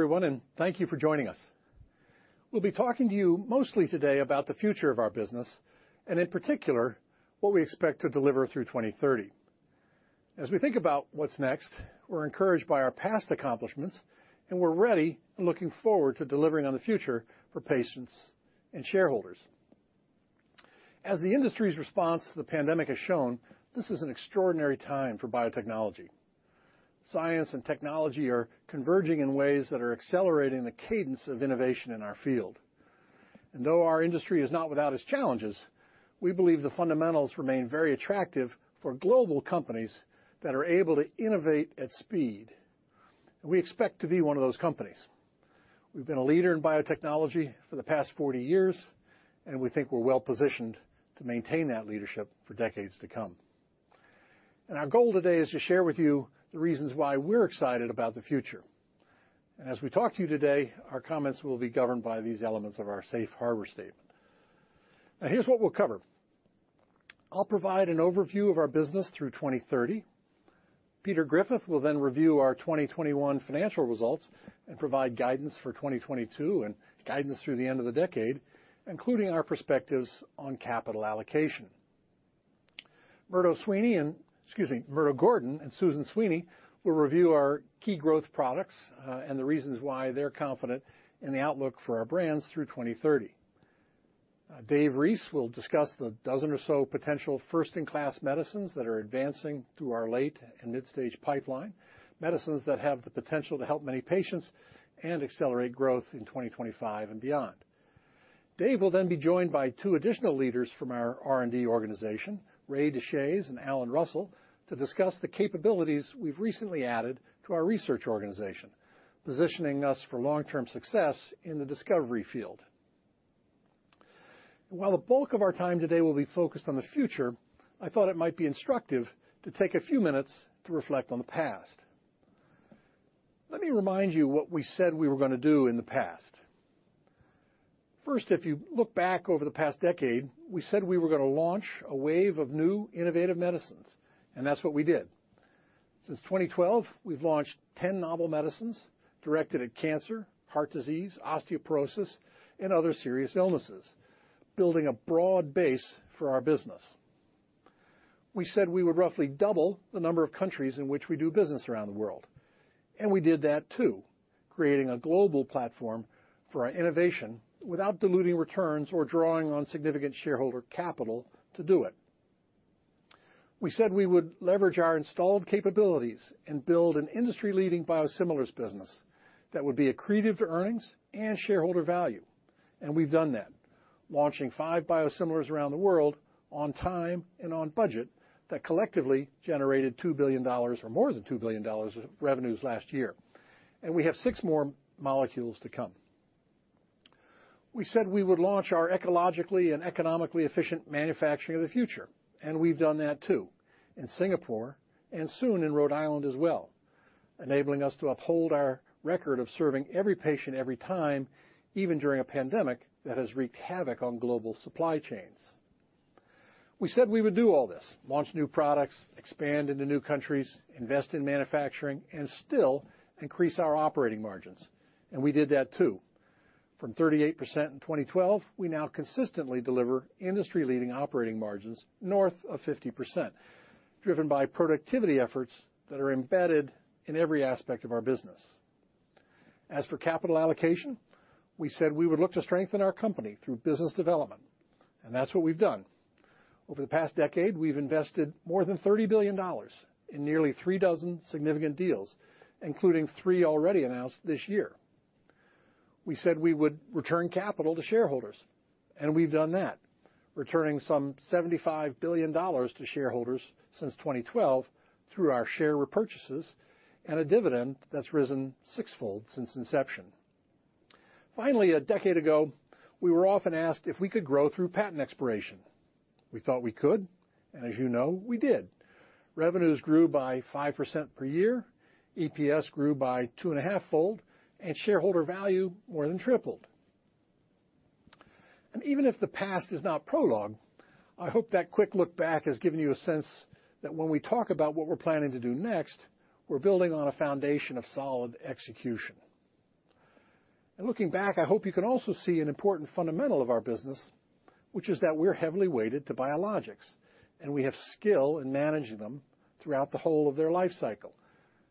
Hello everyone, and thank you for joining us. We'll be talking to you mostly today about the future of our business, and in particular, what we expect to deliver through 2030. As we think about what's next, we're encouraged by our past accomplishments and we're ready and looking forward to delivering on the future for patients and shareholders. As the industry's response to the pandemic has shown, this is an extraordinary time for biotechnology. Science and technology are converging in ways that are accelerating the cadence of innovation in our field. Though our industry is not without its challenges, we believe the fundamentals remain very attractive for global companies that are able to innovate at speed. We expect to be one of those companies. We've been a leader in biotechnology for the past 40 years, and we think we're well positioned to maintain that leadership for decades to come. Our goal today is to share with you the reasons why we're excited about the future. As we talk to you today, our comments will be governed by these elements of our safe harbor statement. Now, here's what we'll cover. I'll provide an overview of our business through 2030. Peter Griffith will then review our 2021 financial results and provide guidance for 2022 and guidance through the end of the decade, including our perspectives on capital allocation. Murdo Gordon and Susan Sweeney will review our key growth products, and the reasons why they're confident in the outlook for our brands through 2030. David Reese will discuss the dozen or so potential first-in-class medicines that are advancing through our late and mid-stage pipeline, medicines that have the potential to help many patients and accelerate growth in 2025 and beyond. David will then be joined by two additional leaders from our R&D organization, Raymond Deshaies and Alan Russell, to discuss the capabilities we've recently added to our research organization, positioning us for long-term success in the discovery field. While the bulk of our time today will be focused on the future, I thought it might be instructive to take a few minutes to reflect on the past. Let me remind you what we said we were gonna do in the past. First, if you look back over the past decade, we said we were gonna launch a wave of new innovative medicines, and that's what we did. Since 2012, we've launched 10 novel medicines directed at cancer, heart disease, osteoporosis, and other serious illnesses, building a broad base for our business. We said we would roughly double the number of countries in which we do business around the world, and we did that too, creating a global platform for our innovation without diluting returns or drawing on significant shareholder capital to do it. We said we would leverageour installed capabilities and build an industry-leading biosimilars business that would be accretive to earnings and shareholder value. We've done that, launching five biosimilars around the world on time and on budget that collectively generated $2 billion or more than $2 billion of revenues last year. We have six more molecules to come. We said we would launch our ecologically and economically efficient manufacturing of the future, and we've done that too, in Singapore and soon in Rhode Island as well, enabling us to uphold our record of serving every patient every time, even during a pandemic that has wreaked havoc on global supply chains. We said we would do all this, launch new products, expand into new countries, invest in manufacturing, and still increase our operating margins. We did that too. From 38% in 2012, we now consistently deliver industry-leading operating margins north of 50%, driven by productivity efforts that are embedded in every aspect of our business. As for capital allocation, we said we would look to strengthen our company through business development, and that's what we've done. Over the past decade, we've invested more than $30 billion in nearly three dozen significant deals, including three already announced this year. We said we would return capital to shareholders, and we've done that, returning some $75 billion to shareholders since 2012 through our share repurchases and a dividend that's risen six-fold since inception. Finally, a decade ago, we were often asked if we could grow through patent expiration. We thought we could, and as you know, we did. Revenues grew 5% per year, EPS grew 2.5%-fold, and shareholder value more than tripled. Even if the past is not prologue, I hope that quick look back has given you a sense that when we talk about what we're planning to do next, we're building on a foundation of solid execution. Looking back, I hope you can also see an important fundamental of our business, which is that we're heavily weighted to biologics, and we have skill in managing them throughout the whole of their life cycle,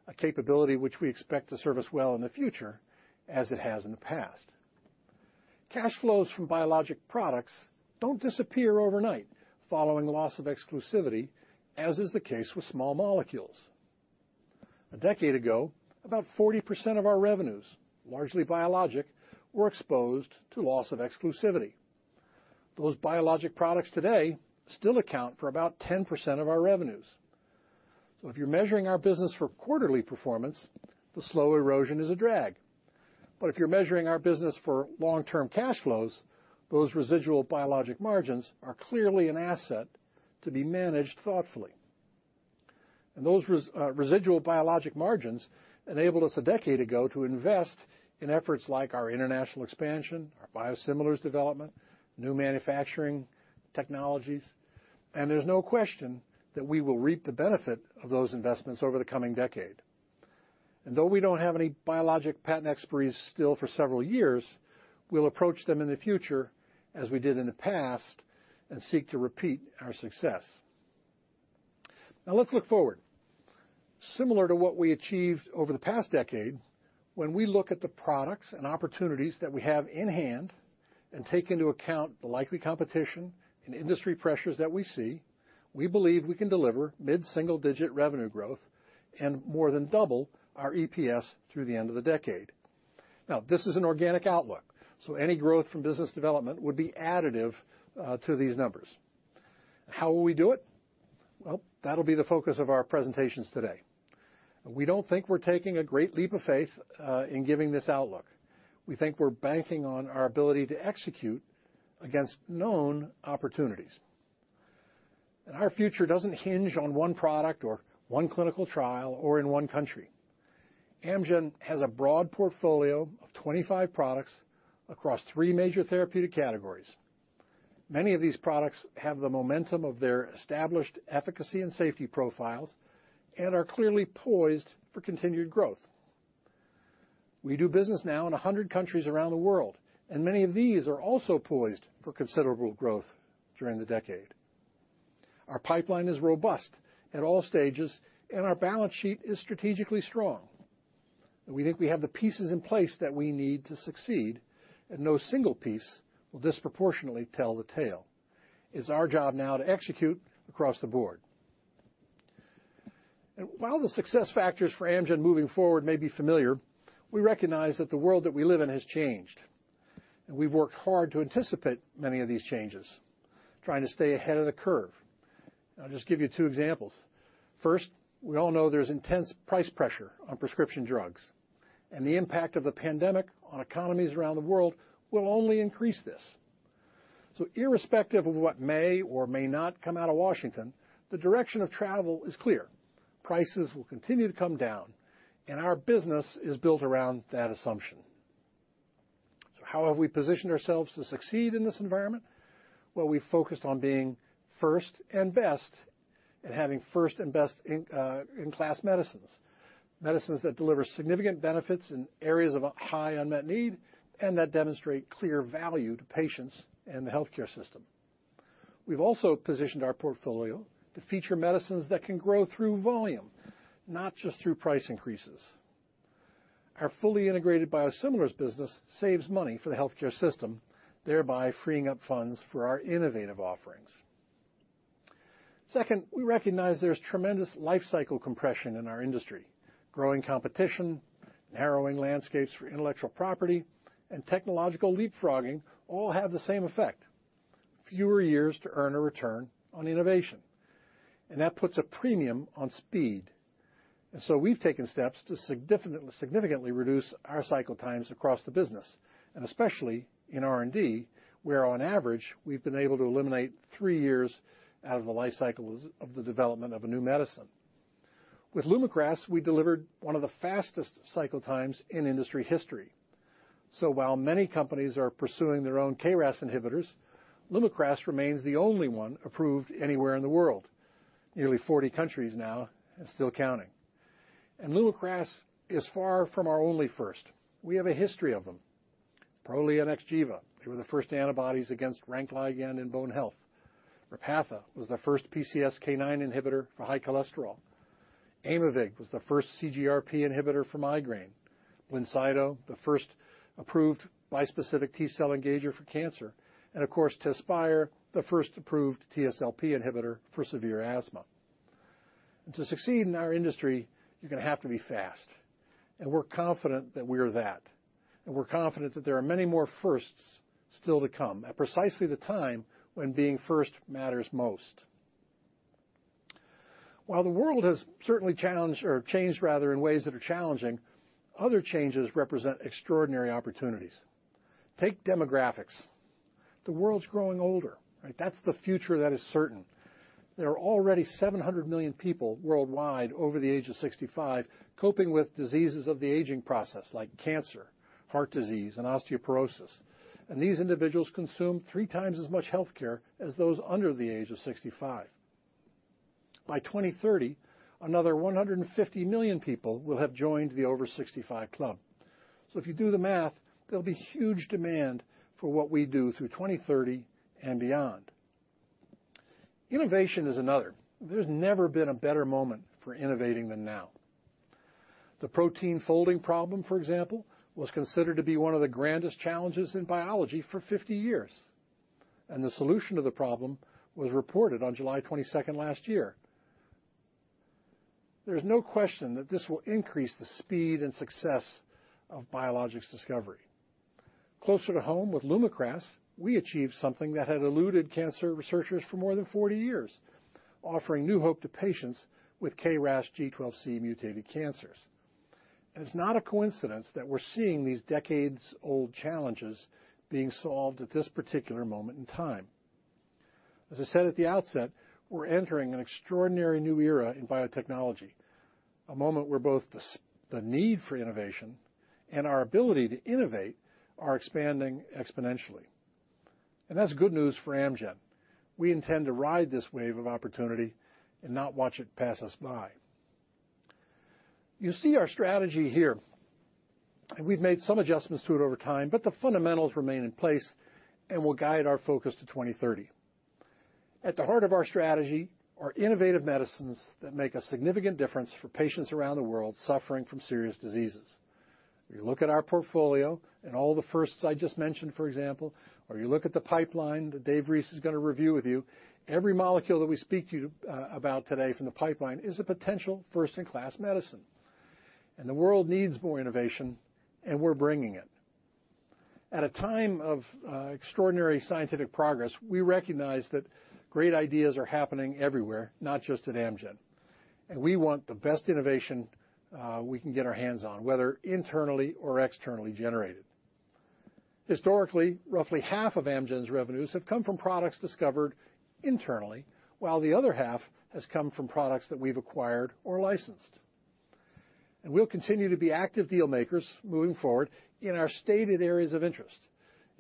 a capability which we expect to serve us well in the future as it has in the past. Cash flows from biologic products don't disappear overnight following the loss of exclusivity, as is the case with small molecules. A decade ago, about 40% of our revenues, largely biologic, were exposed to loss of exclusivity. Those biologic products today still account for about 10% of our revenues. If you're measuring our business for quarterly performance, the slow erosion is a drag. If you're measuring our business for long-term cash flows, those residual biologic margins are clearly an asset to be managed thoughtfully. Those residual biologic margins enabled us a decade ago to invest in efforts like our international expansion, our biosimilars development, new manufacturing technologies. There's no question that we will reap the benefit of those investments over the coming decade. Though we don't have any biologic patent expiries still for several years, we'll approach them in the future, as we did in the past, and seek to repeat our success. Now let's look forward. Similar to what we achieved over the past decade, when we look at the products and opportunities that we have in hand and take into account the likely competition and industry pressures that we see, we believe we can deliver mid-single-digit revenue growth and more than double our EPS through the end of the decade. Now, this is an organic outlook, so any growth from business development would be additive to these numbers. How will we do it? Well, that'll be the focus of our presentations today. We don't think we're taking a great leap of faith in giving this outlook. We think we're banking on our ability to execute against known opportunities. Our future doesn't hinge on one product or one clinical trial or in one country. Amgen has a broad portfolio of 25 products across three major therapeutic categories. Many of these products have the momentum of their established efficacy and safety profiles and are clearly poised for continued growth. We do business now in 100 countries around the world, and many of these are also poised for considerable growth during the decade. Our pipeline is robust at all stages, and our balance sheet is strategically strong. We think we have the pieces in place that we need to succeed, and no single piece will disproportionately tell the tale. It's our job now to execute across the board. While the success factors for Amgen moving forward may be familiar, we recognize that the world that we live in has changed. We've worked hard to anticipate many of these changes, trying to stay ahead of the curve. I'll just give you two examples. First, we all know there's intense price pressure on prescription drugs, and the impact of the pandemic on economies around the world will only increase this. Irrespective of what may or may not come out of Washington, the direction of travel is clear. Prices will continue to come down, and our business is built around that assumption. How have we positioned ourselves to succeed in this environment? Well, we focused on being first and best and having first and best in class medicines that deliver significant benefits in areas of a high unmet need and that demonstrate clear value to patients and the healthcare system. We've also positioned our portfolio to feature medicines that can grow through volume, not just through price increases. Our fully integrated biosimilars business saves money for the healthcare system, thereby freeing up funds for our innovative offerings. Second, we recognize there's tremendous lifecycle compression in our industry. Growing competition, narrowing landscapes for intellectual property, and technological leapfrogging all have the same effect. Fewer years to earn a return on innovation. That puts a premium on speed. We've taken steps to significantly reduce our cycle times across the business, and especially in R&D, where on average, we've been able to eliminate three years out of the life cycle of the development of a new medicine. With LUMAKRAS, we delivered one of the fastest cycle times in industry history. While many companies are pursuing their own KRAS inhibitors, LUMAKRAS remains the only one approved anywhere in the world. Nearly 40 countries now and still counting. LUMAKRAS is far from our only first. We have a history of them. Prolia and XGEVA, they were the first antibodies against RANKL in bone health. Repatha was the first PCSK9 inhibitor for high cholesterol. Aimovig was the first CGRP inhibitor for migraine. BLINCYTO, the first approved bispecific T-cell engager for cancer, and of course, Tezspire, the first approved TSLP inhibitor for severe asthma. To succeed in our industry, you're gonna have to be fast, and we're confident that we are that. We're confident that there are many more firsts still to come at precisely the time when being first matters most. While the world has certainly challenged or changed rather in ways that are challenging, other changes represent extraordinary opportunities. Take demographics. The world's growing older, right? That's the future that is certain. There are already 700 million people worldwide over the age of 65 coping with diseases of the aging process like cancer, heart disease, and osteoporosis. These individuals consume three times as much healthcare as those under the age of 65. By 2030, another 150 million people will have joined the over 65 club. If you do the math, there'll be huge demand for what we do through 2030 and beyond. Innovation is another. There's never been a better moment for innovating than now. The protein folding problem, for example, was considered to be one of the grandest challenges in biology for 50 years, and the solution to the problem was reported on July 22 last year. There is no question that this will increase the speed and success of biologics discovery. Closer to home, with LUMAKRAS, we achieved something that had eluded cancer researchers for more than 40 years, offering new hope to patients with KRAS G12C mutated cancers. It's not a coincidence that we're seeing these decades-old challenges being solved at this particular moment in time. As I said at the outset, we're entering an extraordinary new era in biotechnology. A moment where both the need for innovation and our ability to innovate are expanding exponentially. That's good news for Amgen. We intend to ride this wave of opportunity and not watch it pass us by. You see our strategy here, and we've made some adjustments to it over time, but the fundamentals remain in place and will guide our focus to 2030. At the heart of our strategy are innovative medicines that make a significant difference for patients around the world suffering from serious diseases. If you look at our portfolio and all the firsts I just mentioned, for example, or you look at the pipeline that David Reese is gonna review with you, every molecule that we speak to you about today from the pipeline is a potential first-in-class medicine. The world needs more innovation, and we're bringing it. At a time of extraordinary scientific progress, we recognize that great ideas are happening everywhere, not just at Amgen, and we want the best innovation we can get our hands on, whether internally or externally generated. Historical, roughly 1/2 of Amgen's revenues have come from products discovered internally, while the other 1/2 has come from products that we've acquired or licensed. We'll continue to be active deal makers moving forward in our stated areas of interest.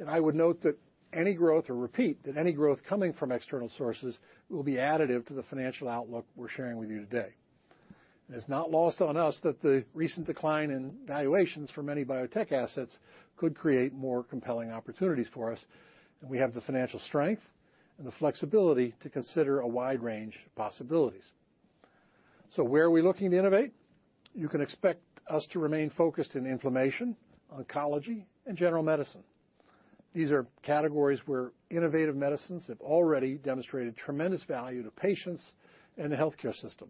I would note that any growth coming from external sources will be additive to the financial outlook we're sharing with you today. It's not lost on us that the recent decline in valuations for many biotech assets could create more compelling opportunities for us, and we have the financial strength and the flexibility to consider a wide range of possibilities. Where are we looking to innovate? You can expect us to remain focused in inflammation, oncology, and general medicine. These are categories where innovative medicines have already demonstrated tremendous value to patients and the healthcare system.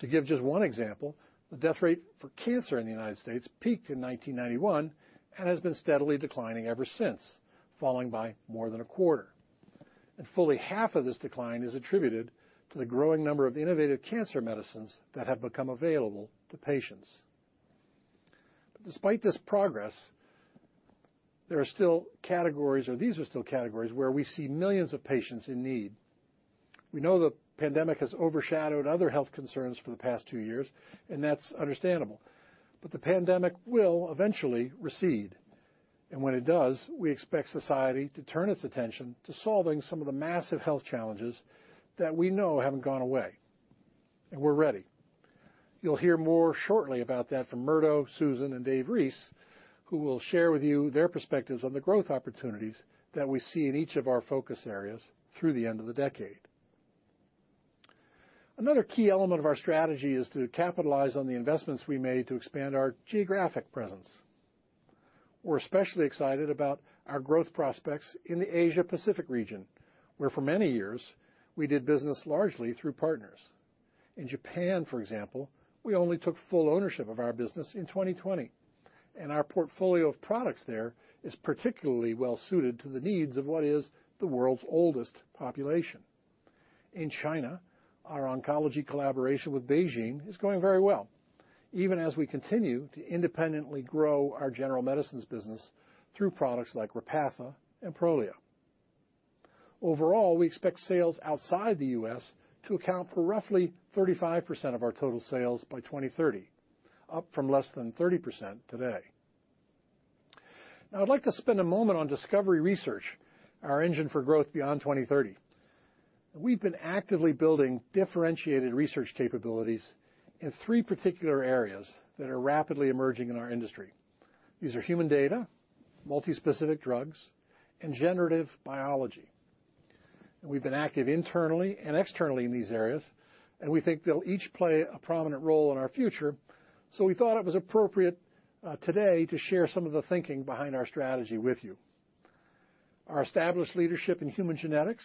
To give just one example, the death rate for cancer in the United States peaked in 1991 and has been steadily declining ever since, falling by more than a 1/4. Fully 1/2 of this decline is attributed to the growing number of innovative cancer medicines that have become available to patients. Despite this progress, there are still categories where we see millions of patients in need. We know the pandemic has overshadowed other health concerns for the past two years, and that's understandable. The pandemic will eventually recede, and when it does, we expect society to turn its attention to solving some of the massive health challenges that we know haven't gone away. We're ready. You'll hear more shortly about that from Murdo, Susan, and David Reese, who will share with you their perspectives on the growth opportunities that we see in each of our focus areas through the end of the decade. Another key element of our strategy is to capitalize on the investments we made to expand our geographic presence. We're especially excited about our growth prospects in the Asia-Pacific region, where for many years we did business largely through partners. In Japan, for example, we only took full ownership of our business in 2020, and our portfolio of products there is particularly well suited to the needs of what is the world's oldest population. In China, our oncology collaboration with BeiGene is going very well, even as we continue to independently grow our general medicines business through products like Repatha and Prolia. Overall, we expect sales outside the U.S. to account for roughly 35% of our total sales by 2030, up from less than 30% today. Now, I'd like to spend a moment on discovery research, our engine for growth beyond 2030. We've been actively building differentiated research capabilities in three particular areas that are rapidly emerging in our industry. These are human data, multispecific drugs, and generative biology. We've been active internally and externally in these areas, and we think they'll each play a prominent role in our future, so we thought it was appropriate today to share some of the thinking behind our strategy with you. Our established leadership in human genetics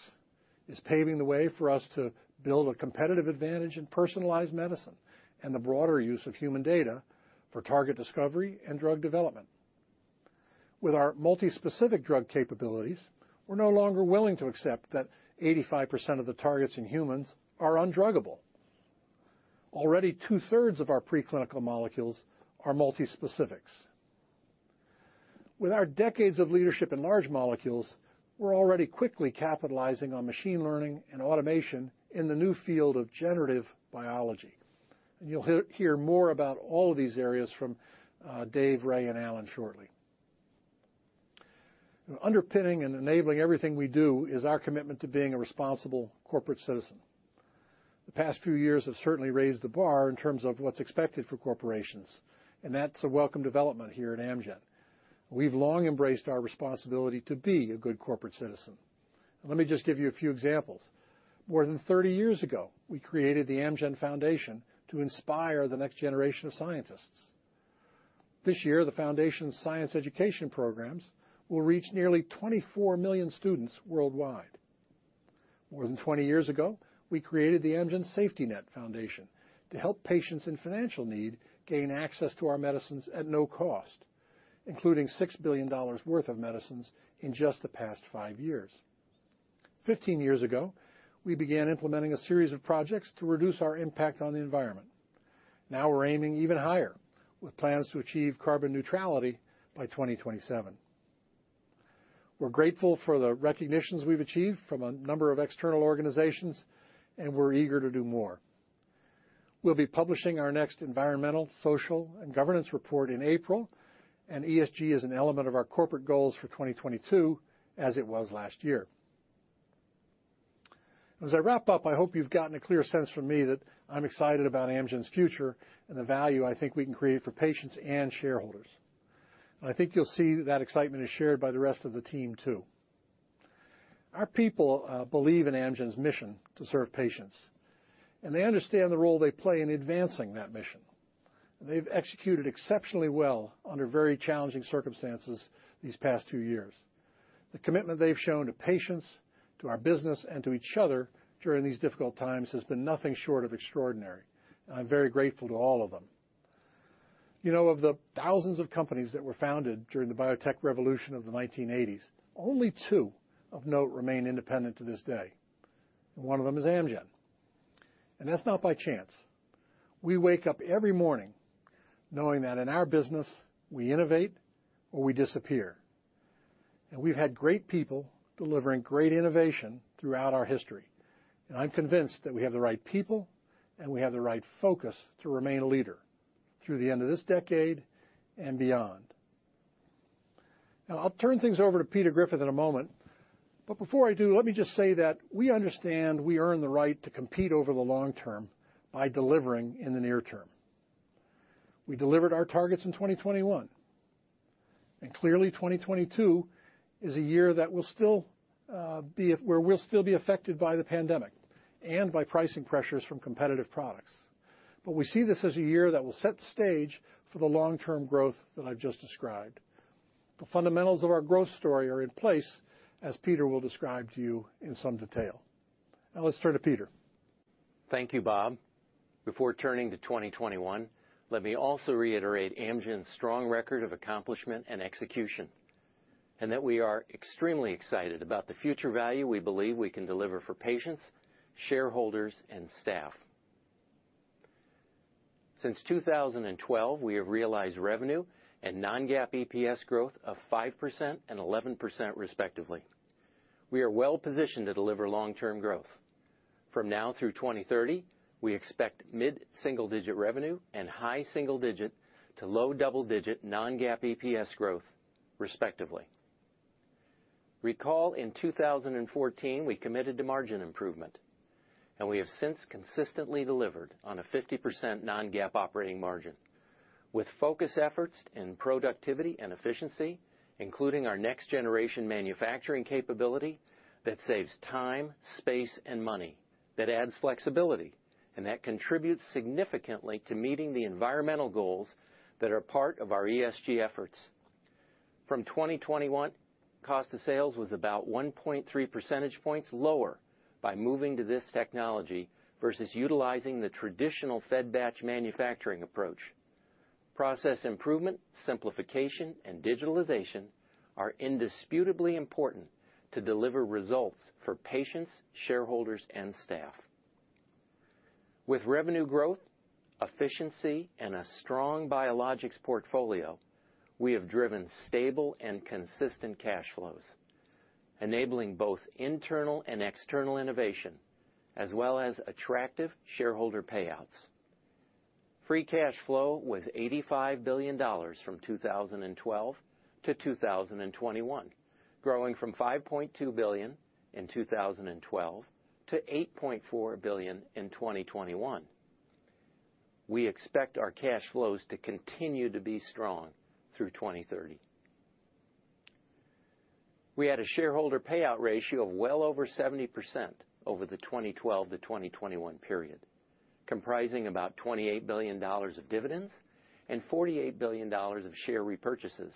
is paving the way for us to build a competitive advantage in personalized medicine and the broader use of human data for target discovery and drug development. With our multispecific drug capabilities, we're no longer willing to accept that 85% of the targets in humans are undruggable. Already two-thirds of our preclinical molecules are multispecifics. With our decades of leadership in large molecules, we're already quickly capitalizing on machine learning and automation in the new field of generative biology. You'll hear more about all of these areas from Dave, Ray, and Alan shortly. Underpinning and enabling everything we do is our commitment to being a responsible corporate citizen. The past few years have certainly raised the bar in terms of what's expected for corporations, and that's a welcome development here at Amgen. We've long embraced our responsibility to be a good corporate citizen, and let me just give you a few examples. More than 30 years ago, we created the Amgen Foundation to inspire the next generation of scientists. This year, the foundation's science education programs will reach nearly 24 million students worldwide. More than 20 years ago, we created the Amgen Safety Net Foundation to help patients in financial need gain access to our medicines at no cost, including $6 billion worth of medicines in just the past five years. 15 years ago, we began implementing a series of projects to reduce our impact on the environment. Now we're aiming even higher, with plans to achieve carbon neutrality by 2027. We're grateful for the recognitions we've achieved from a number of external organizations, and we're eager to do more. We'll be publishing our next environmental, social, and governance report in April, and ESG is an element of our corporate goals for 2022, as it was last year. As I wrap up, I hope you've gotten a clear sense from me that I'm excited about Amgen's future and the value I think we can create for patients and shareholders. I think you'll see that excitement is shared by the rest of the team, too. Our people believe in Amgen's mission to serve patients, and they understand the role they play in advancing that mission. They've executed exceptionally well under very challenging circumstances these past two years. The commitment they've shown to patients, to our business, and to each other during these difficult times has been nothing short of extraordinary. I'm very grateful to all of them. You know, of the thousands of companies that were founded during the biotech revolution of the 1980s, only two of note remain independent to this day, and one of them is Amgen. That's not by chance. We wake up every morning knowing that in our business, we innovate or we disappear. We've had great people delivering great innovation throughout our history. I'm convinced that we have the right people and we have the right focus to remain a leader through the end of this decade and beyond. Now, I'll turn things over to Peter Griffith in a moment, but before I do, let me just say that we understand we earn the right to compete over the long term by delivering in the near term. We delivered our targets in 2021, and clearly, 2022 is a year that will still be where we'll still be affected by the pandemic and by pricing pressures from competitive products. We see this as a year that will set the stage for the long-term growth that I've just described. The fundamentals of our growth story are in place, as Peter will describe to you in some detail. Now let's turn to Peter. Thank you, Robert. Before turning to 2021, let me also reiterate Amgen's strong record of accomplishment and execution, and that we are extremely excited about the future value we believe we can deliver for patients, shareholders, and staff. Since 2012, we have realized revenue and non-GAAP EPS growth of 5% and 11%, respectively. We are well-positioned to deliver long-term growth. From now through 2030, we expect mid-single-digit revenue and high single-digit to low double-digit non-GAAP EPS growth, respectively. Recall in 2014, we committed to margin improvement, and we have since consistently delivered on a 50% non-GAAP operating margin with focused efforts in productivity and efficiency, including our next-generation manufacturing capability that saves time, space and money, that adds flexibility, and that contributes significantly to meeting the environmental goals that are part of our ESG efforts. From 2021, cost of sales was about 1.3 percentage points lower by moving to this technology versus utilizing the traditional fed-batch manufacturing approach. Process improvement, simplification, and digitalization are indisputably important to deliver results for patients, shareholders, and staff. With revenue growth, efficiency, and a strong biologics portfolio, we have driven stable and consistent cash flows, enabling both internal and external innovation, as well as attractive shareholder payouts. Free cash flow was $85 billion from 2012-2021, growing from $5.2 billion in 2012 to $8.4 billion in 2021. We expect our cash flows to continue to be strong through 2030. We had a shareholder payout ratio of well over 70% over the 2012-2021 period, comprising about $28 billion of dividends and $48 billion of share repurchases.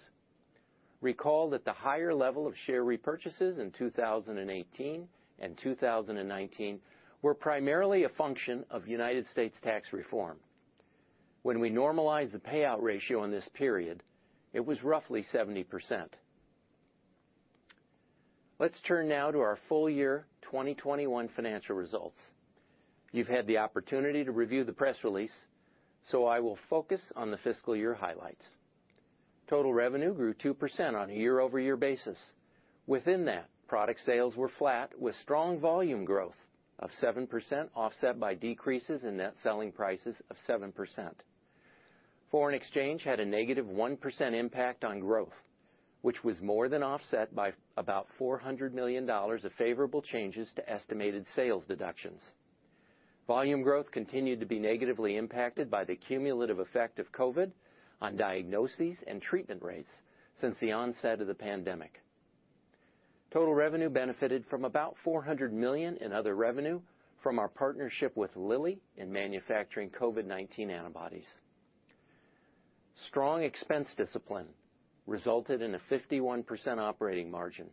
Recall that the higher level of share repurchases in 2018 and 2019 were primarily a function of United States tax reform. When we normalize the payout ratio in this period, it was roughly 70%. Let's turn now to our full year 2021 financial results. You've had the opportunity to review the press release, so I will focus on the fiscal year highlights. Total revenue grew 2% on a YoY basis. Within that, product sales were flat with strong volume growth of 7%, offset by decreases in net selling prices of 7%. Foreign exchange had a -1% impact on growth, which was more than offset by about $400 million of favorable changes to estimated sales deductions. Volume growth continued to be negatively impacted by the cumulative effect of COVID on diagnoses and treatment rates since the onset of the pandemic. Total revenue benefited from about $400 million in other revenue from our partnership with Lilly in manufacturing COVID-19 antibodies. Strong expense discipline resulted in a 51% operating margin,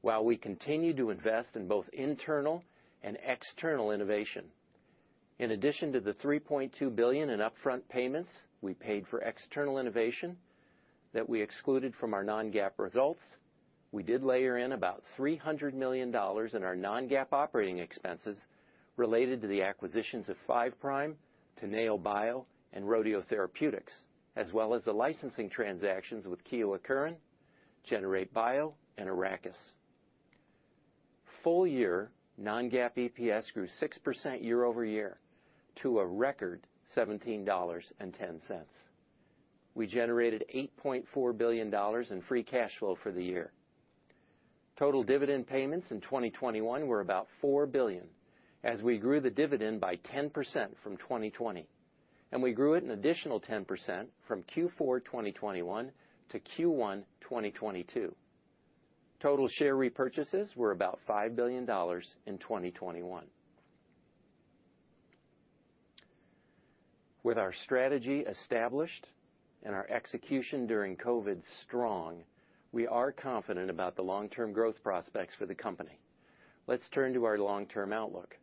while we continued to invest in both internal and external innovation. In addition to the $3.2 billion in upfront payments we paid for external innovation that we excluded from our non-GAAP results, we did layer in about $300 million in our non-GAAP operating expenses related to the acquisitions of Five Prime, Teneobio, and Rodeo Therapeutics, as well as the licensing transactions with Kyowa Kirin, Generate Biomedicines, and Arrakis. Full-year non-GAAP EPS grew 6% YoY to a record $17.10. We generated $8.4 billion in free cash flow for the year. Total dividend payments in 2021 were about $4 billion, as we grew the dividend by 10% from 2020, and we grew it an additional 10% from Q4 2021 to Q1 2022. Total share repurchases were about $5 billion in 2021. With our strategy established and our execution during COVID strong, we are confident about the long-term growth prospects for the company. Let's turn to our long-term outlook.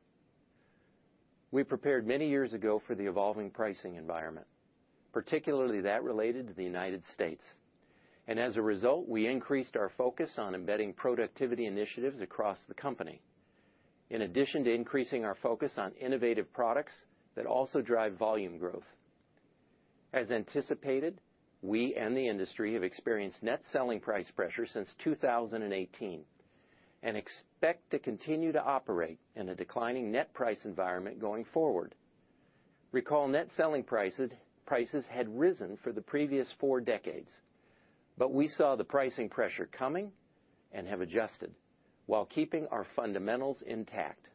We prepared many years ago for the evolving pricing environment, particularly that related to the United States. As a result, we increased our focus on embedding productivity initiatives across the company, in addition to increasing our focus on innovative products that also drive volume growth. As anticipated, we and the industry have experienced net selling price pressure since 2018 and expect to continue to operate in a declining net price environment going forward. Recall net selling prices had risen for the previous four decades, but we saw the pricing pressure coming and have adjusted while keeping our fundamentals intact.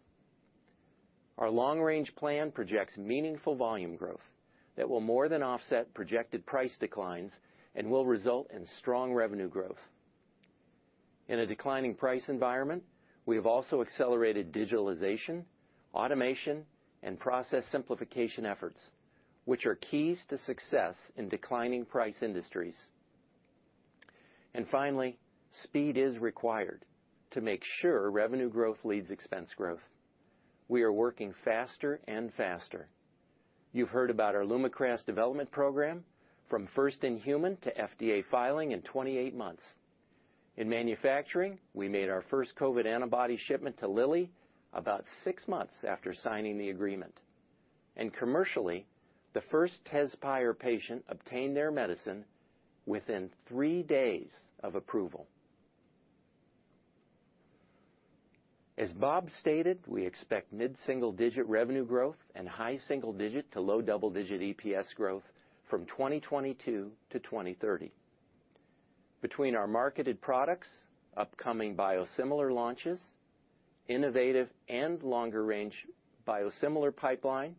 Our long-range plan projects meaningful volume growth that will more than offset projected price declines and will result in strong revenue growth. In a declining price environment, we have also accelerated digitalization, automation, and process simplification efforts, which are keys to success in declining price industries. Finally, speed is required to make sure revenue growth leads expense growth. We are working faster and faster. You've heard about our LUMAKRAS development program from first-in-human to FDA filing in 28 months. In manufacturing, we made our first COVID antibody shipment to Lilly about six months after signing the agreement. Commercially, the first Tezspire patient obtained their medicine within three days of approval. As Robert stated, we expect mid-single-digit revenue growth and high single-digit to low double-digit EPS growth from 2022-2030. Between our marketed products, upcoming biosimilar launches, innovative and longer-range biosimilar pipeline,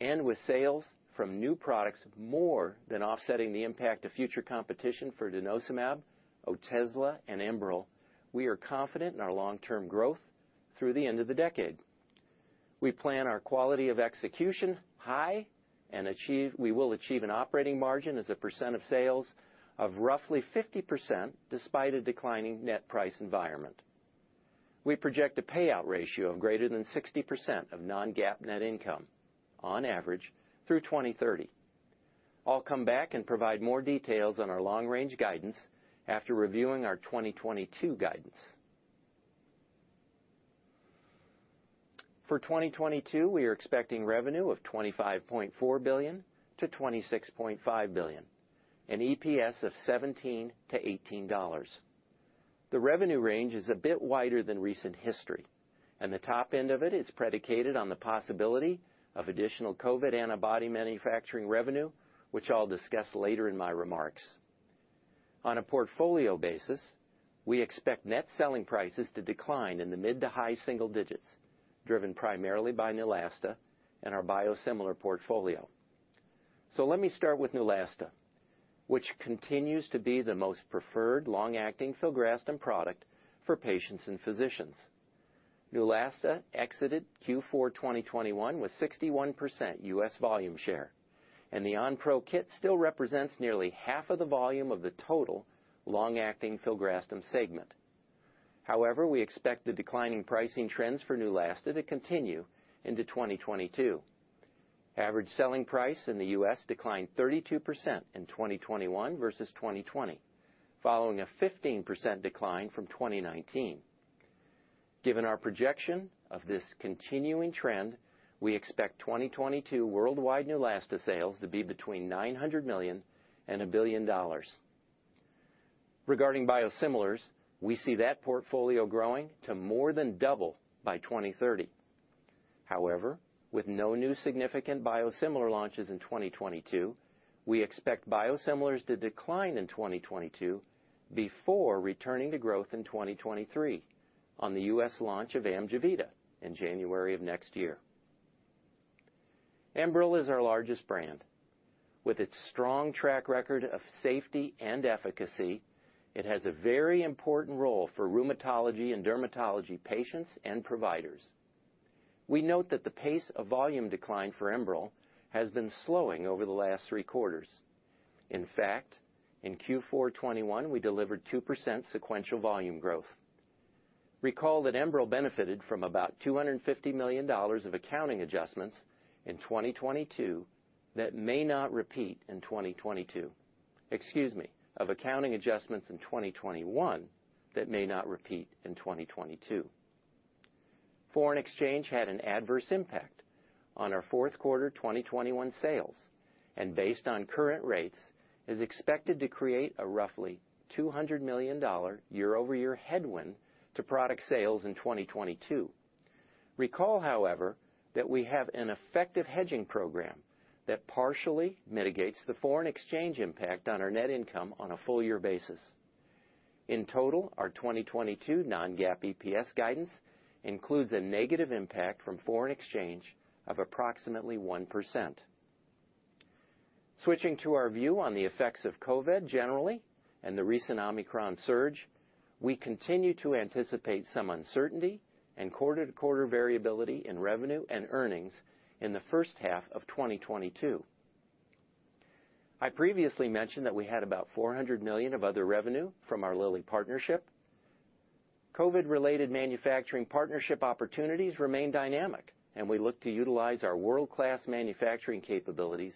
and with sales from new products more than offsetting the impact of future competition for denosumab, Otezla, and Enbrel, we are confident in our long-term growth through the end of the decade. We plan our quality of execution high and we will achieve an operating margin as a percent of sales of roughly 50%, despite a declining net price environment. We project a payout ratio of greater than 60% of non-GAAP net income on average through 2030. I'll come back and provide more details on our long-range guidance after reviewing our 2022 guidance. For 2022, we are expecting revenue of $25.4 billion-$26.5 billion, an EPS of $17-$18. The revenue range is a bit wider than recent history, and the top end of it is predicated on the possibility of additional COVID antibody manufacturing revenue, which I'll discuss later in my remarks. On a portfolio basis, we expect net selling prices to decline in the mid- to high-single digits, driven primarily by Neulasta and our biosimilar portfolio. Let me start with Neulasta, which continues to be the most preferred long-acting filgrastim product for patients and physicians. Neulasta exited Q4 2021 with 61% U.S. volume share, and the Onpro kit still represents nearly 1/2 of the volume of the total long-acting filgrastim segment. However, we expect the declining pricing trends for Neulasta to continue into 2022. Average selling price in the U.S. declined 32% in 2021 versus 2020, following a 15% decline from 2019. Given our projection of this continuing trend, we expect 2022 worldwide Neulasta sales to be between $900 million and $1 billion. Regarding biosimilars, we see that portfolio growing to more than double by 2030. However, with no new significant biosimilar launches in 2022, we expect biosimilars to decline in 2022 before returning to growth in 2023 on the U.S. launch of Amjevita in January of next year. Enbrel is our largest brand. With its strong track record of safety and efficacy, it has a very important role for rheumatology and dermatology patients and providers. We note that the pace of volume decline for Enbrel has been slowing over the last three quarters. In fact, in Q4 2021, we delivered 2% sequential volume growth. Recall that Enbrel benefited from about $250 million of accounting adjustments in 2022 that may not repeat in 2022. Excuse me, of accounting adjustments in 2021 that may not repeat in 2022. Foreign exchange had an adverse impact on our Q4 2021 sales, and based on current rates, is expected to create a roughly $200 million YoY headwind to product sales in 2022. Recall, however, that we have an effective hedging program that partially mitigates the foreign exchange impact on our net income on a full year basis. In total, our 2022 non-GAAP EPS guidance includes a negative impact from foreign exchange of approximately 1%. Switching to our view on the effects of COVID, generally, and the recent Omicron surge, we continue to anticipate some uncertainty and quarter-to-quarter variability in revenue and earnings in the H1 of 2022. I previously mentioned that we had about $400 million of other revenue from our Lilly partnership. COVID-related manufacturing partnership opportunities remain dynamic, and we look to utilize our world-class manufacturing capabilities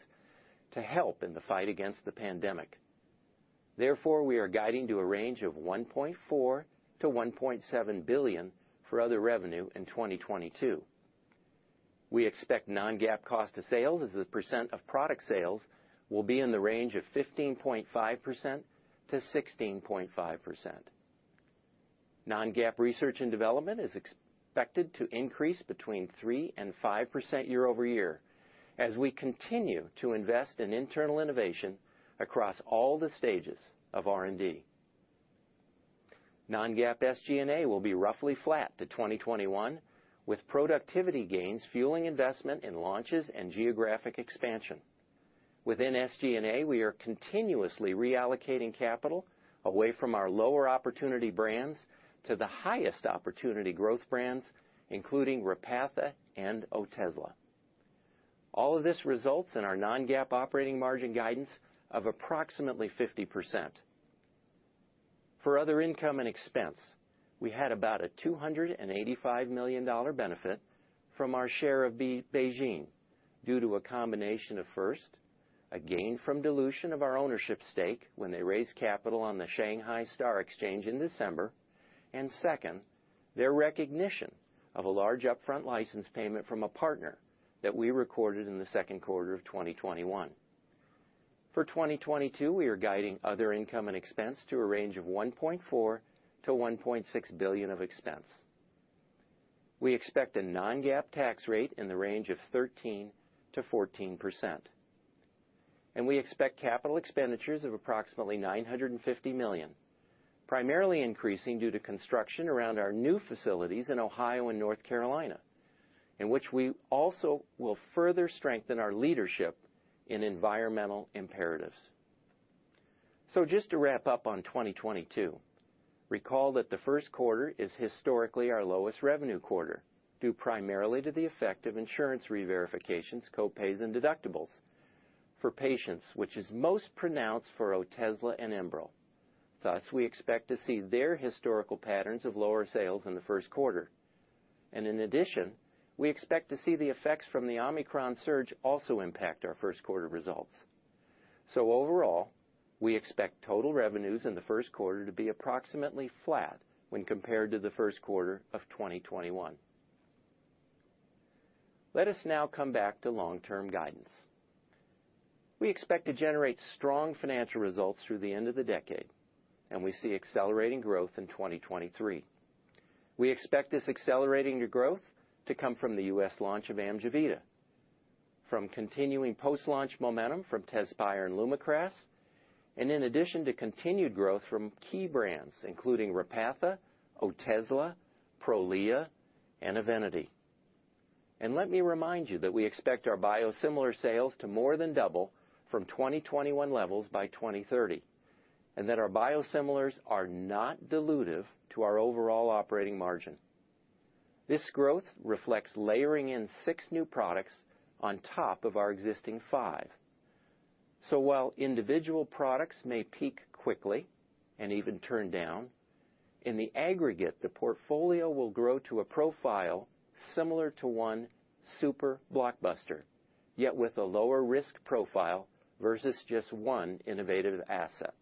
to help in the fight against the pandemic. Therefore, we are guiding to a range of $1.4 billion-$1.7 billion for other revenue in 2022. We expect non-GAAP cost of sales as a percent of product sales will be in the range of 15.5%-16.5%. Non-GAAP research and development is expected to increase between 3% and 5% YoY as we continue to invest in internal innovation across all the stages of R&D. Non-GAAP SG&A will be roughly flat to 2021, with productivity gains fueling investment in launches and geographic expansion. Within SG&A, we are continuously reallocating capital away from our lower opportunity brands to the highest opportunity growth brands, including Repatha and Otezla. All of this results in our non-GAAP operating margin guidance of approximately 50%. For other income and expense, we had about a $285 million benefit from our share of BeiGene due to a combination of, first, a gain from dilution of our ownership stake when they raised capital on the Shanghai STAR Market in December, and second, their recognition of a large upfront license payment from a partner that we recorded in the Q2 of 2021. For 2022, we are guiding other income and expense to a range of $1.4 billion-$1.6 billion of expense. We expect a non-GAAP tax rate in the range of 13%-14%. We expect capital expenditures of approximately $950 million, primarily increasing due to construction around our new facilities in Ohio and North Carolina, in which we also will further strengthen our leadership in environmental imperatives. Just to wrap up on 2022, recall that the Q1 is historically our lowest revenue quarter, due primarily to the effect of insurance reverifications, co-pays, and deductibles for patients, which is most pronounced for Otezla and Enbrel. Thus, we expect to see their historical patterns of lower sales in the Q1. In addition, we expect to see the effects from the Omicron surge also impact our Q1 results. Overall, we expect total revenues in the Q1 to be approximately flat when compared to the Q1 of 2021. Let us now come back to long-term guidance. We expect to generate strong financial results through the end of the decade, and we see accelerating growth in 2023. We expect this accelerating growth to come from the US launch of Amjevita, from continuing post-launch momentum from Tezspire and LUMAKRAS, and in addition to continued growth from key brands, including Repatha, Otezla, Prolia, and Evenity. Let me remind you that we expect our biosimilar sales to more than double from 2021 levels by 2030, and that our biosimilars are not dilutive to our overall operating margin. This growth reflects layering in six new products on top of our existing five. While individual products may peak quickly and even turn down, in the aggregate, the portfolio will grow to a profile similar to one super blockbuster, yet with a lower risk profile versus just one innovative asset.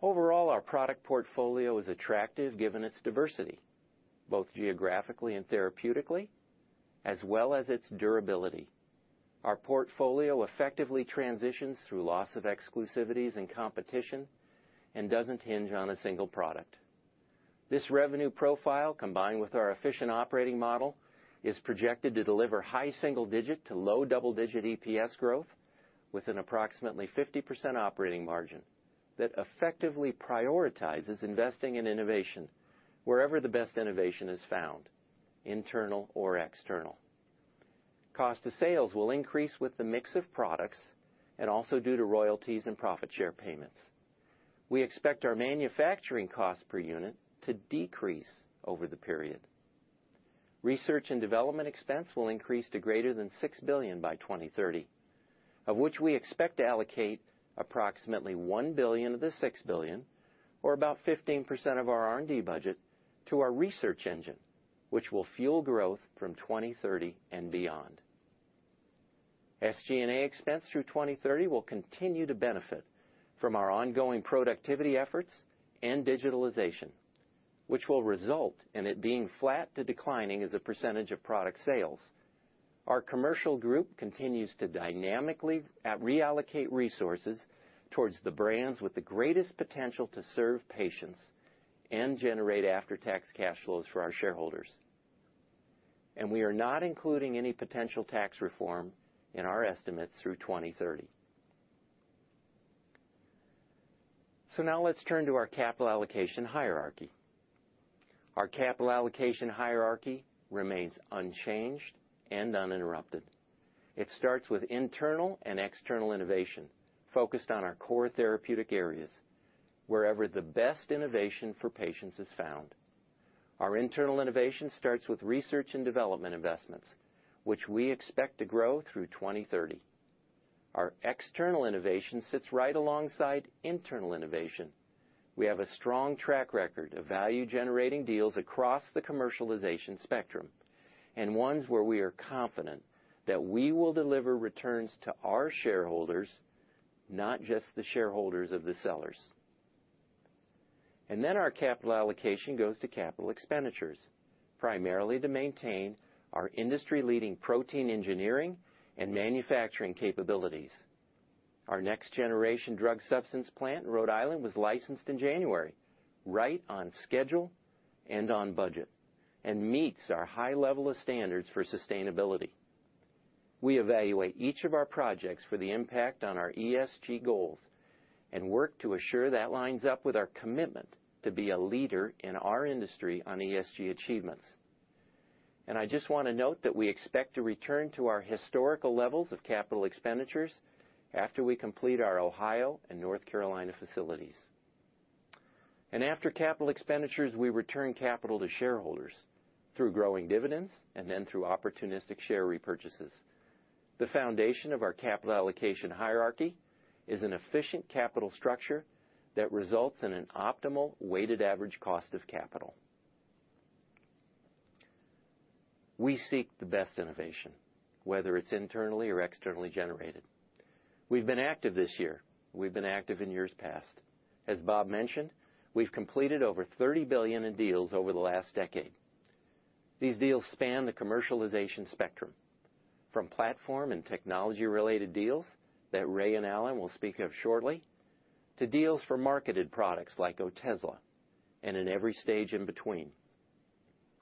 Overall, our product portfolio is attractive given its diversity, both geographically and therapeutically, as well as its durability. Our portfolio effectively transitions through loss of exclusivities and competition and doesn't hinge on a single product. This revenue profile, combined with our efficient operating model, is projected to deliver high single-digit to low double-digit EPS growth with an approximately 50% operating margin that effectively prioritizes investing in innovation wherever the best innovation is found, internal or external. Cost of sales will increase with the mix of products and also due to royalties and profit share payments. We expect our manufacturing cost per unit to decrease over the period. Research and development expense will increase to greater than $6 billion by 2030, of which we expect to allocate approximately $1 billion of the $6 billion or about 15% of our R&D budget to our research engine, which will fuel growth from 2030 and beyond. SG&A expense through 2030 will continue to benefit from our ongoing productivity efforts and digitalization, which will result in it being flat to declining as a percentage of product sales. Our commercial group continues to dynamically reallocate resources towards the brands with the greatest potential to serve patients and generate after-tax cash flows for our shareholders. We are not including any potential tax reform in our estimates through 2030. Let's turn to our capital allocation hierarchy. Our capital allocation hierarchy remains unchanged and uninterrupted. It starts with internal and external innovation focused on our core therapeutic areas, wherever the best innovation for patients is found. Our internal innovation starts with research and development investments, which we expect to grow through 2030. Our external innovation sits right alongside internal innovation. We have a strong track record of value-generating deals across the commercialization spectrum, and ones where we are confident that we will deliver returns to our shareholders, not just the shareholders of the sellers. Our capital allocation goes to capital expenditures, primarily to maintain our industry-leading protein engineering and manufacturing capabilities. Our next-generation drug substance plant in Rhode Island was licensed in January, right on schedule and on budget, and meets our high level of standards for sustainability. We evaluate each of our projects for the impact on our ESG goals and work to assure that lines up with our commitment to be a leader in our industry on ESG achievements. I just wanna note that we expect to return to our historical levels of capital expenditures after we complete our Ohio and North Carolina facilities. After capital expenditures, we return capital to shareholders through growing dividends and then through opportunistic share repurchases. The foundation of our capital allocation hierarchy is an efficient capital structure that results in an optimal weighted average cost of capital. We seek the best innovation, whether it's internally or externally generated. We've been active this year. We've been active in years past. As Robert mentioned, we've completed over $30 billion in deals over the last decade. These deals span the commercialization spectrum, from platform and technology-related deals that Raymond and Alan will speak of shortly, to deals for marketed products like Otezla, and in every stage in between.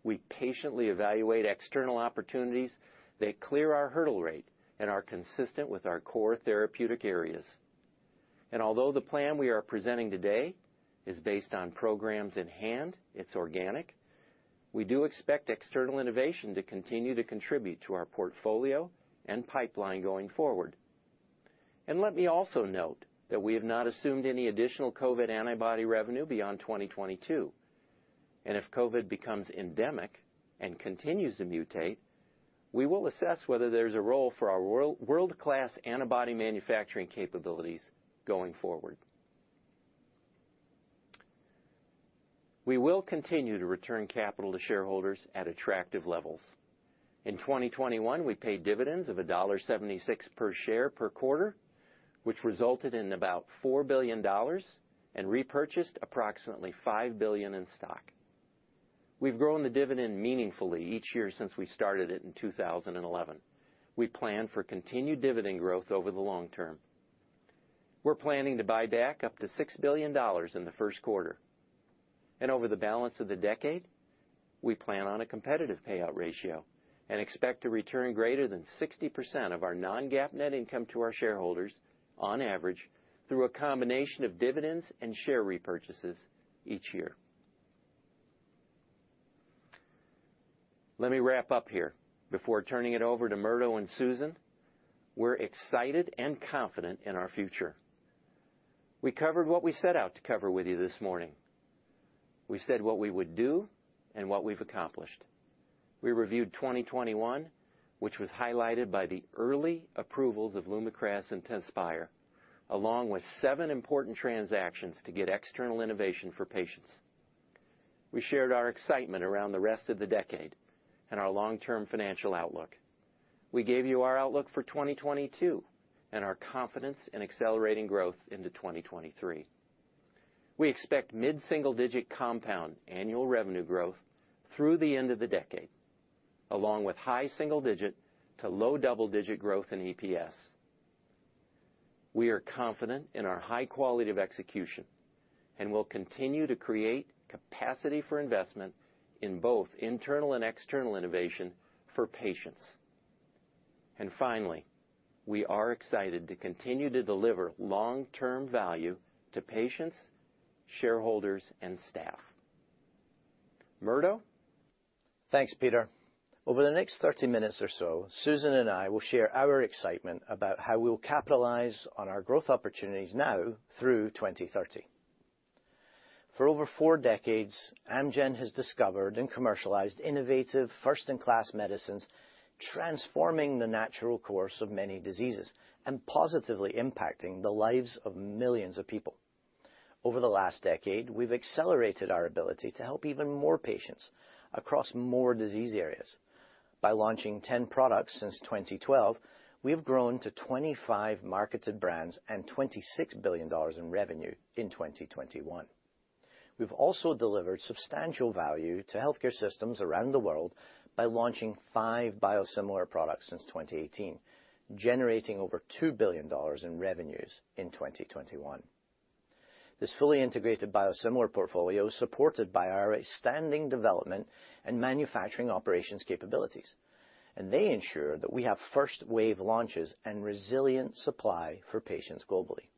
We patiently evaluate external opportunities that clear our hurdle rate and are consistent with our core therapeutic areas. Although the plan we are presenting today is based on programs in hand, it's organic, we do expect external innovation to continue to contribute to our portfolio and pipeline going forward. Let me also note that we have not assumed any additional COVID antibody revenue beyond 2022. If COVID becomes endemic and continues to mutate, we will assess whether there's a role for our world-class antibody manufacturing capabilities going forward. We will continue to return capital to shareholders at attractive levels. In 2021, we paid dividends of $1.76 per share per quarter, which resulted in about $4 billion and repurchased approximately $5 billion in stock. We've grown the dividend meaningfully each year since we started it in 2011. We plan for continued dividend growth over the long term. We're planning to buy back up to $6 billion in the Q1. Over the balance of the decade, we plan on a competitive payout ratio and expect to return greater than 60% of our non-GAAP net income to our shareholders on average through a combination of dividends and share repurchases each year. Let me wrap up here before turning it over to Murdo and Susan. We're excited and confident in our future. We covered what we set out to cover with you this morning. We said what we would do and what we've accomplished. We reviewed 2021, which was highlighted by the early approvals of LUMAKRAS and Tezspire, along with seven important transactions to get external innovation for patients. We shared our excitement around the rest of the decade and our long-term financial outlook. We gave you our outlook for 2022 and our confidence in accelerating growth into 2023. We expect mid-single-digit compound annual revenue growth through the end of the decade, along with high single-digit to low double-digit growth in EPS. We are confident in our high quality of execution and will continue to create capacity for investment in both internal and external innovation for patients. Finally, we are excited to continue to deliver long-term value to patients, shareholders, and staff. Murdo? Thanks, Peter. Over the next 30 minutes or so, Susan and I will share our excitement about how we'll capitalize on our growth opportunities now through 2030. For over four decades, Amgen has discovered and commercialized innovative first-in-class medicines, transforming the natural course of many diseases and positively impacting the lives of millions of people. Over the last decade, we've accelerated our ability to help even more patients across more disease areas. By launching 10 products since 2012, we have grown to 25 marketed brands and $26 billion in revenue in 2021. We've also delivered substantial value to healthcare systems around the world by launching five biosimilar products since 2018, generating over $2 billion in revenues in 2021. This fully integrated biosimilar portfolio is supported by our outstanding development and manufacturing operations capabilities, and they ensure that we have first-wave launches and resilient supply for patients globally.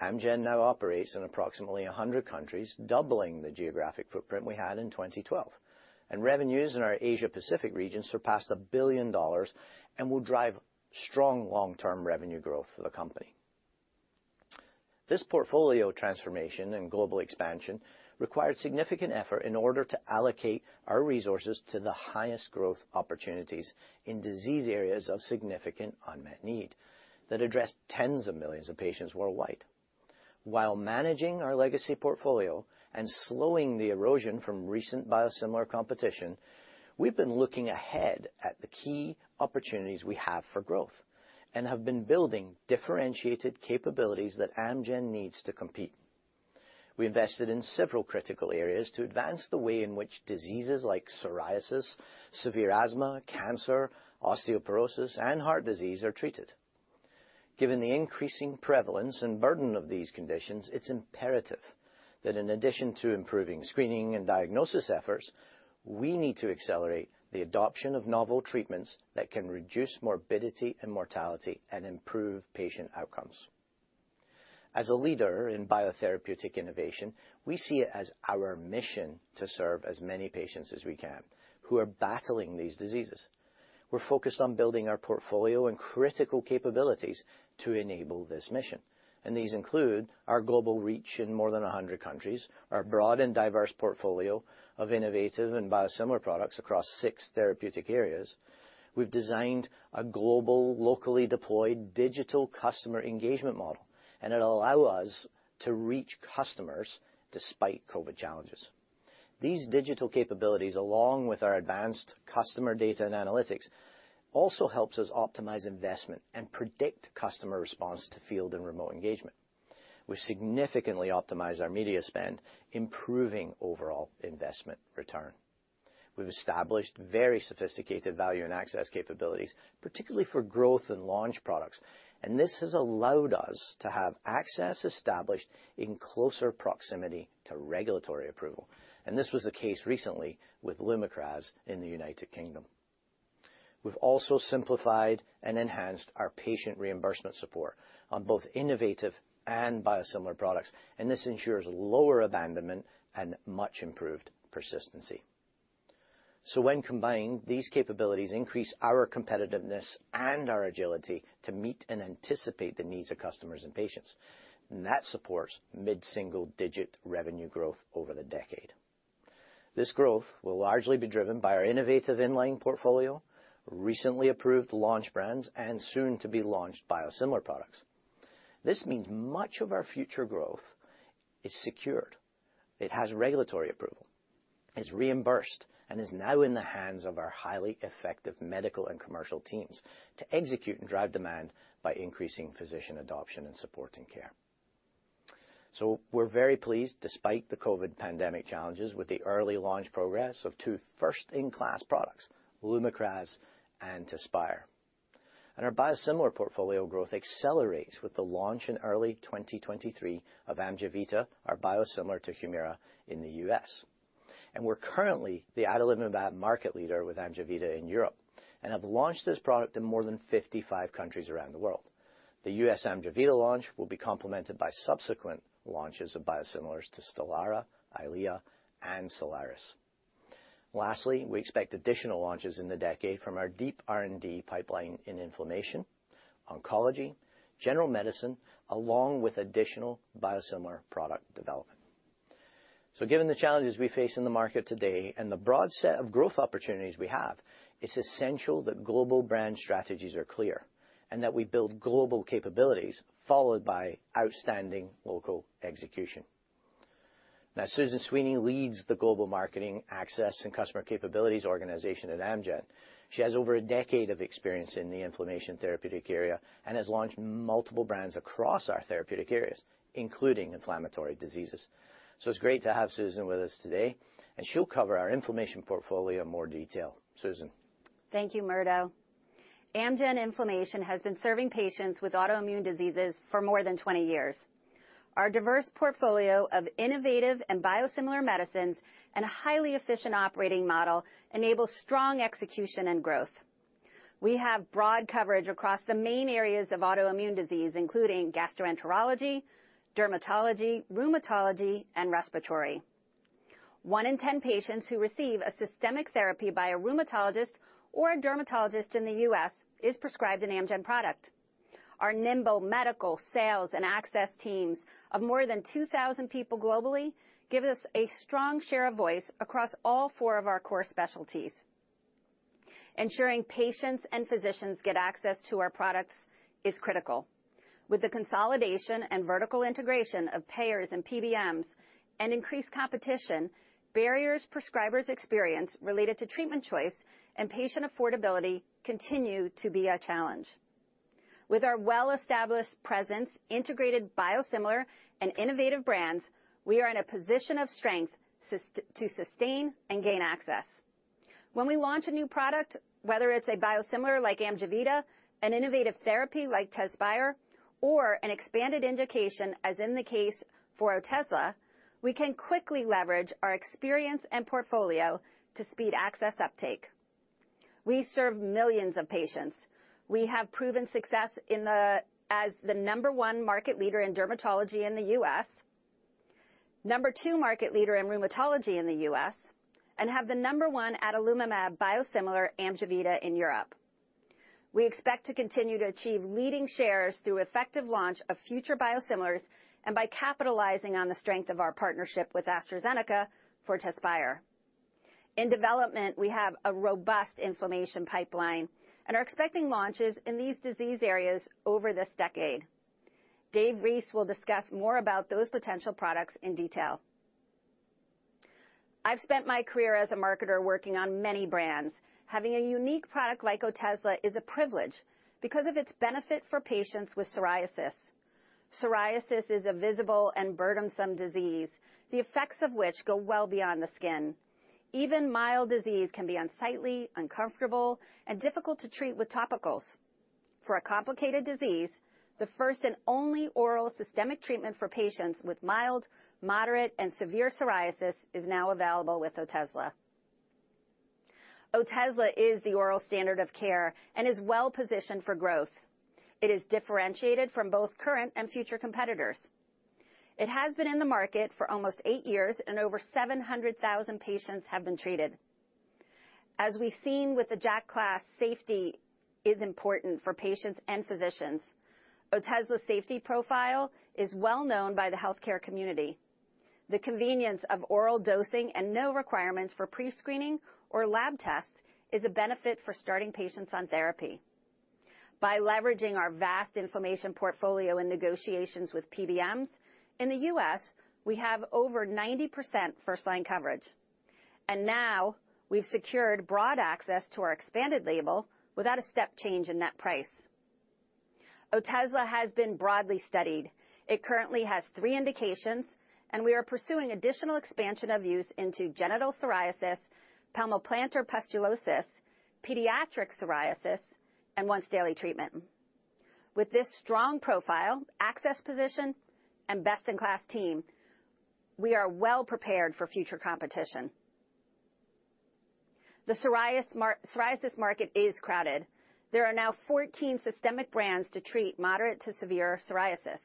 Amgen now operates in approximately 100 countries, doubling the geographic footprint we had in 2012, and revenues in our Asia-Pacific region surpassed $1 billion and will drive strong long-term revenue growth for the company. This portfolio transformation and global expansion required significant effort in order to allocate our resources to the highest growth opportunities in disease areas of significant unmet need that address tens of millions of patients worldwide. While managing our legacy portfolio and slowing the erosion from recent biosimilar competition, we've been looking ahead at the key opportunities we have for growth and have been building differentiated capabilities that Amgen needs to compete. We invested in several critical areas to advance the way in which diseases like psoriasis, severe asthma, cancer, osteoporosis, and heart disease are treated. Given the increasing prevalence and burden of these conditions, it's imperative that in addition to improving screening and diagnosis efforts, we need to accelerate the adoption of novel treatments that can reduce morbidity and mortality and improve patient outcomes. As a leader in biotherapeutic innovation, we see it as our mission to serve as many patients as we can who are battling these diseases. We're focused on building our portfolio and critical capabilities to enable this mission, and these include our global reach in more than 100 countries, our broad and diverse portfolio of innovative and biosimilar products across six therapeutic areas. We've designed a global, locally deployed digital customer engagement model, and it'll allow us to reach customers despite COVID challenges. These digital capabilities, along with our advanced customer data and analytics, also helps us optimize investment and predict customer response to field and remote engagement. We significantly optimize our media spend, improving overall investment return. We've established very sophisticated value and access capabilities, particularly for growth in launch products, and this has allowed us to have access established in closer proximity to regulatory approval. This was the case recently with LUMAKRAS in the United Kingdom. We've also simplified and enhanced our patient reimbursement support on both innovative and biosimilar products, and this ensures lower abandonment and much improved persistency. When combined, these capabilities increase our competitiveness and our agility to meet and anticipate the needs of customers and patients. That supports mid-single-digit revenue growth over the decade. This growth will largely be driven by our innovative in-line portfolio, recently approved launch brands, and soon-to-be-launched biosimilar products. This means much of our future growth is secured. It has regulatory approval, is reimbursed, and is now in the hands of our highly effective medical and commercial teams to execute and drive demand by increasing physician adoption and supporting care. We're very pleased, despite the COVID pandemic challenges, with the early launch progress of two first-in-class products, LUMAKRAS and Tezspire. Our biosimilar portfolio growth accelerates with the launch in early 2023 of Amjevita, our biosimilar to Humira in the U.S.. We're currently the adalimumab market leader with Amjevita in Europe and have launched this product in more than 55 countries around the world. The U.S. Amjevita launch will be complemented by subsequent launches of biosimilars to Stelara, EYLEA, and Soliris. Lastly, we expect additional launches in the decade from our deep R&D pipeline in inflammation, oncology, general medicine, along with additional biosimilar product development. Given the challenges we face in the market today and the broad set of growth opportunities we have, it's essential that global brand strategies are clear and that we build global capabilities, followed by outstanding local execution. Now, Susan Sweeney leads the global marketing, access, and customer capabilities organization at Amgen. She has over a decade of experience in the inflammation therapeutic area and has launched multiple brands across our therapeutic areas, including inflammatory diseases. It's great to have Susan with us today, and she'll cover our inflammation portfolio in more detail. Susan? Thank you, Murdo. Amgen Inflammation has been serving patients with autoimmune diseases for more than 20 years. Our diverse portfolio of innovative and biosimilar medicines and a highly efficient operating model enables strong execution and growth. We have broad coverage across the main areas of autoimmune disease, including gastroenterology, dermatology, rheumatology, and respiratory. One in 10 patients who receive a systemic therapy by a rheumatologist or a dermatologist in the U.S. is prescribed an Amgen product. Our nimble medical, sales, and access teams of more than 2,000 people globally give us a strong share of voice across all four of our core specialties. Ensuring patients and physicians get access to our products is critical. With the consolidation and vertical integration of payers and PBMs and increased competition, barriers prescribers experience related to treatment choice and patient affordability continue to be a challenge. With our well-established presence, integrated biosimilar, and innovative brands, we are in a position of strength to sustain and gain access. When we launch a new product, whether it's a biosimilar like Amjevita, an innovative therapy like Tezspire, or an expanded indication, as in the case for Otezla, we can quickly leverage our experience and portfolio to speed access uptake. We serve millions of patients. We have proven success in the U.S. as the number one market leader in dermatology in the U.S., number two market leader in rheumatology in the U.S., and have the number one adalimumab biosimilar, Amjevita, in Europe. We expect to continue to achieve leading shares through effective launch of future biosimilars and by capitalizing on the strength of our partnership with AstraZeneca for Tezspire. In development, we have a robust inflammation pipeline and are expecting launches in these disease areas over this decade. David Reese will discuss more about those potential products in detail. I've spent my career as a marketer, working on many brands. Having a unique product like Otezla is a privilege because of its benefit for patients with psoriasis. Psoriasis is a visible and burdensome disease, the effects of which go well beyond the skin. Even mild disease can be unsightly, uncomfortable, and difficult to treat with topicals. For a complicated disease, the first and only oral systemic treatment for patients with mild, moderate, and severe psoriasis is now available with Otezla. Otezla is the oral standard of care and is well-positioned for growth. It is differentiated from both current and future competitors. It has been in the market for almost eight years, and over 700,000 patients have been treated. As we've seen with the JAK class, safety is important for patients and physicians. Otezla's safety profile is well known by the healthcare community. The convenience of oral dosing and no requirements for pre-screening or lab tests is a benefit for starting patients on therapy. By leveraging our vast inflammation portfolio and negotiations with PBMs, in the U.S., we have over 90% first-line coverage. Now we've secured broad access to our expanded label without a step change in net price. Otezla has been broadly studied. It currently has three indications, and we are pursuing additional expansion of use into genital psoriasis, palmoplantar pustulosis, pediatric psoriasis, and once-daily treatment. With this strong profile, access position, and best-in-class team, we are well prepared for future competition. The psoriasis market is crowded. There are now 14 systemic brands to treat moderate to severe psoriasis.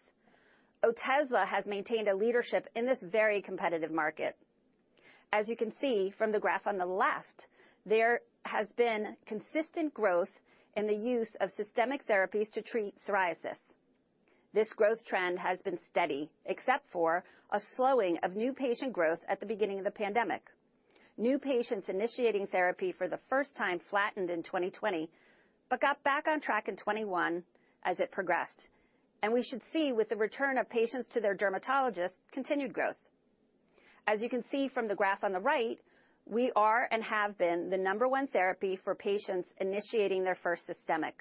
Otezla has maintained a leadership in this very competitive market. As you can see from the graph on the left, there has been consistent growth in the use of systemic therapies to treat psoriasis. This growth trend has been steady, except for a slowing of new patient growth at the beginning of the pandemic. New patients initiating therapy for the first time flattened in 2020 but got back on track in 2021 as it progressed. We should see, with the return of patients to their dermatologists, continued growth. As you can see from the graph on the right, we are and have been the number one therapy for patients initiating their first systemic.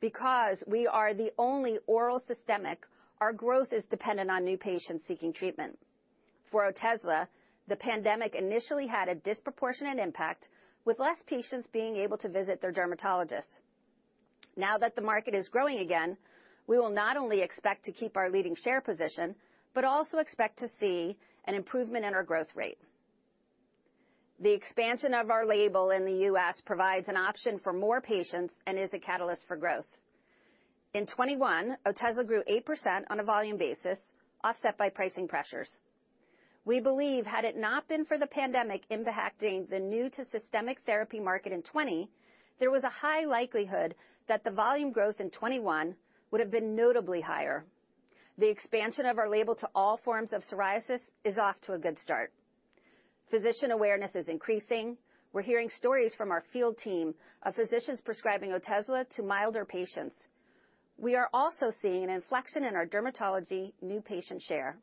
Because we are the only oral systemic, our growth is dependent on new patients seeking treatment. For Otezla, the pandemic initially had a disproportionate impact, with less patients being able to visit their dermatologists. Now that the market is growing again, we will not only expect to keep our leading share position but also expect to see an improvement in our growth rate. The expansion of our label in the U.S. provides an option for more patients and is a catalyst for growth. In 2021, Otezla grew 8% on a volume basis, offset by pricing pressures. We believe had it not been for the pandemic impacting the new-to-systemic therapy market in 2020, there was a high likelihood that the volume growth in 2021 would have been notably higher. The expansion of our label to all forms of psoriasis is off to a good start. Physician awareness is increasing. We're hearing stories from our field team of physicians prescribing Otezla to milder patients. We are also seeing an inflection in our dermatology new patient share.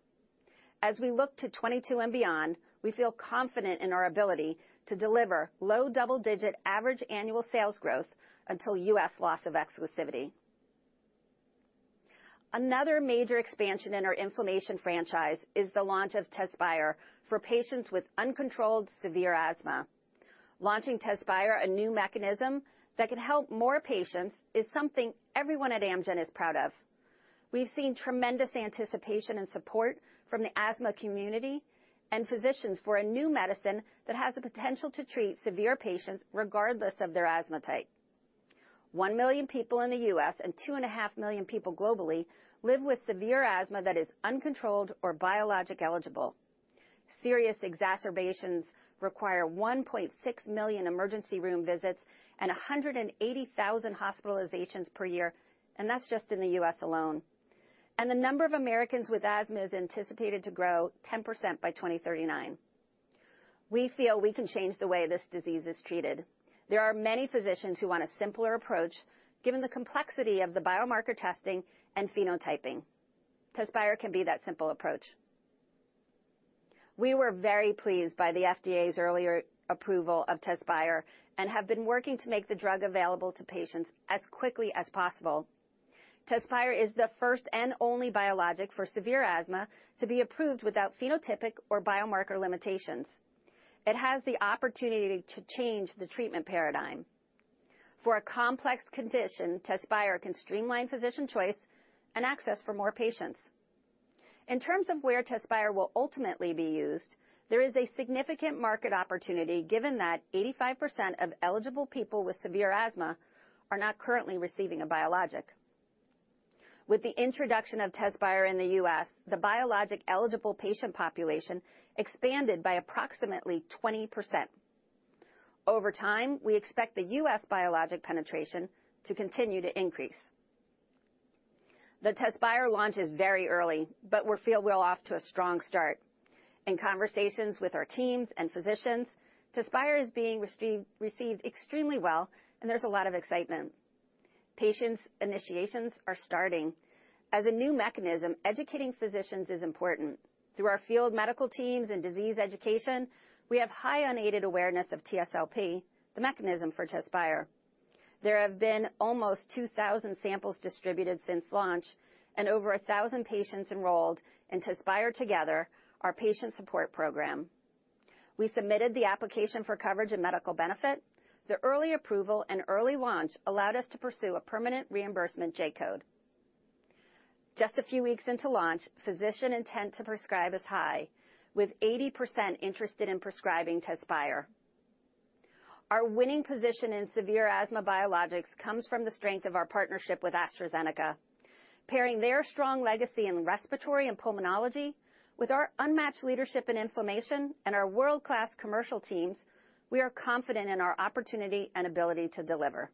As we look to 2022 and beyond, we feel confident in our ability to deliver low double-digit average annual sales growth until U.S. loss of exclusivity. Another major expansion in our inflammation franchise is the launch of Tezspire for patients with uncontrolled severe asthma. Launching Tezspire, a new mechanism that can help more patients, is something everyone at Amgen is proud of. We've seen tremendous anticipation and support from the asthma community and physicians for a new medicine that has the potential to treat severe patients regardless of their asthma type. 1 million people in the U.S. and 2.5 million people globally live with severe asthma that is uncontrolled or biologic-eligible. Serious exacerbations require 1.6 million emergency room visits and 180,000 hospitalizations per year, and that's just in the U.S. alone. The number of Americans with asthma is anticipated to grow 10% by 2039. We feel we can change the way this disease is treated. There are many physicians who want a simpler approach, given the complexity of the biomarker testing and phenotyping. Tezspire can be that simple approach. We were very pleased by the FDA's earlier approval of Tezspire and have been working to make the drug available to patients as quickly as possible. Tezspire is the first and only biologic for severe asthma to be approved without phenotypic or biomarker limitations. It has the opportunity to change the treatment paradigm. For a complex condition, Tezspire can streamline physician choice and access for more patients. In terms of where Tezspire will ultimately be used, there is a significant market opportunity given that 85% of eligible people with severe asthma are not currently receiving a biologic. With the introduction of Tezspire in the U.S., the biologic-eligible patient population expanded by approximately 20%. Over time, we expect the U.S. biologic penetration to continue to increase. The Tezspire launch is very early, but we feel we're off to a strong start. In conversations with our teams and physicians, Tezspire is being received extremely well, and there's a lot of excitement. Patients' initiations are starting. As a new mechanism, educating physicians is important. Through our field medical teams and disease education, we have high unaided awareness of TSLP, the mechanism for Tezspire. There have been almost 2,000 samples distributed since launch and over 1,000 patients enrolled in Tezspire Together, our patient support program. We submitted the application for coverage and medical benefit. The early approval and early launch allowed us to pursue a permanent reimbursement J-code. Just a few weeks into launch, physician intent to prescribe is high, with 80% interested in prescribing Tezspire. Our winning position in severe asthma biologics comes from the strength of our partnership with AstraZeneca. Pairing their strong legacy in respiratory and pulmonology with our unmatched leadership in inflammation and our world-class commercial teams, we are confident in our opportunity and ability to deliver.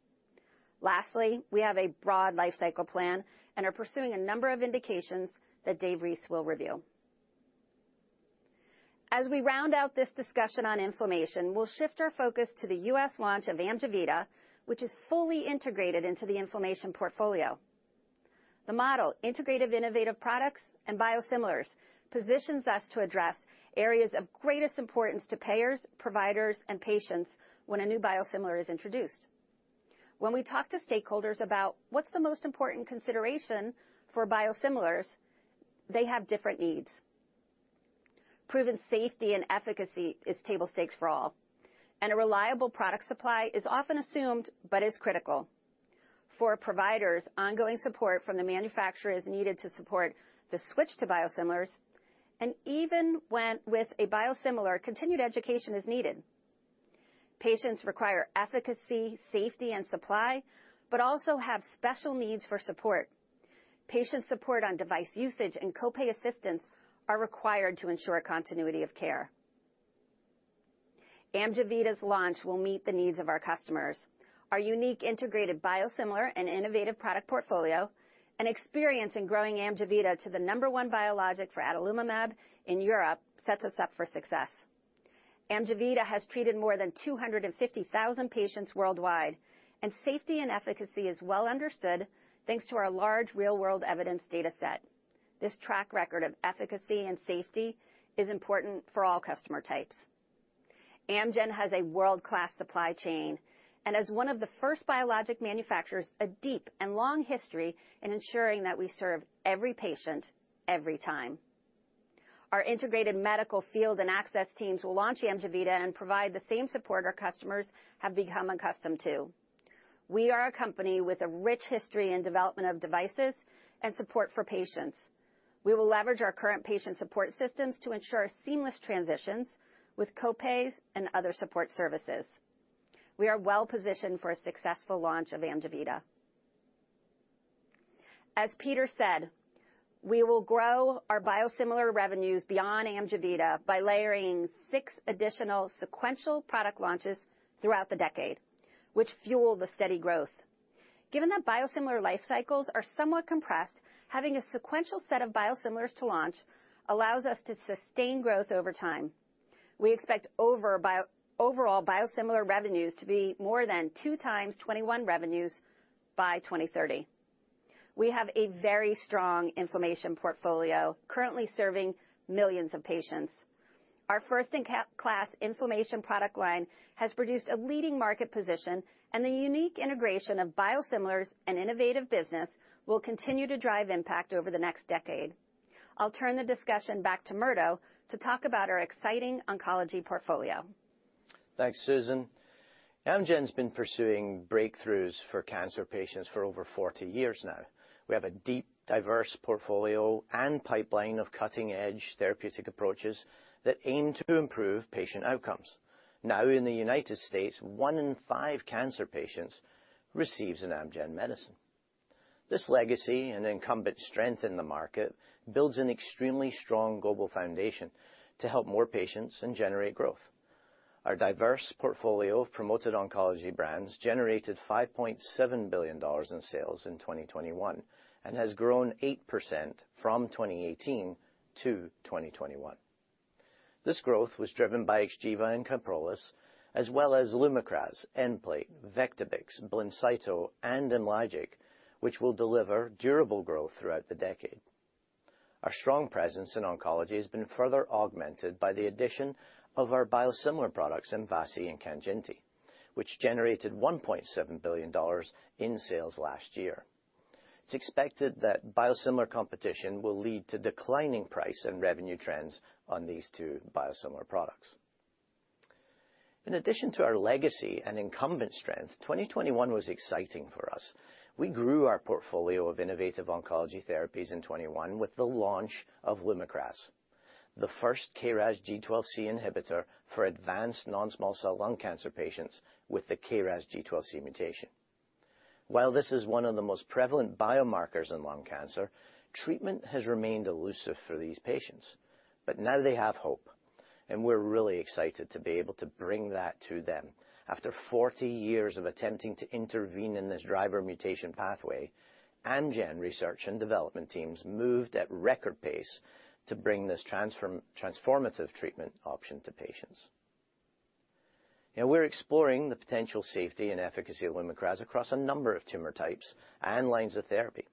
Lastly, we have a broad life cycle plan and are pursuing a number of indications that Dave Reese will review. As we round out this discussion on inflammation, we'll shift our focus to the U.S. launch of Amjevita, which is fully integrated into the inflammation portfolio. The model integrating innovative products and biosimilars positions us to address areas of greatest importance to payers, providers, and patients when a new biosimilar is introduced. When we talk to stakeholders about what's the most important consideration for biosimilars, they have different needs. Proven safety and efficacy is table stakes for all, and a reliable product supply is often assumed but is critical. For providers, ongoing support from the manufacturer is needed to support the switch to biosimilars, and even with a biosimilar, continued education is needed. Patients require efficacy, safety, and supply, but also have special needs for support. Patient support on device usage and copay assistance are required to ensure continuity of care. Amjevita's launch will meet the needs of our customers. Our unique integrated biosimilar and innovative product portfolio and experience in growing Amjevita to the number one biologic for adalimumab in Europe sets us up for success. Amjevita has treated more than 250,000 patients worldwide, and safety and efficacy is well understood thanks to our large real-world evidence data set. This track record of efficacy and safety is important for all customer types. Amgen has a world-class supply chain, and as one of the first biologic manufacturers, a deep and long history in ensuring that we serve every patient, every time. Our integrated medical field and access teams will launch Amjevita and provide the same support our customers have become accustomed to. We are a company with a rich history in development of devices and support for patients. We will leverage our current patient support systems to ensure seamless transitions with copays and other support services. We are well-positioned for a successful launch of Amjevita. As Peter said, we will grow our biosimilar revenues beyond Amjevita by layering six additional sequential product launches throughout the decade, which fuel the steady growth. Given that biosimilar life cycles are somewhat compressed, having a sequential set of biosimilars to launch allows us to sustain growth over time. We expect overall biosimilar revenues to be more than 2x 2021 revenues by 2030. We have a very strong inflammation portfolio currently serving millions of patients. Our first-in-class inflammation product line has produced a leading market position, and the unique integration of biosimilars and innovative business will continue to drive impact over the next decade. I'll turn the discussion back to Murdo to talk about our exciting oncology portfolio. Thanks, Susan. Amgen's been pursuing breakthroughs for cancer patients for over 40 years now. We have a deep, diverse portfolio and pipeline of cutting-edge therapeutic approaches that aim to improve patient outcomes. Now, in the United States, one in five cancer patients receives an Amgen medicine. This legacy and incumbent strength in the market builds an extremely strong global foundation to help more patients and generate growth. Our diverse portfolio of promoted oncology brands generated $5.7 billion in sales in 2021 and has grown 8% from 2018-2021. This growth was driven by XGEVA and KYPROLIS, as well as LUMAKRAS, Nplate, Vectibix, BLINCYTO, and IMLYGIC, which will deliver durable growth throughout the decade. Our strong presence in oncology has been further augmented by the addition of our biosimilar products, MVASI and KANJINTI, which generated $1.7 billion in sales last year. It's expected that biosimilar competition will lead to declining price and revenue trends on these two biosimilar products. In addition to our legacy and incumbent strength, 2021 was exciting for us. We grew our portfolio of innovative oncology therapies in 2021 with the launch of LUMAKRAS, the first KRAS G12C inhibitor for advanced non-small cell lung cancer patients with the KRAS G12C mutation. While this is one of the most prevalent biomarkers in lung cancer, treatment has remained elusive for these patients, but now they have hope, and we're really excited to be able to bring that to them. After 40 years of attempting to intervene in this driver mutation pathway, Amgen research and development teams moved at record pace to bring this transformative treatment option to patients. Now we're exploring the potential safety and efficacy of LUMAKRAS across a number of tumor types and lines of therapy.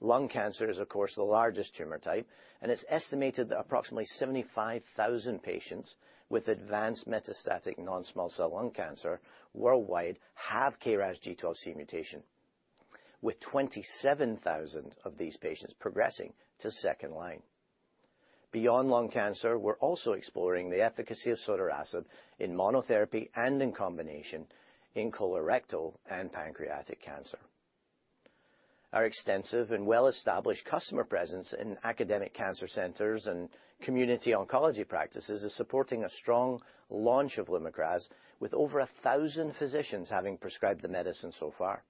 Lung cancer is, of course, the largest tumor type, and it's estimated that approximately 75,000 patients with advanced metastatic non-small cell lung cancer worldwide have KRAS G12C mutation, with 27,000 of these patients progressing to second line. Beyond lung cancer, we're also exploring the efficacy of sotorasib in monotherapy and in combination in colorectal and pancreatic cancer. Our extensive and well-established customer presence in academic cancer centers and community oncology practices is supporting a strong launch of LUMAKRAS, with over 1,000 physicians having prescribed the medicine so far.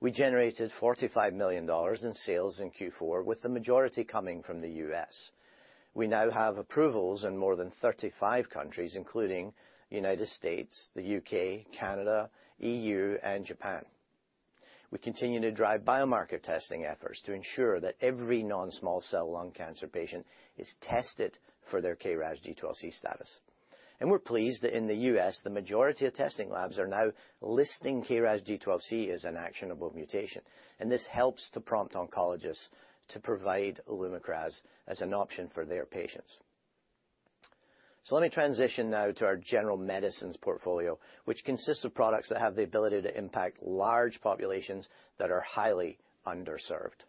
We generated $45 million in sales in Q4, with the majority coming from the U.S. We now have approvals in more than 35 countries, including the United States, the U.K., Canada, EU, and Japan. We continue to drive biomarker testing efforts to ensure that every non-small cell lung cancer patient is tested for their KRAS G12C status. We're pleased that in the U.S., the majority of testing labs are now listing KRAS G12C as an actionable mutation, and this helps to prompt oncologists to provide LUMAKRAS as an option for their patients. Let me transition now to our general medicines portfolio, which consists of products that have the ability to impact large populations that are highly underserved.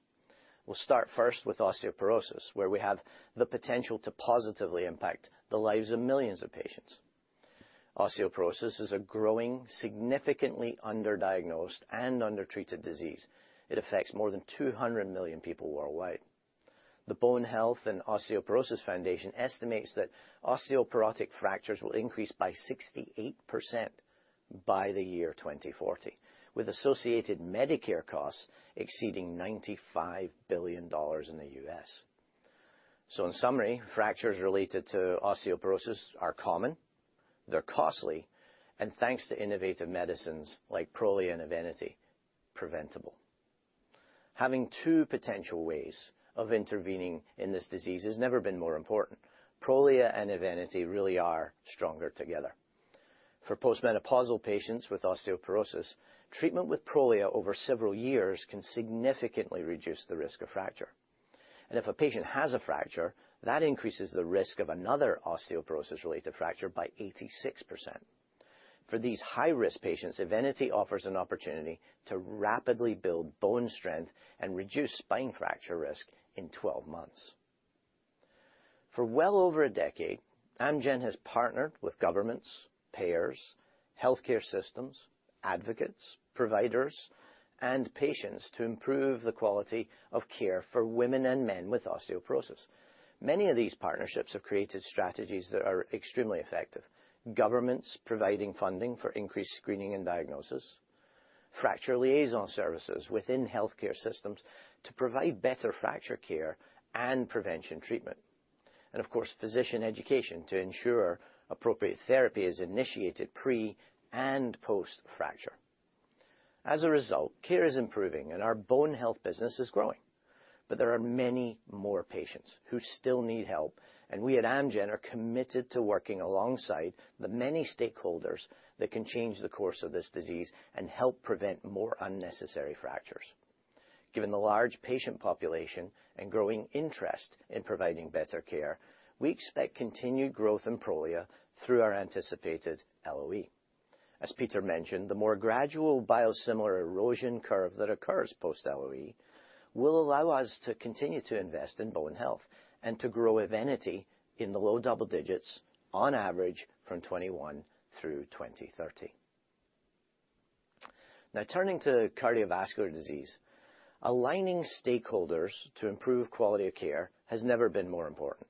We'll start first with osteoporosis, where we have the potential to positively impact the lives of millions of patients. Osteoporosis is a growing, significantly underdiagnosed and undertreated disease. It affects more than 200 million people worldwide. The Bone Health and Osteoporosis Foundation estimates that osteoporotic fractures will increase by 68% by the year 2040, with associated Medicare costs exceeding $95 billion in the U.S. In summary, fractures related to osteoporosis are common, they're costly, and thanks to innovative medicines like Prolia and Evenity, preventable. Having two potential ways of intervening in this disease has never been more important. Prolia and Evenity really are stronger together. For post-menopausal patients with osteoporosis, treatment with Prolia over several years can significantly reduce the risk of fracture. If a patient has a fracture, that increases the risk of another osteoporosis-related fracture by 86%. For these high-risk patients, Evenity offers an opportunity to rapidly build bone strength and reduce spine fracture risk in 12 months. For well over a decade, Amgen has partnered with governments, payers, healthcare systems, advocates, providers, and patients to improve the quality of care for women and men with osteoporosis. Many of these partnerships have created strategies that are extremely effective. Governments providing funding for increased screening and diagnosis, fracture liaison services within healthcare systems to provide better fracture care and prevention treatment, of course, physician education to ensure appropriate therapy is initiated pre and post-fracture. As a result, care is improving and our bone health business is growing. There are many more patients who still need help, and we at Amgen are committed to working alongside the many stakeholders that can change the course of this disease and help prevent more unnecessary fractures. Given the large patient population and growing interest in providing better care, we expect continued growth in Prolia through our anticipated LOE. As Peter mentioned, the more gradual biosimilar erosion curve that occurs post-LOE will allow us to continue to invest in bone health and to grow Evenity in the low double digits on average from 2021 through 2030. Now turning to cardiovascular disease, aligning stakeholders to improve quality of care has never been more important.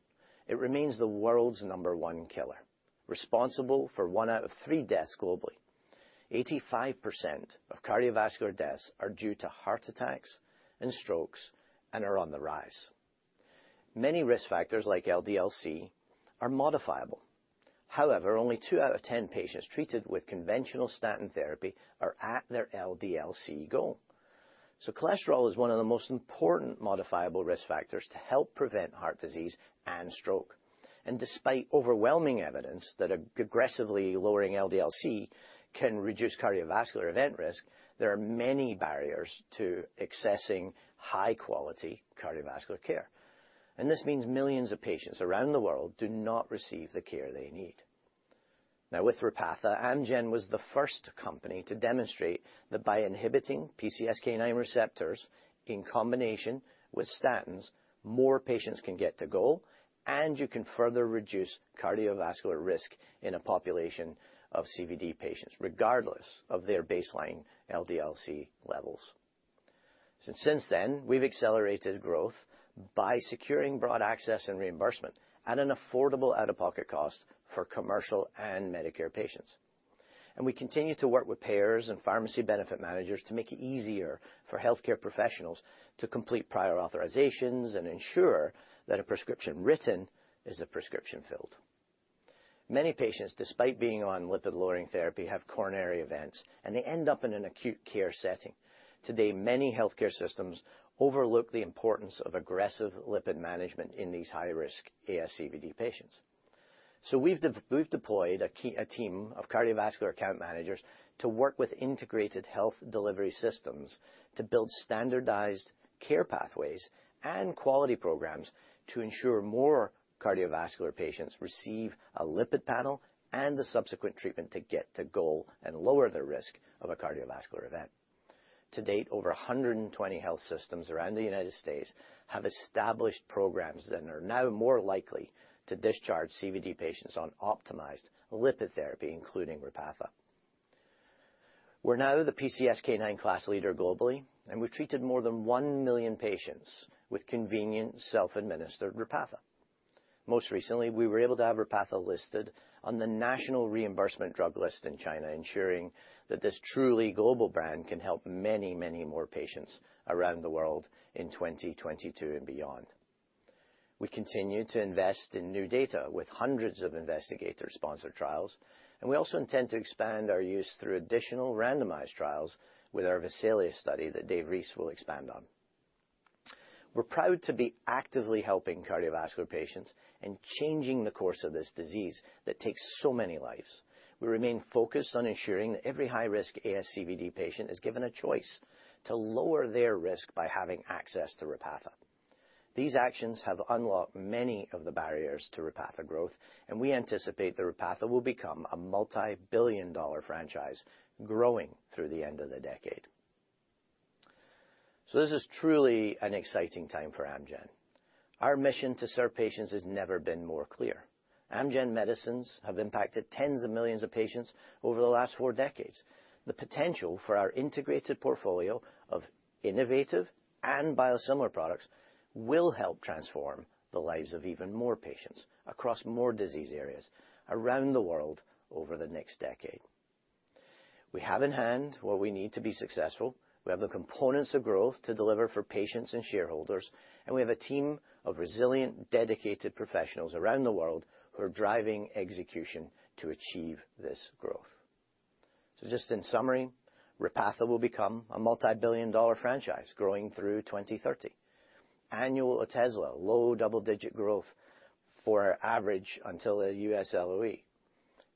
It remains the world's number one killer, responsible for one out of three deaths globally. 85% of cardiovascular deaths are due to heart attacks and strokes and are on the rise. Many risk factors like LDL-C are modifiable. However, only two out of 10 patients treated with conventional statin therapy are at their LDL-C goal. Cholesterol is one of the most important modifiable risk factors to help prevent heart disease and stroke. Despite overwhelming evidence that aggressively lowering LDL-C can reduce cardiovascular event risk, there are many barriers to accessing high-quality cardiovascular care. This means millions of patients around the world do not receive the care they need. Now, with Repatha, Amgen was the first company to demonstrate that by inhibiting PCSK9 receptors in combination with statins, more patients can get to goal, and you can further reduce cardiovascular risk in a population of CVD patients, regardless of their baseline LDL-C levels. Since then, we've accelerated growth by securing broad access and reimbursement at an affordable out-of-pocket cost for commercial and Medicare patients. We continue to work with payers and pharmacy benefit managers to make it easier for healthcare professionals to complete prior authorizations and ensure that a prescription written is a prescription filled. Many patients, despite being on lipid-lowering therapy, have coronary events, and they end up in an acute care setting. Today, many healthcare systems overlook the importance of aggressive lipid management in these high-risk ASCVD patients. We've deployed a team of cardiovascular account managers to work with integrated health delivery systems to build standardized care pathways and quality programs to ensure more cardiovascular patients receive a lipid panel and the subsequent treatment to get to goal and lower their risk of a cardiovascular event. To date, over 120 health systems around the United States have established programs that are now more likely to discharge CVD patients on optimized lipid therapy, including Repatha. We're now the PCSK9 class leader globally, and we've treated more than 1 million patients with convenient self-administered Repatha. Most recently, we were able to have Repatha listed on the national reimbursement drug list in China, ensuring that this truly global brand can help many, many more patients around the world in 2022 and beyond. We continue to invest in new data with hundreds of investigator-sponsored trials, and we also intend to expand our use through additional randomized trials with our VESALIUS-CV study that David Rees will expand on. We're proud to be actively helping cardiovascular patients and changing the course of this disease that takes so many lives. We remain focused on ensuring that every high-risk ASCVD patient is given a choice to lower their risk by having access to Repatha. These actions have unlocked many of the barriers to Repatha growth, and we anticipate that Repatha will become a multi-billion dollar franchise growing through the end of the decade. This is truly an exciting time for Amgen. Our mission to serve patients has never been more clear. Amgen medicines have impacted tens of millions of patients over the last four decades. The potential for our integrated portfolio of innovative and biosimilar products will help transform the lives of even more patients across more disease areas around the world over the next decade. We have in hand what we need to be successful. We have the components of growth to deliver for patients and shareholders, and we have a team of resilient, dedicated professionals around the world who are driving execution to achieve this growth. Just in summary, Repatha will become a multi-billion-dollar franchise growing through 2030. Annual Otezla, low double-digit growth on average until the US LOE.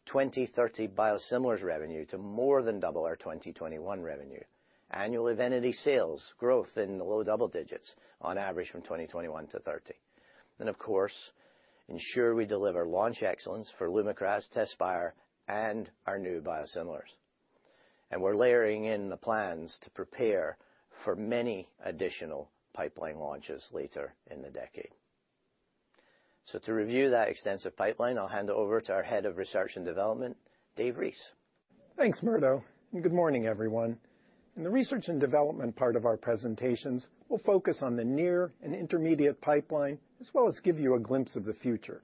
2030 biosimilars revenue to more than double our 2021 revenue. Annual Evenity sales growth in the low double digits on average from 2021-2030. Of course, ensure we deliver launch excellence for LUMAKRAS, Tezspire, and our new biosimilars. We're layering in the plans to prepare for many additional pipeline launches later in the decade. To review that extensive pipeline, I'll hand over to our Head of Research and Development, David Rees. Thanks, Murdo, and good morning, everyone. In the research and development part of our presentations, we'll focus on the near and intermediate pipeline, as well as give you a glimpse of the future.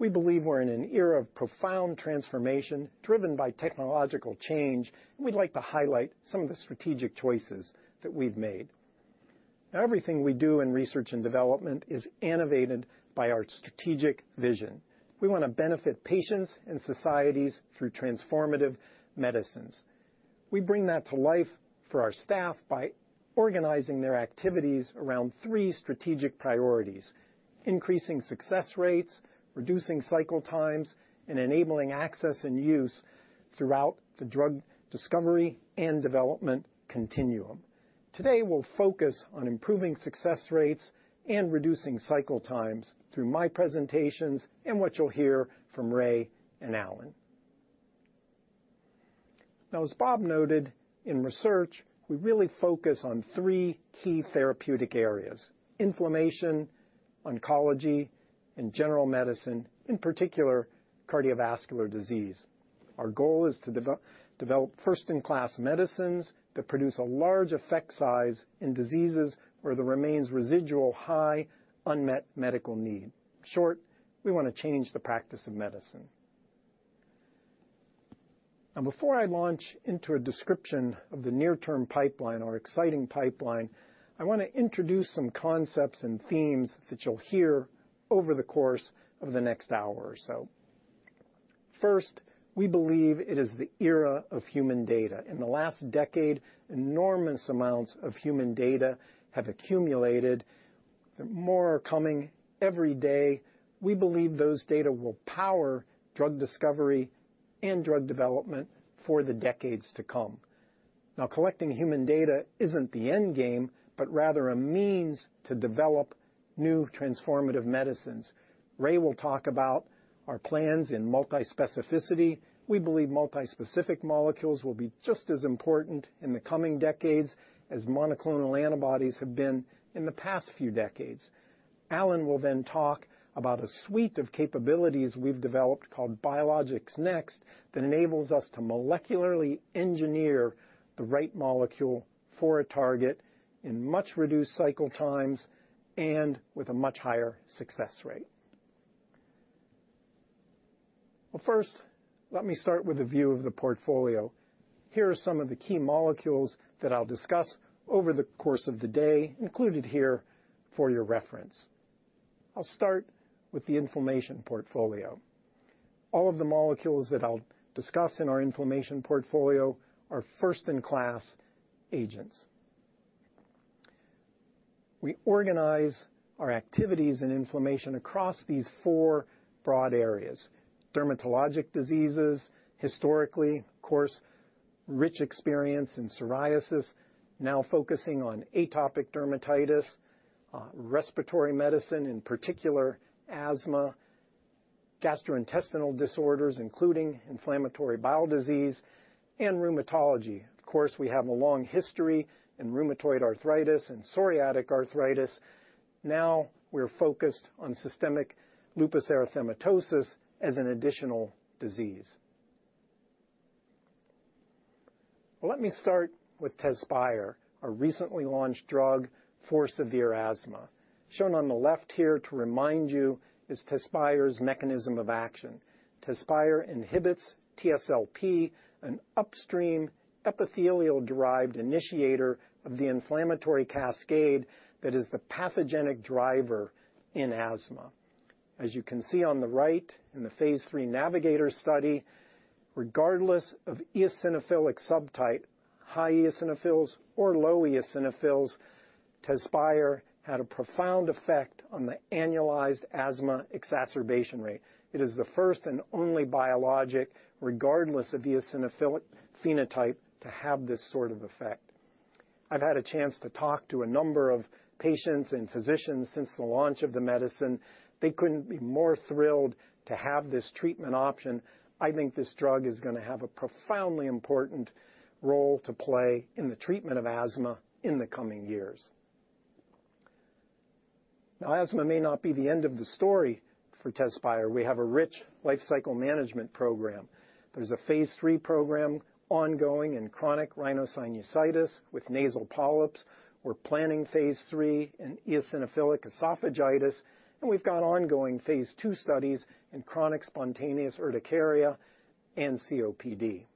We believe we're in an era of profound transformation driven by technological change, and we'd like to highlight some of the strategic choices that we've made. Everything we do in research and development is informed by our strategic vision. We wanna benefit patients and societies through transformative medicines. We bring that to life for our staff by organizing their activities around three strategic priorities, increasing success rates, reducing cycle times, and enabling access and use throughout the drug discovery and development continuum. Today, we'll focus on improving success rates and reducing cycle times through my presentations and what you'll hear from Raymond and Alan. Now, as Robert noted, in research, we really focus on three key therapeutic areas: inflammation, oncology, and general medicine, in particular, cardiovascular disease. Our goal is to develop first-in-class medicines that produce a large effect size in diseases where there remains residual high unmet medical need. In short, we wanna change the practice of medicine. Before I launch into a description of the near-term pipeline, our exciting pipeline, I wanna introduce some concepts and themes that you'll hear over the course of the next hour or so. First, we believe it is the era of human data. In the last decade, enormous amounts of human data have accumulated, and more are coming every day. We believe those data will power drug discovery and drug development for the decades to come. Now, collecting human data isn't the end game, but rather a means to develop new transformative medicines. Raymond will talk about our plans in multispecificity. We believe multispecific molecules will be just as important in the coming decades as monoclonal antibodies have been in the past few decades. Alan will then talk about a suite of capabilities we've developed called Biologics Next that enables us to molecularly engineer the right molecule for a target in much reduced cycle times and with a much higher success rate. Well, first, let me start with a view of the portfolio. Here are some of the key molecules that I'll discuss over the course of the day, included here for your reference. I'll start with the inflammation portfolio. All of the molecules that I'll discuss in our inflammation portfolio are first-in-class agents. We organize our activities in inflammation across these four broad areas. Dermatologic diseases, historically of course, rich experience in psoriasis, now focusing on atopic dermatitis, respiratory medicine, in particular asthma, gastrointestinal disorders, including inflammatory bowel disease, and rheumatology. Of course, we have a long history in rheumatoid arthritis and psoriatic arthritis. Now we're focused on systemic lupus erythematosus as an additional disease. Well, let me start with Tezspire, a recently launched drug for severe asthma. Shown on the left here to remind you is Tezspire's mechanism of action. Tezspire inhibits TSLP, an upstream epithelial-derived initiator of the inflammatory cascade that is the pathogenic driver in asthma. As you can see on the right, in the phase III NAVIGATOR study, regardless of eosinophilic subtype, high eosinophils or low eosinophils, Tezspire had a profound effect on the annualized asthma exacerbation rate. It is the first and only biologic, regardless of eosinophilic phenotype, to have this sort of effect. I've had a chance to talk to a number of patients and physicians since the launch of the medicine. They couldn't be more thrilled to have this treatment option. I think this drug is gonna have a profoundly important role to play in the treatment of asthma in the coming years. Asthma may not be the end of the story for Tezspire. We have a rich lifecycle management program. There's a phase III program ongoing in chronic rhinosinusitis with nasal polyps. We're planning phase III in eosinophilic esophagitis, and we've got ongoing phase II studies in chronic spontaneous urticaria and COPD.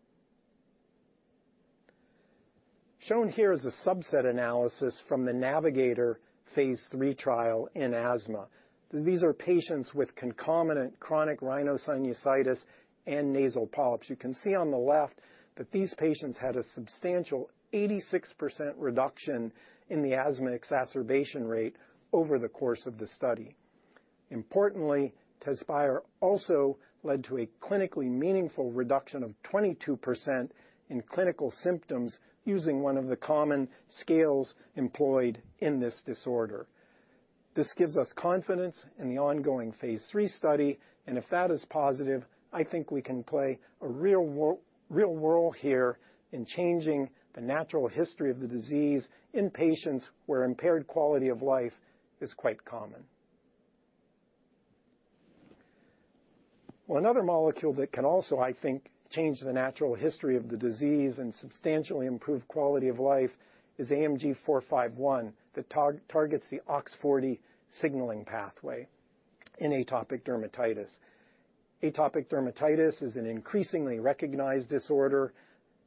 Shown here is a subset analysis from the NAVIGATOR phase III trial in asthma. These are patients with concomitant chronic rhinosinusitis and nasal polyps. You can see on the left that these patients had a substantial 86% reduction in the asthma exacerbation rate over the course of the study. Importantly, Tezspire also led to a clinically meaningful reduction of 22% in clinical symptoms using one of the common scales employed in this disorder. This gives us confidence in the ongoing phase III study, and if that is positive, I think we can play a real role here in changing the natural history of the disease in patients where impaired quality of life is quite common. Well, another molecule that can also, I think, change the natural history of the disease and substantially improve quality of life is AMG 451 that targets the OX40 signaling pathway in atopic dermatitis. Atopic dermatitis is an increasingly recognized disorder,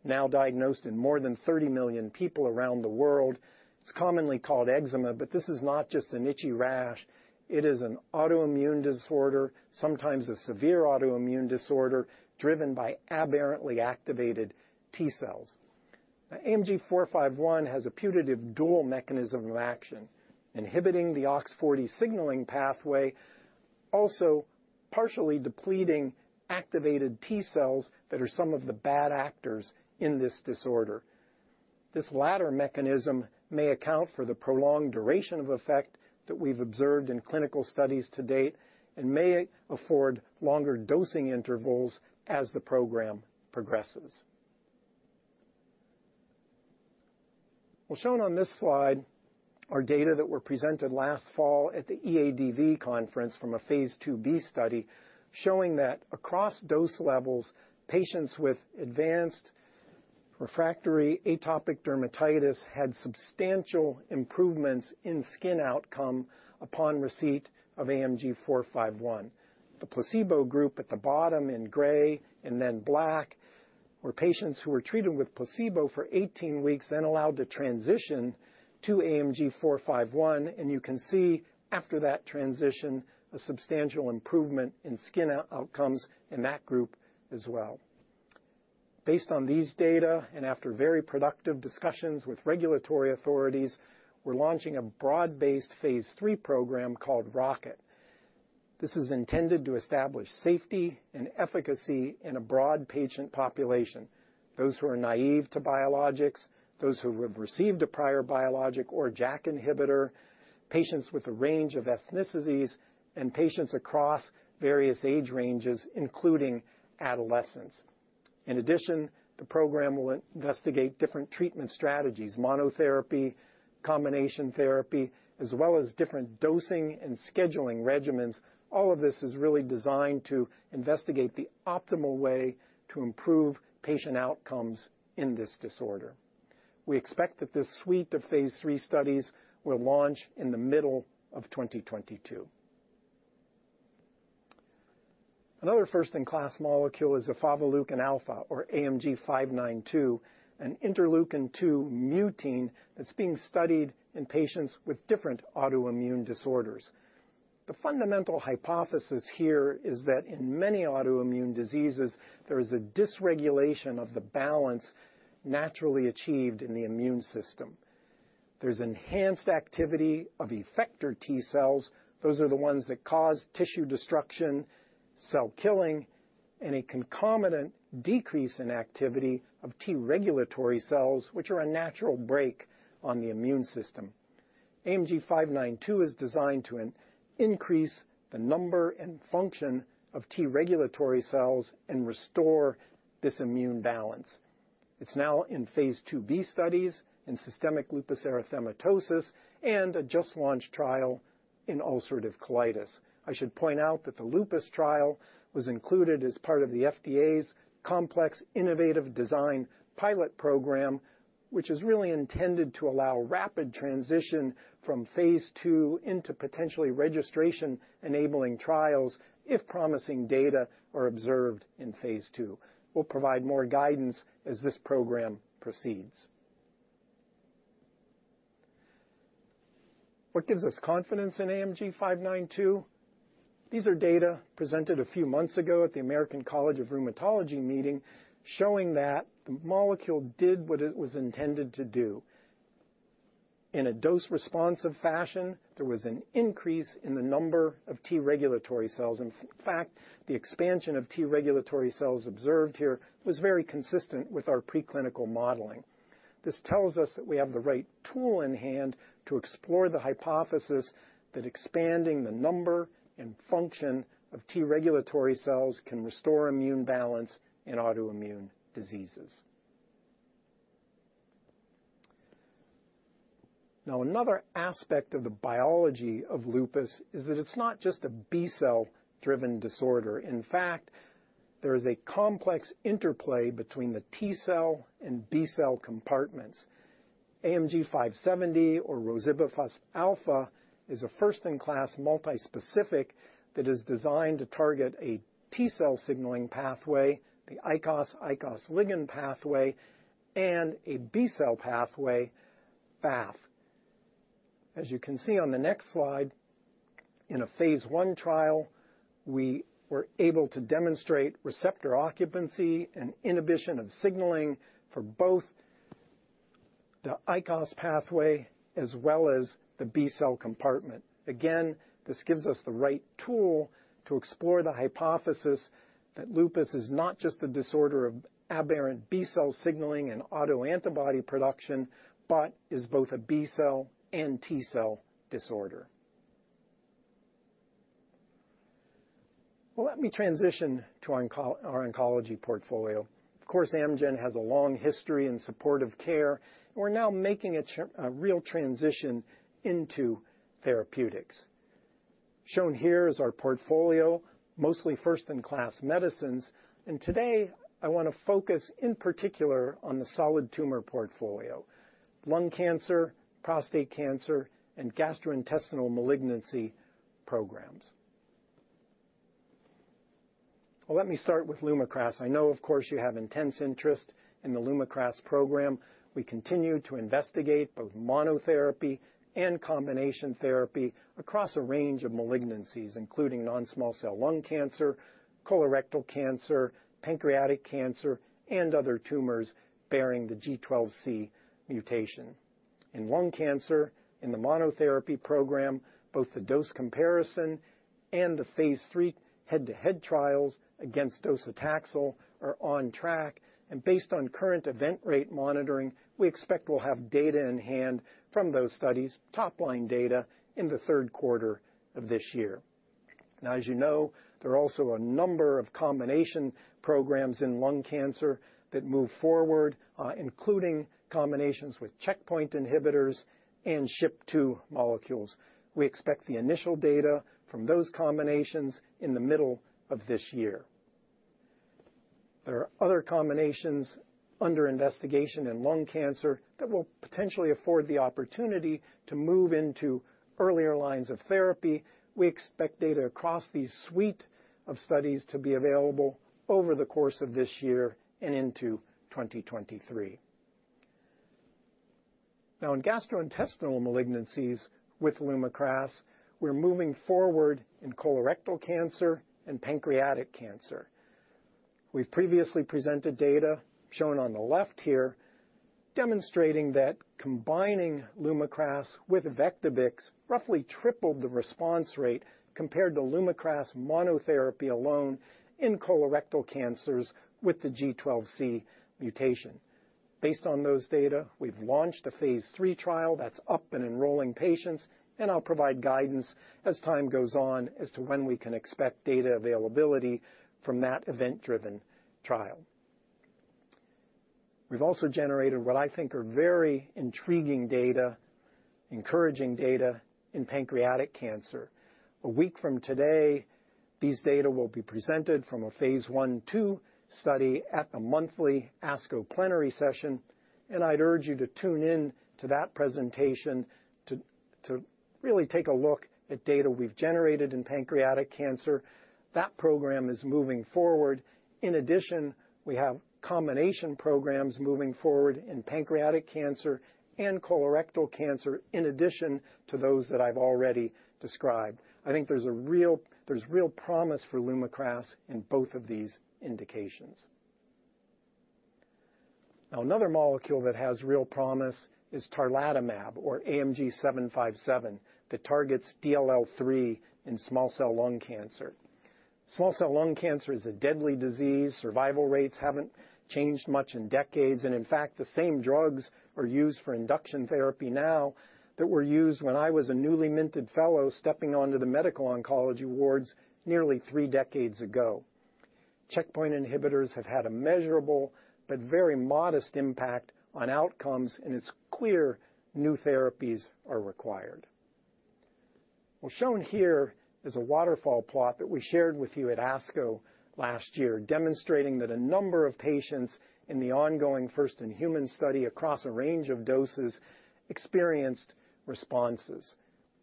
now diagnosed in more than 30 million people around the world. It's commonly called eczema, but this is not just an itchy rash. It is an autoimmune disorder, sometimes a severe autoimmune disorder, driven by aberrantly activated T cells. AMG 451 has a putative dual mechanism of action, inhibiting the OX40 signaling pathway, also partially depleting activated T cells that are some of the bad actors in this disorder. This latter mechanism may account for the prolonged duration of effect that we've observed in clinical studies to date and may afford longer dosing intervals as the program progresses. Well, shown on this slide are data that were presented last fall at the EADV conference from a phase II-B study showing that across dose levels, patients with advanced refractory atopic dermatitis had substantial improvements in skin outcome upon receipt of AMG 451. The placebo group at the bottom in gray and then black were patients who were treated with placebo for 18 weeks, then allowed to transition to AMG 451. You can see after that transition, a substantial improvement in skin outcomes in that group as well. Based on these data, and after very productive discussions with regulatory authorities, we're launching a broad-based phase III program called ROCKET. This is intended to establish safety and efficacy in a broad patient population, those who are naive to biologics, those who have received a prior biologic or JAK inhibitor, patients with a range of ethnicities, and patients across various age ranges, including adolescents. In addition, the program will investigate different treatment strategies, monotherapy, combination therapy, as well as different dosing and scheduling regimens. All of this is really designed to investigate the optimal way to improve patient outcomes in this disorder. We expect that this suite of phase III studies will launch in the middle of 2022. Another first-in-class molecule is efavaleukin alfa, or AMG 592, an interleukin-2 mutein that's being studied in patients with different autoimmune disorders. The fundamental hypothesis here is that in many autoimmune diseases, there is a dysregulation of the balance naturally achieved in the immune system. There's enhanced activity of effector T cells, those are the ones that cause tissue destruction, cell killing, and a concomitant decrease in activity of T regulatory cells, which are a natural brake on the immune system. AMG 592 is designed to increase the number and function of T regulatory cells and restore this immune balance. It's now in phase II-B studies in systemic lupus erythematosus and a just-launched trial in ulcerative colitis. I should point out that the lupus trial was included as part of the FDA's Complex Innovative Design Pilot Program, which is really intended to allow rapid transition from phase II into potentially registration-enabling trials if promising data are observed in phase II. We'll provide more guidance as this program proceeds. What gives us confidence in AMG 592? These are data presented a few months ago at the American College of Rheumatology meeting showing that the molecule did what it was intended to do. In a dose-responsive fashion, there was an increase in the number of T regulatory cells. In fact, the expansion of T regulatory cells observed here was very consistent with our preclinical modeling. This tells us that we have the right tool in hand to explore the hypothesis that expanding the number and function of T regulatory cells can restore immune balance in autoimmune diseases. Now, another aspect of the biology of lupus is that it's not just a B cell-driven disorder. In fact, there is a complex interplay between the T cell and B cell compartments. AMG 570 or rozibafusp alfa is a first-in-class multispecific that is designed to target a T cell signaling pathway, the ICOS ligand pathway, and a B cell pathway, BAFF. As you can see on the next slide, in a phase I trial, we were able to demonstrate receptor occupancy and inhibition of signaling for both the ICOS pathway as well as the B cell compartment. Again, this gives us the right tool to explore the hypothesis that lupus is not just a disorder of aberrant B cell signaling and autoantibody production, but is both a B cell and T cell disorder. Well, let me transition to our oncology portfolio. Of course, Amgen has a long history in supportive care, and we're now making a real transition into therapeutics. Shown here is our portfolio, mostly first-in-class medicines, and today, I wanna focus in particular on the solid tumor portfolio, lung cancer, prostate cancer, and gastrointestinal malignancy programs. Well, let me start with LUMAKRAS. I know of course you have intense interest in the LUMAKRAS program. We continue to investigate both monotherapy and combination therapy across a range of malignancies, including non-small cell lung cancer, colorectal cancer, pancreatic cancer, and other tumors bearing the G12C mutation. In lung cancer, in the monotherapy program, both the dose comparison and the phase III head-to-head trials against docetaxel are on track. Based on current event rate monitoring, we expect we'll have data in hand from those studies, top-line data, in the third quarter of this year. Now, as you know, there are also a number of combination programs in lung cancer that move forward, including combinations with checkpoint inhibitors and SHP2 molecules. We expect the initial data from those combinations in the middle of this year. There are other combinations under investigation in lung cancer that will potentially afford the opportunity to move into earlier lines of therapy. We expect data across these suite of studies to be available over the course of this year and into 2023. Now, in gastrointestinal malignancies with LUMAKRAS, we're moving forward in colorectal cancer and pancreatic cancer. We've previously presented data shown on the left here, demonstrating that combining LUMAKRAS with Vectibix roughly tripled the response rate compared to LUMAKRAS monotherapy alone in colorectal cancers with the G12C mutation. Based on those data, we've launched a phase III trial that's up and enrolling patients, and I'll provide guidance as time goes on as to when we can expect data availability from that event-driven trial. We've also generated what I think are very intriguing data, encouraging data in pancreatic cancer. A week from today, these data will be presented from a phase I/II study at the monthly ASCO plenary session, and I'd urge you to tune in to that presentation to really take a look at data we've generated in pancreatic cancer. That program is moving forward. In addition, we have combination programs moving forward in pancreatic cancer and colorectal cancer, in addition to those that I've already described. I think there's real promise for LUMAKRAS in both of these indications. Now, another molecule that has real promise is tarlatamab, or AMG 757, that targets DLL3 in small cell lung cancer. Small cell lung cancer is a deadly disease. Survival rates haven't changed much in decades, and in fact, the same drugs are used for induction therapy now that were used when I was a newly minted fellow stepping onto the medical oncology wards nearly three decades ago. Checkpoint inhibitors have had a measurable but very modest impact on outcomes, and it's clear new therapies are required. Well, shown here is a waterfall plot that we shared with you at ASCO last year, demonstrating that a number of patients in the ongoing first-in-human study across a range of doses experienced responses.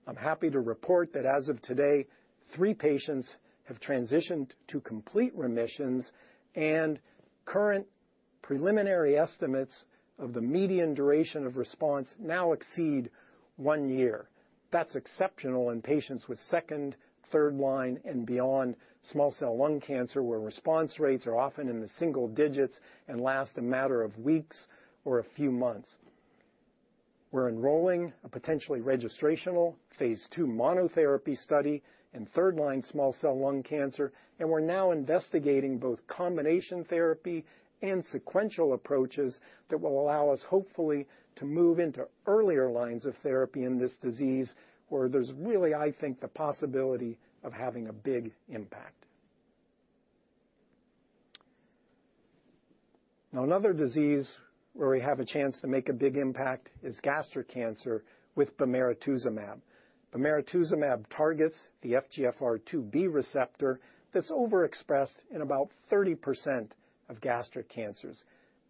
I'm happy to report that as of today, three patients have transitioned to complete remissions, and current preliminary estimates of the median duration of response now exceed 1 year. That's exceptional in patients with second-, third-line, and beyond small cell lung cancer, where response rates are often in the single digits and last a matter of weeks or a few months. We're enrolling a potentially registrational phase II monotherapy study in third-line small cell lung cancer, and we're now investigating both combination therapy and sequential approaches that will allow us, hopefully, to move into earlier lines of therapy in this disease where there's really, I think, the possibility of having a big impact. Now, another disease where we have a chance to make a big impact is gastric cancer with bemarituzumab. Bemarituzumab targets the FGFR2B receptor that's overexpressed in about 30% of gastric cancers.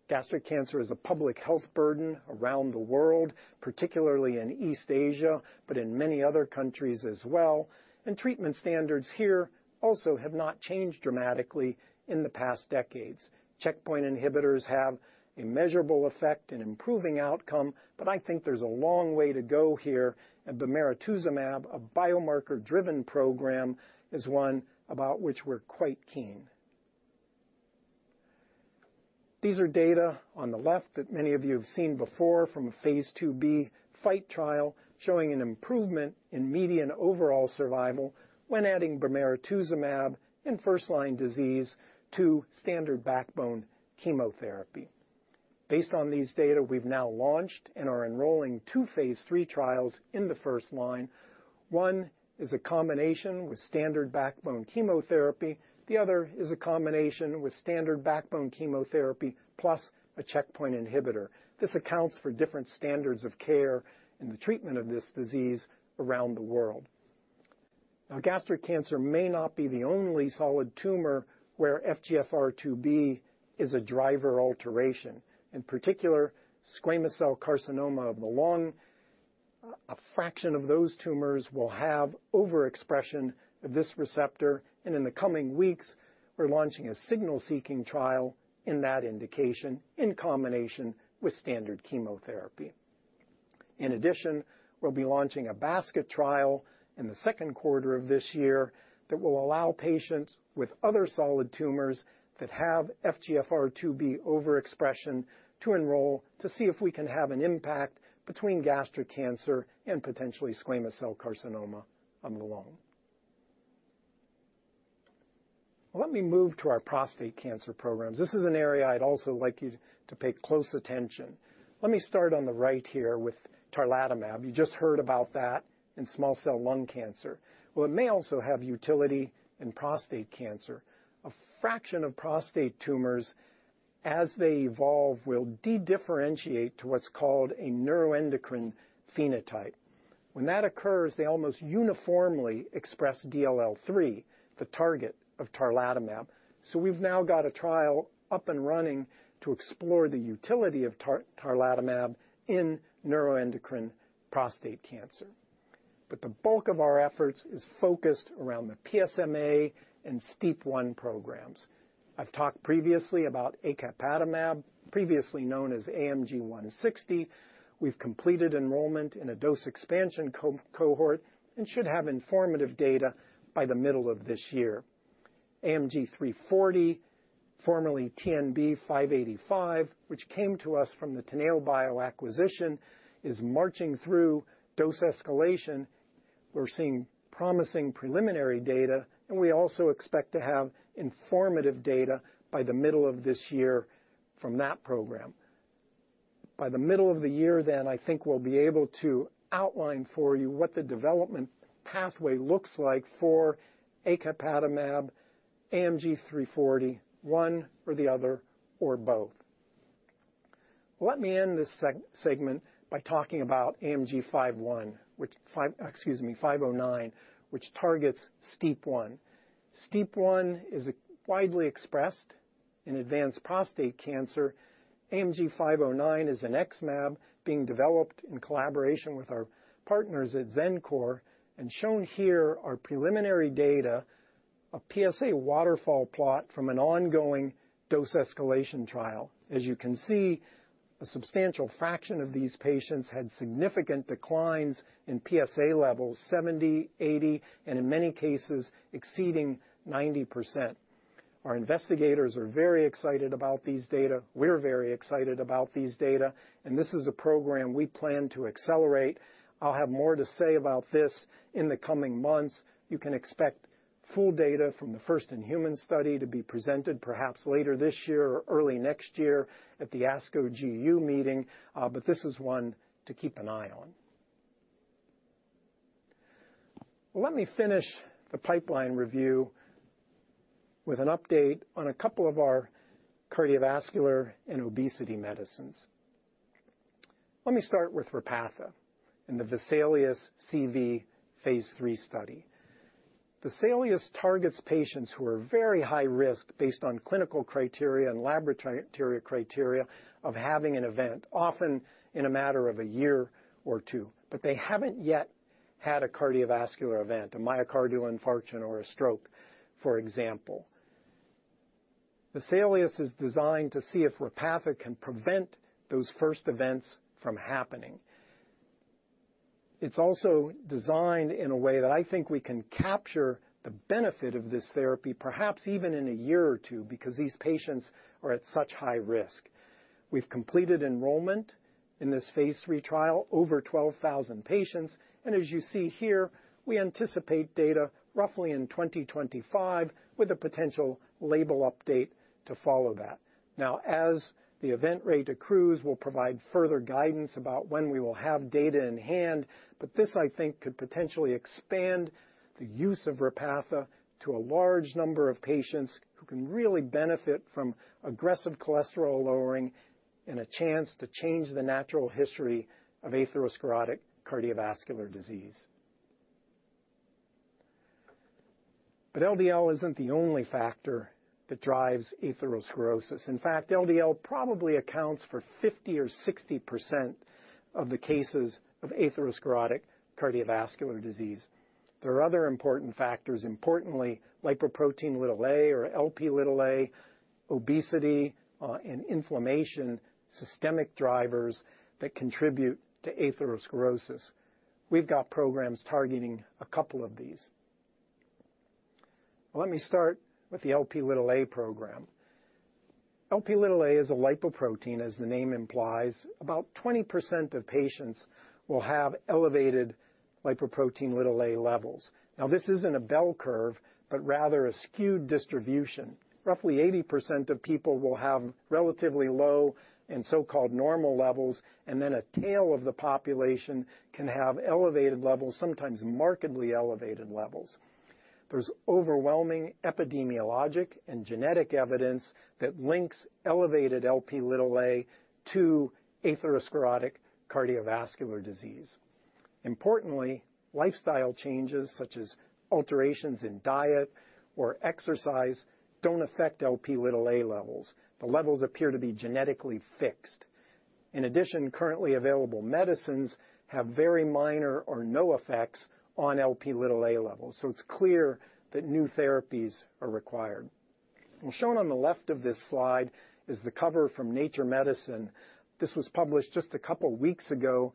Gastric cancer is a public health burden around the world, particularly in East Asia, but in many other countries as well. Treatment standards here also have not changed dramatically in the past decades. Checkpoint inhibitors have a measurable effect in improving outcome, but I think there's a long way to go here. Bemarituzumab, a biomarker-driven program, is one about which we're quite keen. These are data on the left that many of you have seen before from a phase II-B FIGHT trial showing an improvement in median overall survival when adding bemarituzumab in first-line disease to standard backbone chemotherapy. Based on these data, we've now launched and are enrolling two phase III trials in the first line. One is a combination with standard backbone chemotherapy. The other is a combination with standard backbone chemotherapy plus a checkpoint inhibitor. This accounts for different standards of care in the treatment of this disease around the world. Now, gastric cancer may not be the only solid tumor where FGFR2B is a driver alteration. In particular, squamous cell carcinoma of the lung, a fraction of those tumors will have overexpression of this receptor. In the coming weeks, we're launching a signal-seeking trial in that indication in combination with standard chemotherapy. In addition, we'll be launching a basket trial in the Q2 of this year that will allow patients with other solid tumors that have FGFR2B overexpression to enroll to see if we can have an impact between gastric cancer and potentially squamous cell carcinoma of the lung. Well, let me move to our prostate cancer programs. This is an area I'd also like you to pay close attention. Let me start on the right here with tarlatamab. You just heard about that in small cell lung cancer. Well, it may also have utility in prostate cancer. A fraction of prostate tumors. As they evolve, they'll dedifferentiate to what's called a neuroendocrine phenotype. When that occurs, they almost uniformly express DLL3, the target of tarlatamab. We've now got a trial up and running to explore the utility of tarlatamab in neuroendocrine prostate cancer. The bulk of our efforts is focused around the PSMA and STEAP1 programs. I've talked previously about acapatamab, previously known as AMG 160. We've completed enrollment in a dose expansion cohort and should have informative data by the middle of this year. AMG 340, formerly TNB-585, which came to us from the Teneobio acquisition, is marching through dose escalation. We're seeing promising preliminary data, and we also expect to have informative data by the middle of this year from that program. By the middle of the year, I think we'll be able to outline for you what the development pathway looks like for acapatamab, AMG 340, one or the other, or both. Let me end this segment by talking about AMG 509, which targets STEAP1. STEAP1 is widely expressed in advanced prostate cancer. AMG 509 is an XmAb being developed in collaboration with our partners at Xencor and shown here are preliminary data, a PSA waterfall plot from an ongoing dose escalation trial. As you can see, a substantial fraction of these patients had significant declines in PSA levels 70%, 80%, and in many cases, exceeding 90%. Our investigators are very excited about these data. We're very excited about these data, and this is a program we plan to accelerate. I'll have more to say about this in the coming months. You can expect full data from the first in-human study to be presented perhaps later this year or early next year at the ASCO GU meeting, but this is one to keep an eye on. Well, let me finish the pipeline review with an update on a couple of our cardiovascular and obesity medicines. Let me start with Repatha and the VESALIUS-CV phase III study. VESALIUS-CV targets patients who are very high risk based on clinical criteria and laboratory criteria of having an event, often in a matter of a year or two years. They haven't yet had a cardiovascular event, a myocardial infarction or a stroke, for example. VESALIUS-CV is designed to see if Repatha can prevent those first events from happening. It's also designed in a way that I think we can capture the benefit of this therapy, perhaps even in a year or two years, because these patients are at such high risk. We've completed enrollment in this phase III trial, over 12,000 patients. As you see here, we anticipate data roughly in 2025 with a potential label update to follow that. Now, as the event rate accrues, we'll provide further guidance about when we will have data in hand. This, I think, could potentially expand the use of Repatha to a large number of patients who can really benefit from aggressive cholesterol lowering and a chance to change the natural history of atherosclerotic cardiovascular disease. LDL isn't the only factor that drives atherosclerosis. In fact, LDL probably accounts for 50% or 60% of the cases of atherosclerotic cardiovascular disease. There are other important factors, importantly, lipoprotein(a) or Lp(a), obesity, and inflammation, systemic drivers that contribute to atherosclerosis. We've got programs targeting a couple of these. Let me start with the Lp(a) program. Lp(a) is a lipoprotein, as the name implies. About 20% of patients will have elevated lipoprotein(a) levels. Now, this isn't a bell curve, but rather a skewed distribution. Roughly 80% of people will have relatively low and so-called normal levels, and then a tail of the population can have elevated levels, sometimes markedly elevated levels. There's overwhelming epidemiologic and genetic evidence that links elevated Lp(a) to atherosclerotic cardiovascular disease. Importantly, lifestyle changes such as alterations in diet or exercise don't affect Lp(a) levels. The levels appear to be genetically fixed. In addition, currently available medicines have very minor or no effects on Lp(a) levels. It's clear that new therapies are required. Shown on the left of this slide is the cover from Nature Medicine. This was published just a couple of weeks ago,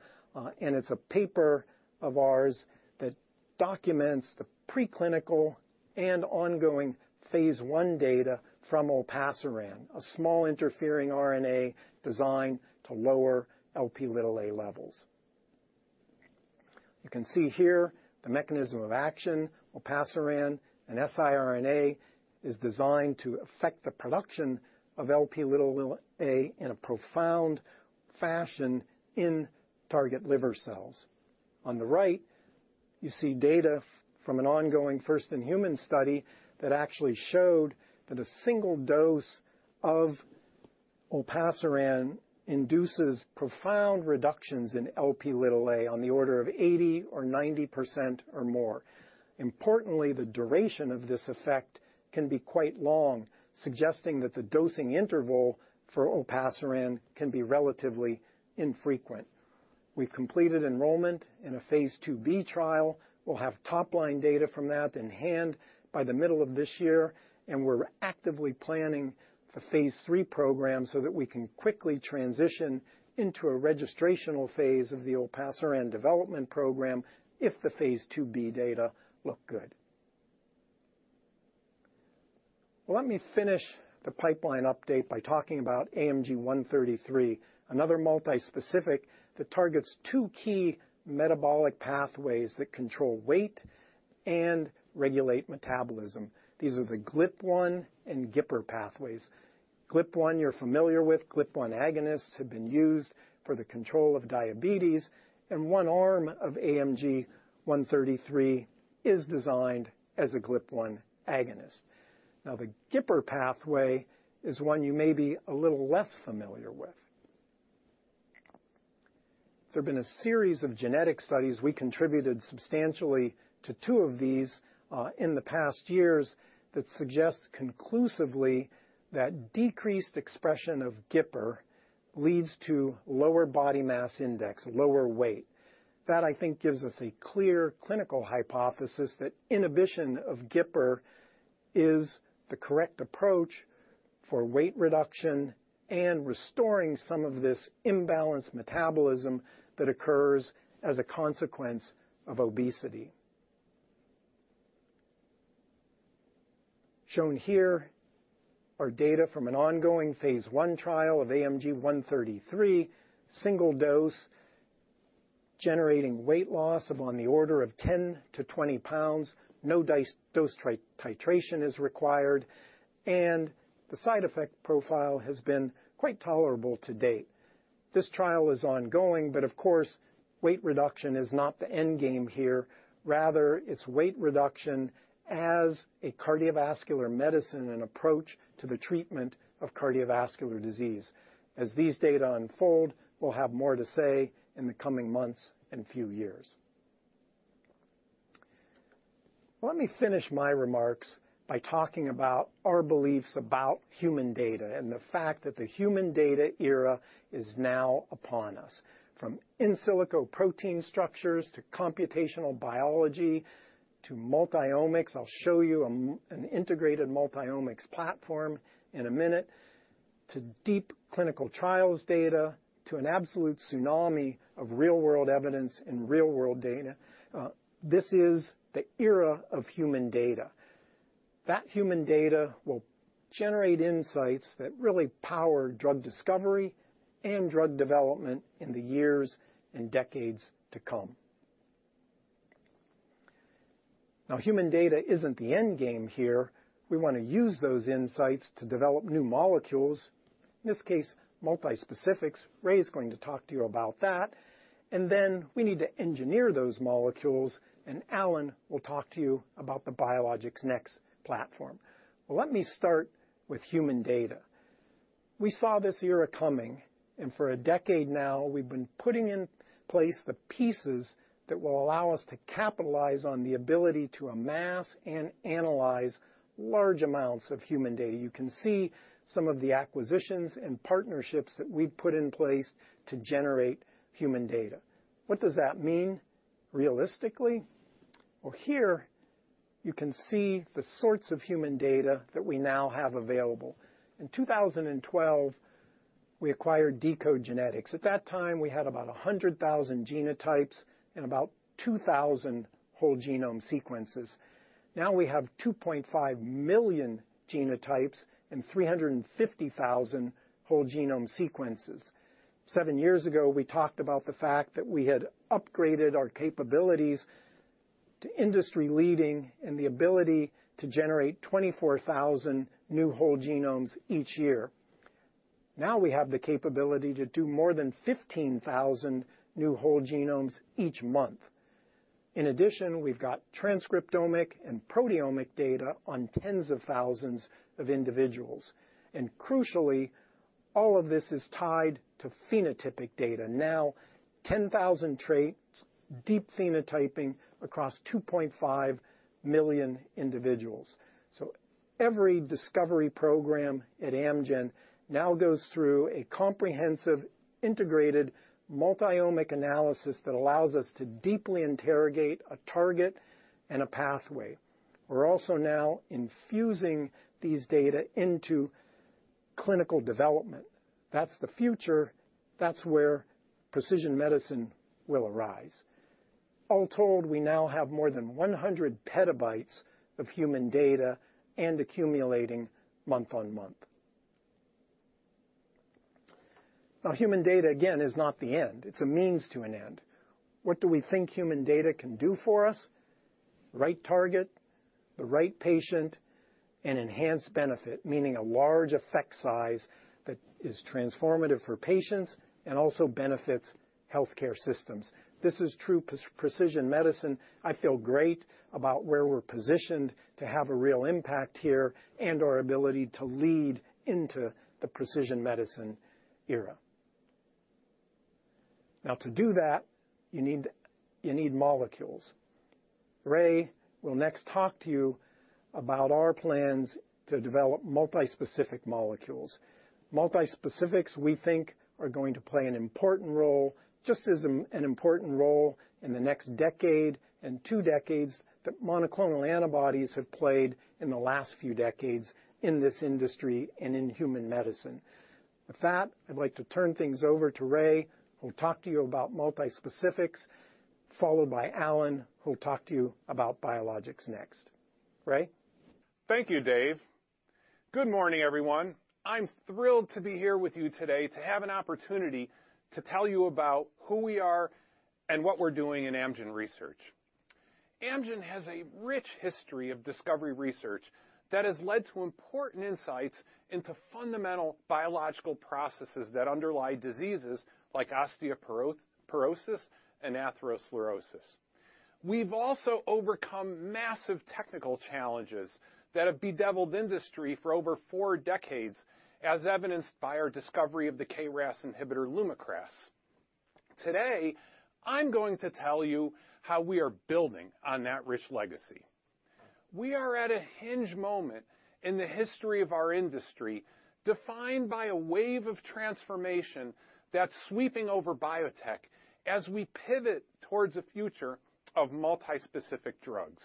and it's a paper of ours that documents the preclinical and ongoing phase I data from Olpasiran, a small interfering RNA designed to lower Lp(a) levels. You can see here the mechanism of action. Olpasiran, an siRNA, is designed to affect the production of Lp(a) in a profound fashion in target liver cells. On the right, you see data from an ongoing first-in-human study that actually showed that a single dose of Olpasiran induces profound reductions in Lp(a) on the order of 80% or 90% or more. Importantly, the duration of this effect can be quite long, suggesting that the dosing interval for Olpasiran can be relatively infrequent. We've completed enrollment in a phase II-B trial. We'll have top-line data from that in hand by the middle of this year, and we're actively planning the phase III program so that we can quickly transition into a registrational phase of the Olpasiran development program if the phase II-B data look good. Well, let me finish the pipeline update by talking about AMG 133, another multispecific that targets two key metabolic pathways that control weight and regulate metabolism. These are the GLP-1 and GIPR pathways. GLP-1 you're familiar with. GLP-1 agonists have been used for the control of diabetes, and one arm of AMG 133 is designed as a GLP-1 agonist. Now, the GIPR pathway is one you may be a little less familiar with. There have been a series of genetic studies. We contributed substantially to two of these in the past years that suggest conclusively that decreased expression of GIPR leads to lower body mass index, lower weight. That, I think, gives us a clear clinical hypothesis that inhibition of GIPR is the correct approach for weight reduction and restoring some of this imbalanced metabolism that occurs as a consequence of obesity. Shown here are data from an ongoing phase I trial of AMG 133, single dose, generating weight loss of on the order of 10 pounds-20 pounds. No dose titration is required, and the side effect profile has been quite tolerable to date. This trial is ongoing, but of course, weight reduction is not the end game here. Rather, it's weight reduction as a cardiovascular medicine and approach to the treatment of cardiovascular disease. As these data unfold, we'll have more to say in the coming months and few years. Let me finish my remarks by talking about our beliefs about human data and the fact that the human data era is now upon us. From in silico protein structures to computational biology to multi-omics, I'll show you an integrated multi-omics platform in a minute, to deep clinical trials data, to an absolute tsunami of real-world evidence and real-world data, this is the era of human data. That human data will generate insights that really power drug discovery and drug development in the years and decades to come. Now, human data isn't the end game here. We wanna use those insights to develop new molecules, in this case, multispecifics. Raymond Deshaies is going to talk to you about that. We need to engineer those molecules, and Alan will talk to you about the Biologics Next platform. Well, let me start with human data. We saw this era coming, and for a decade now, we've been putting in place the pieces that will allow us to capitalize on the ability to amass and analyze large amounts of human data. You can see some of the acquisitions and partnerships that we've put in place to generate human data. What does that mean realistically? Well, here you can see the sorts of human data that we now have available. In 2012, we acquired deCODE genetics. At that time, we had about 100,000 genotypes and about 2,000 whole genome sequences. Now we have 2.5 million genotypes and 350,000 whole genome sequences. Seven years ago, we talked about the fact that we had upgraded our capabilities to industry-leading and the ability to generate 24,000 new whole genomes each year. Now we have the capability to do more than 15,000 new whole genomes each month. In addition, we've got transcriptomic and proteomic data on tens of thousands of individuals. Crucially, all of this is tied to phenotypic data. Now, we have 10,000 traits, deep phenotyping across 2.5 million individuals. Every discovery program at Amgen now goes through a comprehensive, integrated multi-omic analysis that allows us to deeply interrogate a target and a pathway. We're also now infusing these data into clinical development. That's the future. That's where precision medicine will arise. All told, we now have more than 100 petabytes of human data and accumulating month on month. Human data, again, is not the end. It's a means to an end. What do we think human data can do for us? Right target, the right patient, and enhanced benefit, meaning a large effect size that is transformative for patients and also benefits healthcare systems. This is true precision medicine. I feel great about where we're positioned to have a real impact here and our ability to lead into the precision medicine era. Now, to do that, you need molecules. Raymond will next talk to you about our plans to develop multispecific molecules. Multispecifics, we think, are going to play an important role, just as an important role in the next decade and two decades that monoclonal antibodies have played in the last few decades in this industry and in human medicine. With that, I'd like to turn things over to Raymond, who'll talk to you about multispecifics, followed by Alan, who'll talk to you about Biologics Next. Raymond? Thank you, David. Good morning, everyone. I'm thrilled to be here with you today to have an opportunity to tell you about who we are and what we're doing in Amgen Research. Amgen has a rich history of discovery research that has led to important insights into fundamental biological processes that underlie diseases like osteoporosis and atherosclerosis. We've also overcome massive technical challenges that have bedeviled industry for over four decades, as evidenced by our discovery of the KRAS inhibitor LUMAKRAS. Today, I'm going to tell you how we are building on that rich legacy. We are at a hinge moment in the history of our industry, defined by a wave of transformation that's sweeping over biotech as we pivot towards a future of multispecific drugs.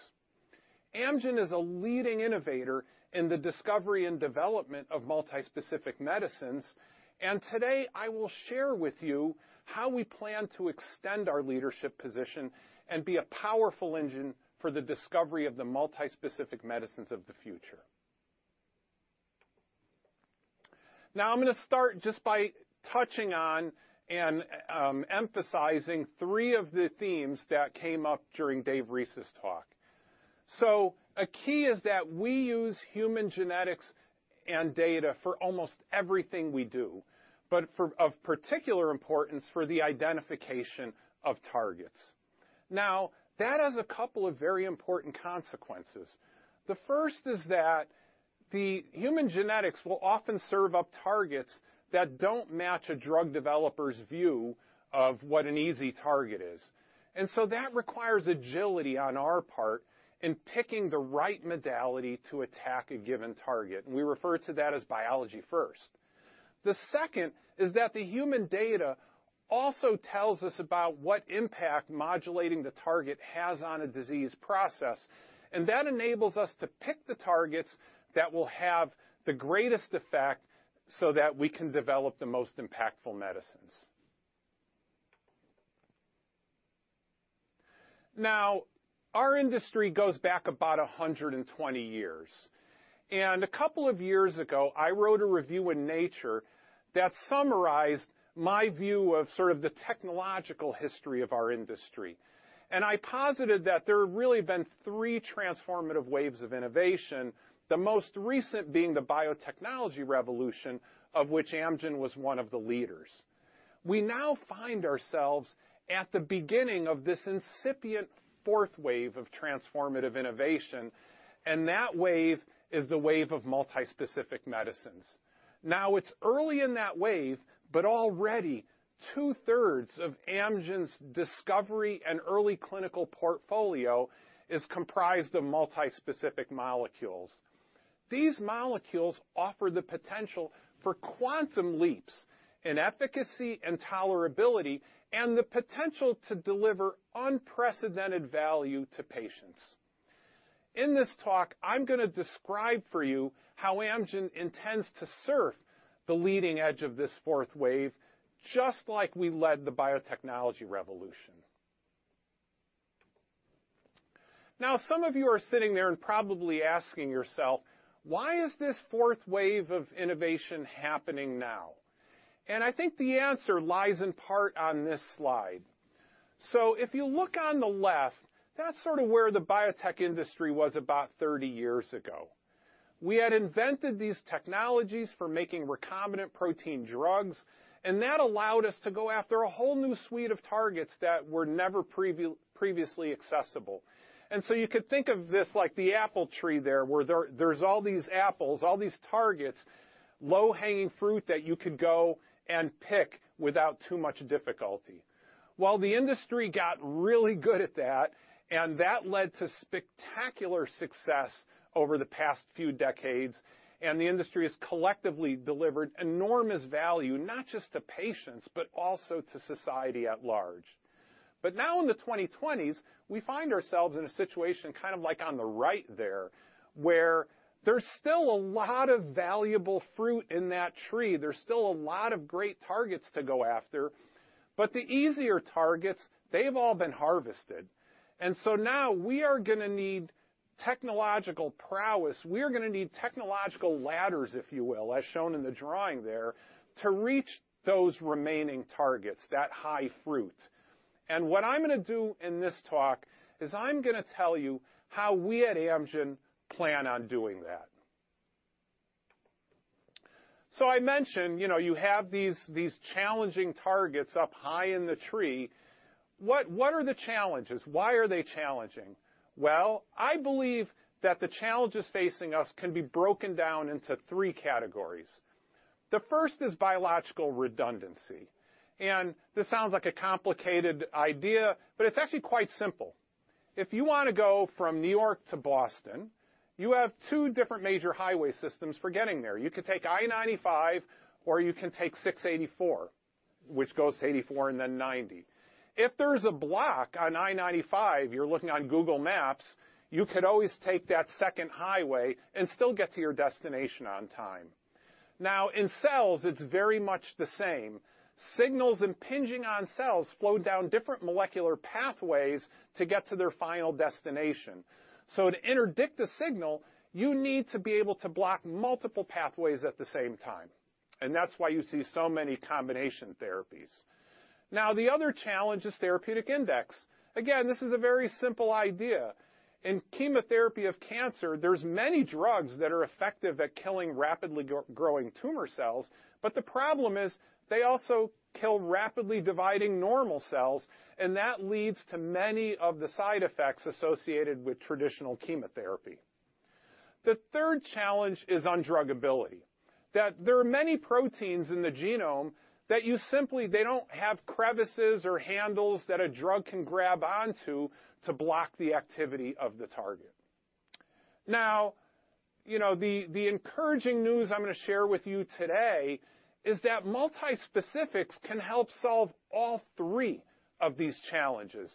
Amgen is a leading innovator in the discovery and development of multispecific medicines, and today I will share with you how we plan to extend our leadership position and be a powerful engine for the discovery of the multispecific medicines of the future. Now, I'm gonna start just by touching on and emphasizing three of the themes that came up during David Reese's talk. A key is that we use human genetics and data for almost everything we do, but for of particular importance, for the identification of targets. Now, that has a couple of very important consequences. The first is that the human genetics will often serve up targets that don't match a drug developer's view of what an easy target is. That requires agility on our part in picking the right modality to attack a given target, and we refer to that as biology first. The second is that the human data also tells us about what impact modulating the target has on a disease process, and that enables us to pick the targets that will have the greatest effect so that we can develop the most impactful medicines. Now, our industry goes back about 120 years, and a couple of years ago, I wrote a review in Nature that summarized my view of sort of the technological history of our industry. I posited that there have really been three transformative waves of innovation, the most recent being the biotechnology revolution, of which Amgen was one of the leaders. We now find ourselves at the beginning of this incipient fourth wave of transformative innovation, and that wave is the wave of multispecific medicines. Now, it's early in that wave, but already 2/3 of Amgen's discovery and early clinical portfolio is comprised of multispecific molecules. These molecules offer the potential for quantum leaps in efficacy and tolerability and the potential to deliver unprecedented value to patients. In this talk, I'm gonna describe for you how Amgen intends to surf the leading edge of this fourth wave, just like we led the biotechnology revolution. Now, some of you are sitting there and probably asking yourself, "Why is this fourth wave of innovation happening now?" I think the answer lies in part on this slide. If you look on the left, that's sort of where the biotech industry was about 30 years ago. We had invented these technologies for making recombinant protein drugs, and that allowed us to go after a whole new suite of targets that were never previously accessible. You could think of this like the apple tree there, where there's all these apples, all these targets, low-hanging fruit that you could go and pick without too much difficulty. Well, the industry got really good at that, and that led to spectacular success over the past few decades, and the industry has collectively delivered enormous value, not just to patients, but also to society at large. Now in the 2020s, we find ourselves in a situation kind of like on the right there, where there's still a lot of valuable fruit in that tree. There's still a lot of great targets to go after. The easier targets, they've all been harvested. Now we are gonna need technological prowess, we're gonna need technological ladders, if you will, as shown in the drawing there, to reach those remaining targets, that high fruit. What I'm gonna do in this talk is I'm gonna tell you how we at Amgen plan on doing that. I mentioned, you know, you have these challenging targets up high in the tree. What are the challenges? Why are they challenging? Well, I believe that the challenges facing us can be broken down into three categories. The first is biological redundancy. This sounds like a complicated idea, but it's actually quite simple. If you wanna go from New York to Boston, you have two different major highway systems for getting there. You could take I-95, or you can take 684, which goes to 84 and then 90. If there's a block on I-95, you're looking on Google Maps, you could always take that second highway and still get to your destination on time. Now, in cells, it's very much the same. Signals impinging on cells flow down different molecular pathways to get to their final destination. To interdict a signal, you need to be able to block multiple pathways at the same time, and that's why you see so many combination therapies. Now, the other challenge is therapeutic index. Again, this is a very simple idea. In chemotherapy of cancer, there's many drugs that are effective at killing rapidly growing tumor cells, but the problem is they also kill rapidly dividing normal cells, and that leads to many of the side effects associated with traditional chemotherapy. The third challenge is undruggability, that there are many proteins in the genome that you simply... They don't have crevices or handles that a drug can grab onto to block the activity of the target. Now, you know, the encouraging news I'm gonna share with you today is that multispecifics can help solve all three of these challenges.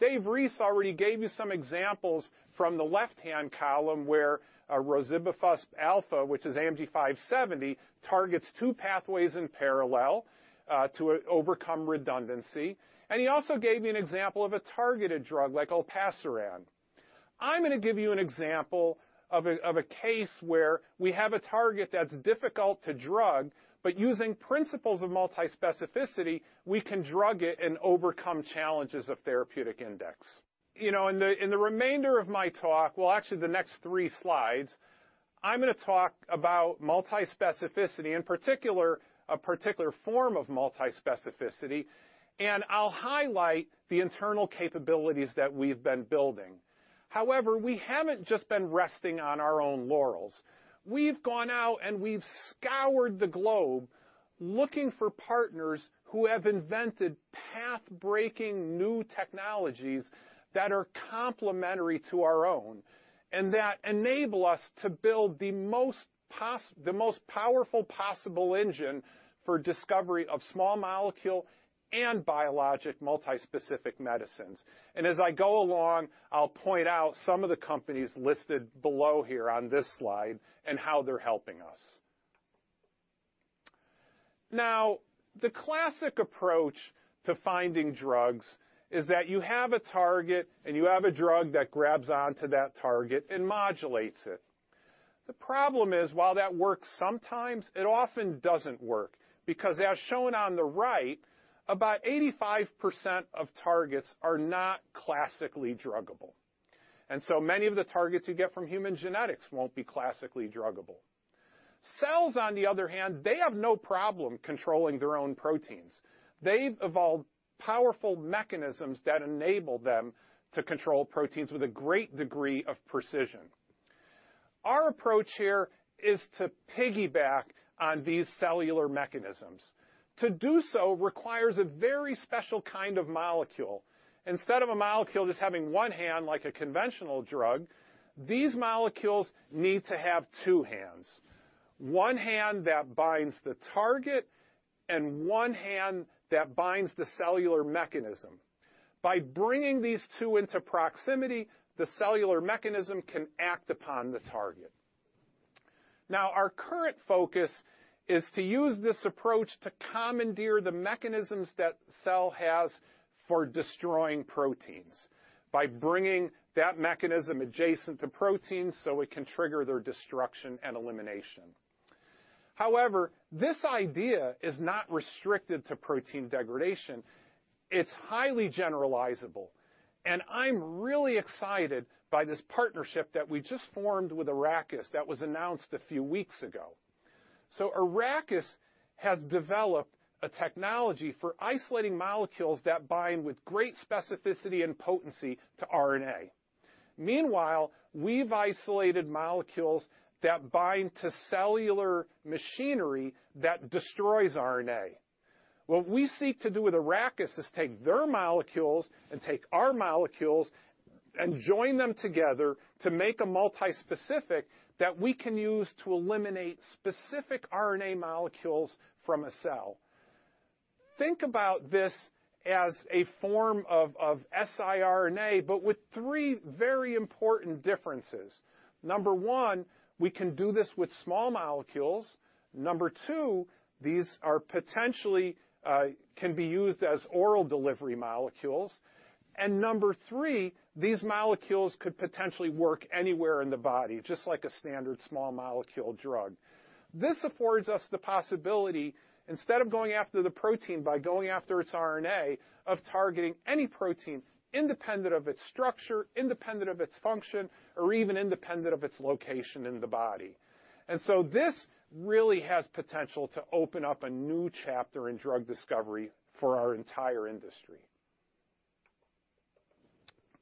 David Reese already gave you some examples from the left-hand column where rozibafusp alfa, which is AMG 570, targets two pathways in parallel to overcome redundancy. He also gave you an example of a targeted drug like olpasiran. I'm gonna give you an example of a case where we have a target that's difficult to drug, but using principles of multispecificity, we can drug it and overcome challenges of therapeutic index. You know, in the remainder of my talk, well, actually the next three slides, I'm gonna talk about multispecificity, in particular, a particular form of multispecificity, and I'll highlight the internal capabilities that we've been building. However, we haven't just been resting on our own laurels. We've gone out and we've scoured the globe looking for partners who have invented path-breaking new technologies that are complementary to our own and that enable us to build the most powerful possible engine for discovery of small molecule and biologic multispecific medicines. As I go along, I'll point out some of the companies listed below here on this slide and how they're helping us. Now, the classic approach to finding drugs is that you have a target and you have a drug that grabs on to that target and modulates it. The problem is, while that works sometimes, it often doesn't work because, as shown on the right, about 85% of targets are not classically druggable. Many of the targets you get from human genetics won't be classically druggable. Cells, on the other hand, they have no problem controlling their own proteins. They've evolved powerful mechanisms that enable them to control proteins with a great degree of precision. Our approach here is to piggyback on these cellular mechanisms. To do so requires a very special kind of molecule. Instead of a molecule just having one hand like a conventional drug, these molecules need to have two hands, one hand that binds the target and one hand that binds the cellular mechanism. By bringing these two into proximity, the cellular mechanism can act upon the target. Now, our current focus is to use this approach to commandeer the mechanisms that the cell has for destroying proteins by bringing that mechanism adjacent to proteins so it can trigger their destruction and elimination. However, this idea is not restricted to protein degradation. It's highly generalizable. I'm really excited by this partnership that we just formed with Arrakis that was announced a few weeks ago. Arrakis has developed a technology for isolating molecules that bind with great specificity and potency to RNA. Meanwhile, we've isolated molecules that bind to cellular machinery that destroys RNA. What we seek to do with Arrakis is take their molecules and take our molecules and join them together to make a multispecific that we can use to eliminate specific RNA molecules from a cell. Think about this as a form of siRNA, but with three very important differences. Number one, we can do this with small molecules. Number two, these can be used as oral delivery molecules. Number three, these molecules could potentially work anywhere in the body, just like a standard small molecule drug. This affords us the possibility, instead of going after the protein by going after its RNA, of targeting any protein independent of its structure, independent of its function, or even independent of its location in the body. This really has potential to open up a new chapter in drug discovery for our entire industry.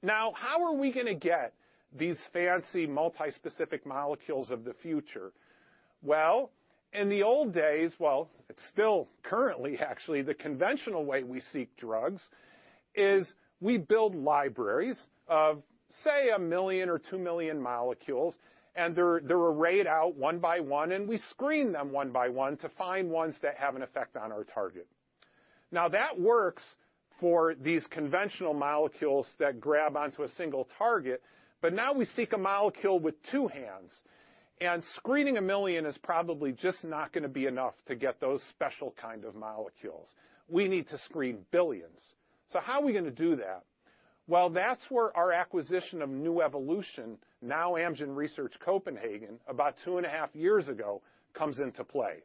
Now, how are we gonna get these fancy multi-specific molecules of the future? Well, in the old days... Well, it's still currently actually, the conventional way we seek drugs is we build libraries of, say, a million or 2 million molecules, and they're arrayed out one by one, and we screen them one by one to find ones that have an effect on our target. Now, that works for these conventional molecules that grab onto a single target, but now we seek a molecule with two hands, and screening a million is probably just not gonna be enough to get those special kind of molecules. We need to screen billions. How are we gonna do that? That's where our acquisition of Nuevolution, now Amgen Research Copenhagen, about two and a half years ago, comes into play.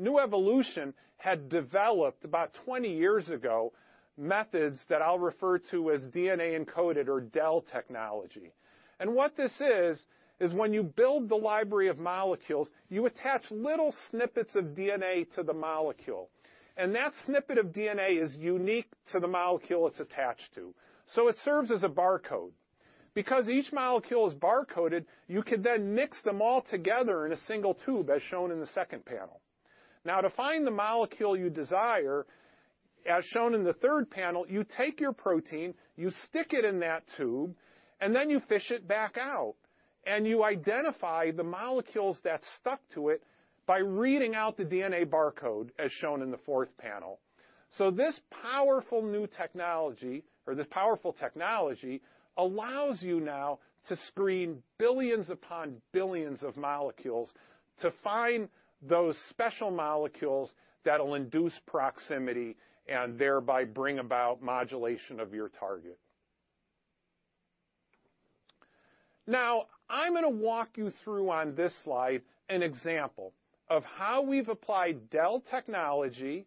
Nuevolution had developed, about 20 years ago, methods that I'll refer to as DNA-encoded or DEL technology. What this is when you build the library of molecules, you attach little snippets of DNA to the molecule, and that snippet of DNA is unique to the molecule it's attached to, so it serves as a barcode. Because each molecule is barcoded, you could then mix them all together in a single tube, as shown in the second panel. Now, to find the molecule you desire, as shown in the third panel, you take your protein, you stick it in that tube, and then you fish it back out. You identify the molecules that stuck to it by reading out the DNA barcode, as shown in the fourth panel. This powerful new technology or this powerful technology allows you now to screen billions upon billions of molecules to find those special molecules that'll induce proximity and thereby bring about modulation of your target. Now, I'm gonna walk you through on this slide an example of how we've applied DEL technology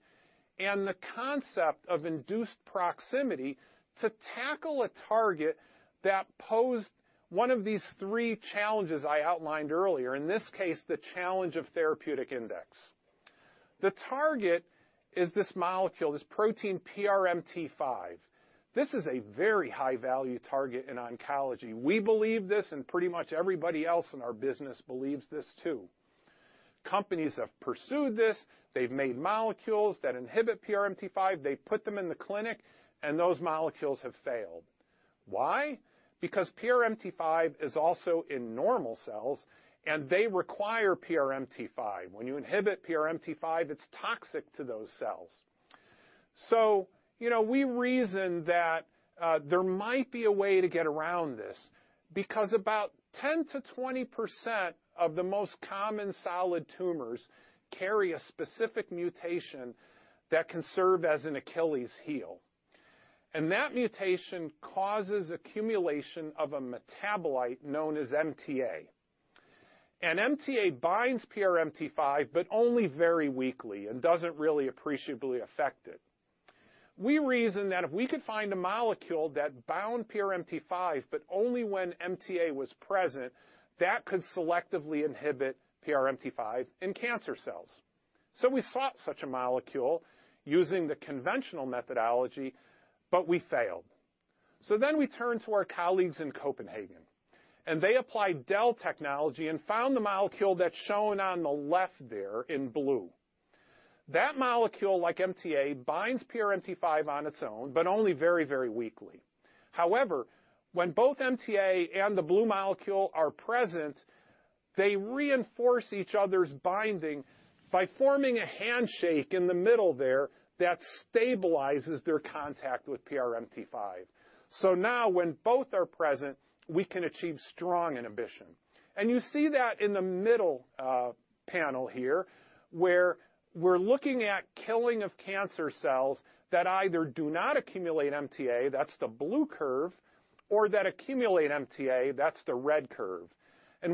and the concept of induced proximity to tackle a target that posed one of these three challenges I outlined earlier, in this case, the challenge of therapeutic index. The target is this molecule, this protein PRMT5. This is a very high-value target in oncology. We believe this, and pretty much everybody else in our business believes this too. Companies have pursued this. They've made molecules that inhibit PRMT5. They put them in the clinic, and those molecules have failed. Why? Because PRMT5 is also in normal cells, and they require PRMT5. When you inhibit PRMT5, it's toxic to those cells. You know, we reasoned that there might be a way to get around this because about 10%-20% of the most common solid tumors carry a specific mutation that can serve as an Achilles heel, and that mutation causes accumulation of a metabolite known as MTA. MTA binds PRMT5, but only very weakly and doesn't really appreciably affect it. We reasoned that if we could find a molecule that bound PRMT5 but only when MTA was present, that could selectively inhibit PRMT5 in cancer cells. We sought such a molecule using the conventional methodology, but we failed. We turned to our colleagues in Copenhagen, and they applied DEL technology and found the molecule that's shown on the left there in blue. That molecule, like MTA, binds PRMT5 on its own, but only very, very weakly. However, when both MTA and the blue molecule are present, they reinforce each other's binding by forming a handshake in the middle there that stabilizes their contact with PRMT5. So now when both are present, we can achieve strong inhibition. You see that in the middle, panel here, where we're looking at killing of cancer cells that either do not accumulate MTA, that's the blue curve, or that accumulate MTA, that's the red curve.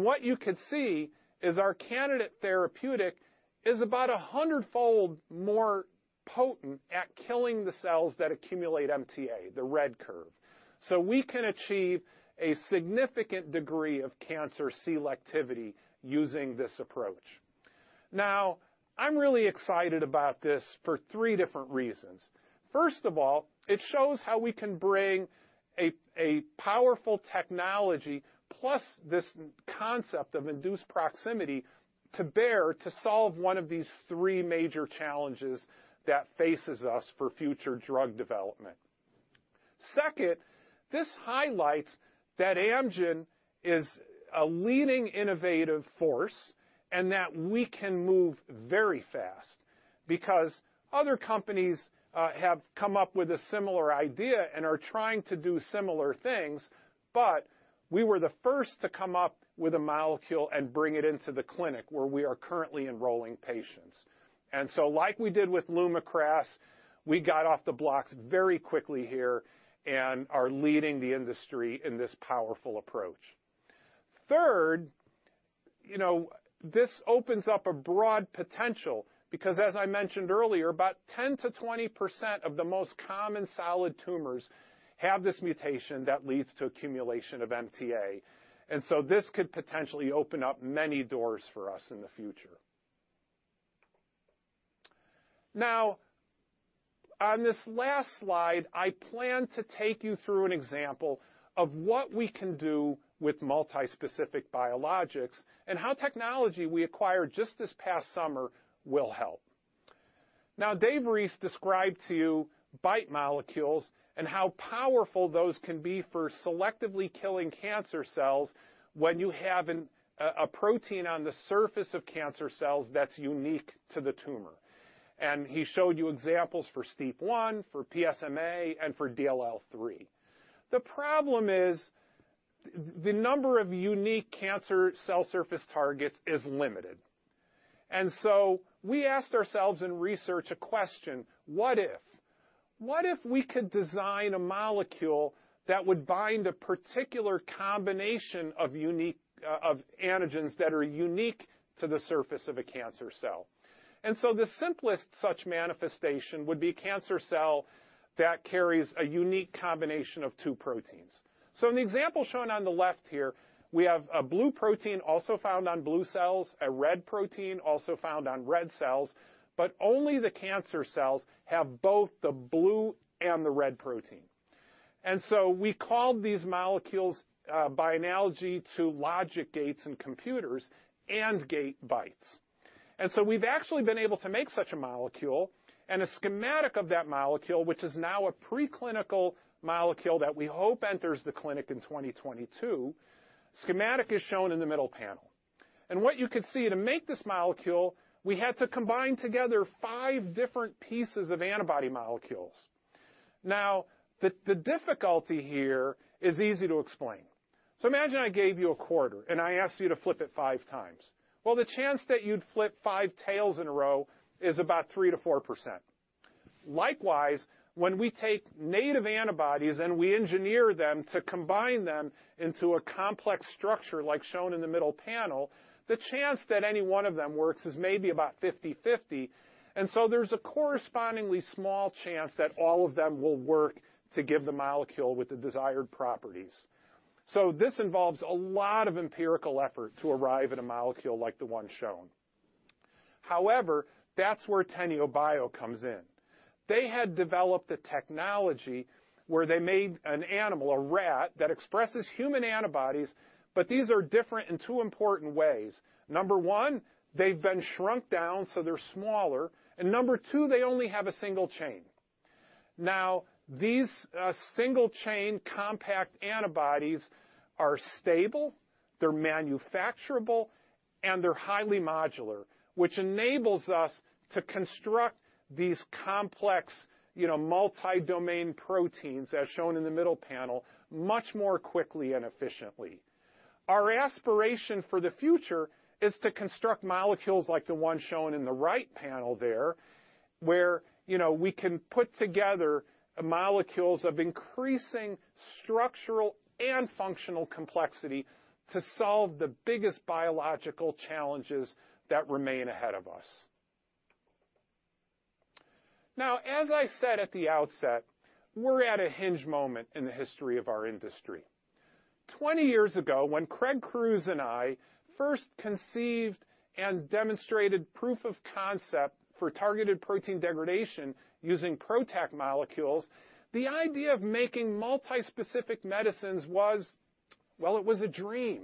What you could see is our candidate therapeutic is about a hundredfold more potent at killing the cells that accumulate MTA, the red curve. So we can achieve a significant degree of cancer selectivity using this approach. Now, I'm really excited about this for three different reasons. First of all, it shows how we can bring a powerful technology plus this concept of induced proximity to bear to solve one of these three major challenges that faces us for future drug development. Second, this highlights that Amgen is a leading innovative force and that we can move very fast. Because other companies have come up with a similar idea and are trying to do similar things, but we were the first to come up with a molecule and bring it into the clinic where we are currently enrolling patients. Like we did with LUMAKRAS, we got off the blocks very quickly here and are leading the industry in this powerful approach. Third, you know, this opens up a broad potential because as I mentioned earlier, about 10%-20% of the most common solid tumors have this mutation that leads to accumulation of MTA. This could potentially open up many doors for us in the future. Now on this last slide, I plan to take you through an example of what we can do with multi-specific biologics and how technology we acquired just this past summer will help. Now David Reese described to you BiTE molecules and how powerful those can be for selectively killing cancer cells when you have a protein on the surface of cancer cells that's unique to the tumor. He showed you examples for STEAP1, for PSMA, and for DLL3. The problem is the number of unique cancer cell surface targets is limited. We asked ourselves in research a question, what if? What if we could design a molecule that would bind a particular combination of antigens that are unique to the surface of a cancer cell? The simplest such manifestation would be a cancer cell that carries a unique combination of two proteins. In the example shown on the left here, we have a blue protein also found on blue cells, a red protein also found on red cells, but only the cancer cells have both the blue and the red protein. We called these molecules by analogy to logic gates in computers, AND-gate BiTEs. We've actually been able to make such a molecule, and a schematic of that molecule, which is now a preclinical molecule that we hope enters the clinic in 2022, schematic is shown in the middle panel. What you can see to make this molecule, we had to combine together five different pieces of antibody molecules. Now the difficulty here is easy to explain. Imagine I gave you a quarter, and I asked you to flip it five times. Well, the chance that you'd flip five tails in a row is about 3%-4%. Likewise, when we take native antibodies, and we engineer them to combine them into a complex structure like shown in the middle panel, the chance that any one of them works is maybe about 50/50, and so there's a correspondingly small chance that all of them will work to give the molecule with the desired properties. This involves a lot of empirical effort to arrive at a molecule like the one shown. However, that's where Teneobio comes in. They had developed a technology where they made an animal, a rat, that expresses human antibodies, but these are different in two important ways. Number one, they've been shrunk down, so they're smaller. Number two, they only have a single chain. Now, these single chain compact antibodies are stable, they're manufacturable, and they're highly modular, which enables us to construct these complex, you know, multi-domain proteins as shown in the middle panel much more quickly and efficiently. Our aspiration for the future is to construct molecules like the one shown in the right panel there, where, you know, we can put together molecules of increasing structural and functional complexity to solve the biggest biological challenges that remain ahead of us. Now, as I said at the outset, we're at a hinge moment in the history of our industry. 20 years ago, when Craig Crews and I first conceived and demonstrated proof of concept for targeted protein degradation using PROTAC molecules, the idea of making multi-specific medicines was, well, it was a dream.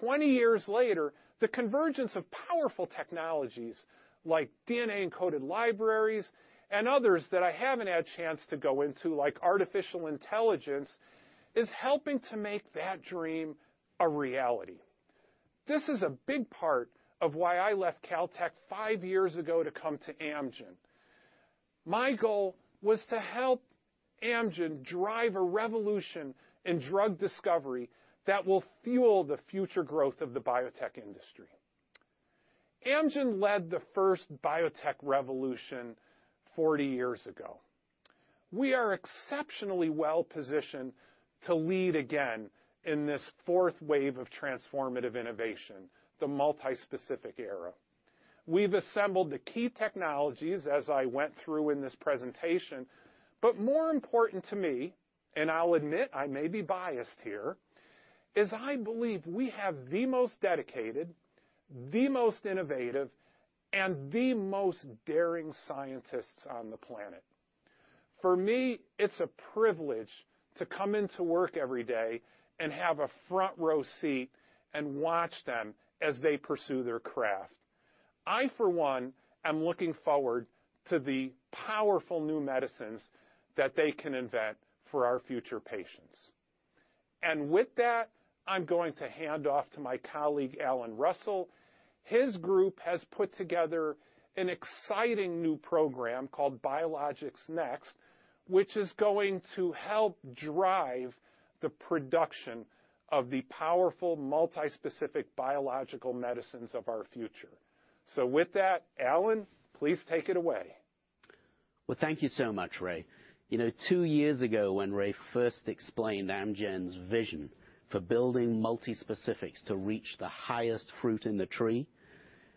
20 years later, the convergence of powerful technologies like DNA-encoded libraries and others that I haven't had a chance to go into, like artificial intelligence, is helping to make that dream a reality. This is a big part of why I left Caltech five years ago to come to Amgen. My goal was to help Amgen drive a revolution in drug discovery that will fuel the future growth of the biotech industry. Amgen led the first biotech revolution 40 years ago. We are exceptionally well-positioned to lead again in this fourth wave of transformative innovation, the multi-specific era. We've assembled the key technologies, as I went through in this presentation, but more important to me, and I'll admit I may be biased here, is I believe we have the most dedicated, the most innovative, and the most daring scientists on the planet. For me, it's a privilege to come into work every day and have a front row seat and watch them as they pursue their craft. I, for one, am looking forward to the powerful new medicines that they can invent for our future patients. With that, I'm going to hand off to my colleague, Alan Russell. His group has put together an exciting new program called Biologics Next, which is going to help drive the production of the powerful multi-specific biological medicines of our future. With that, Alan, please take it away. Well, thank you so much, Raymond. You know, two years ago, when Raymond first explained Amgen's vision for building multi-specifics to reach the highest fruit in the tree,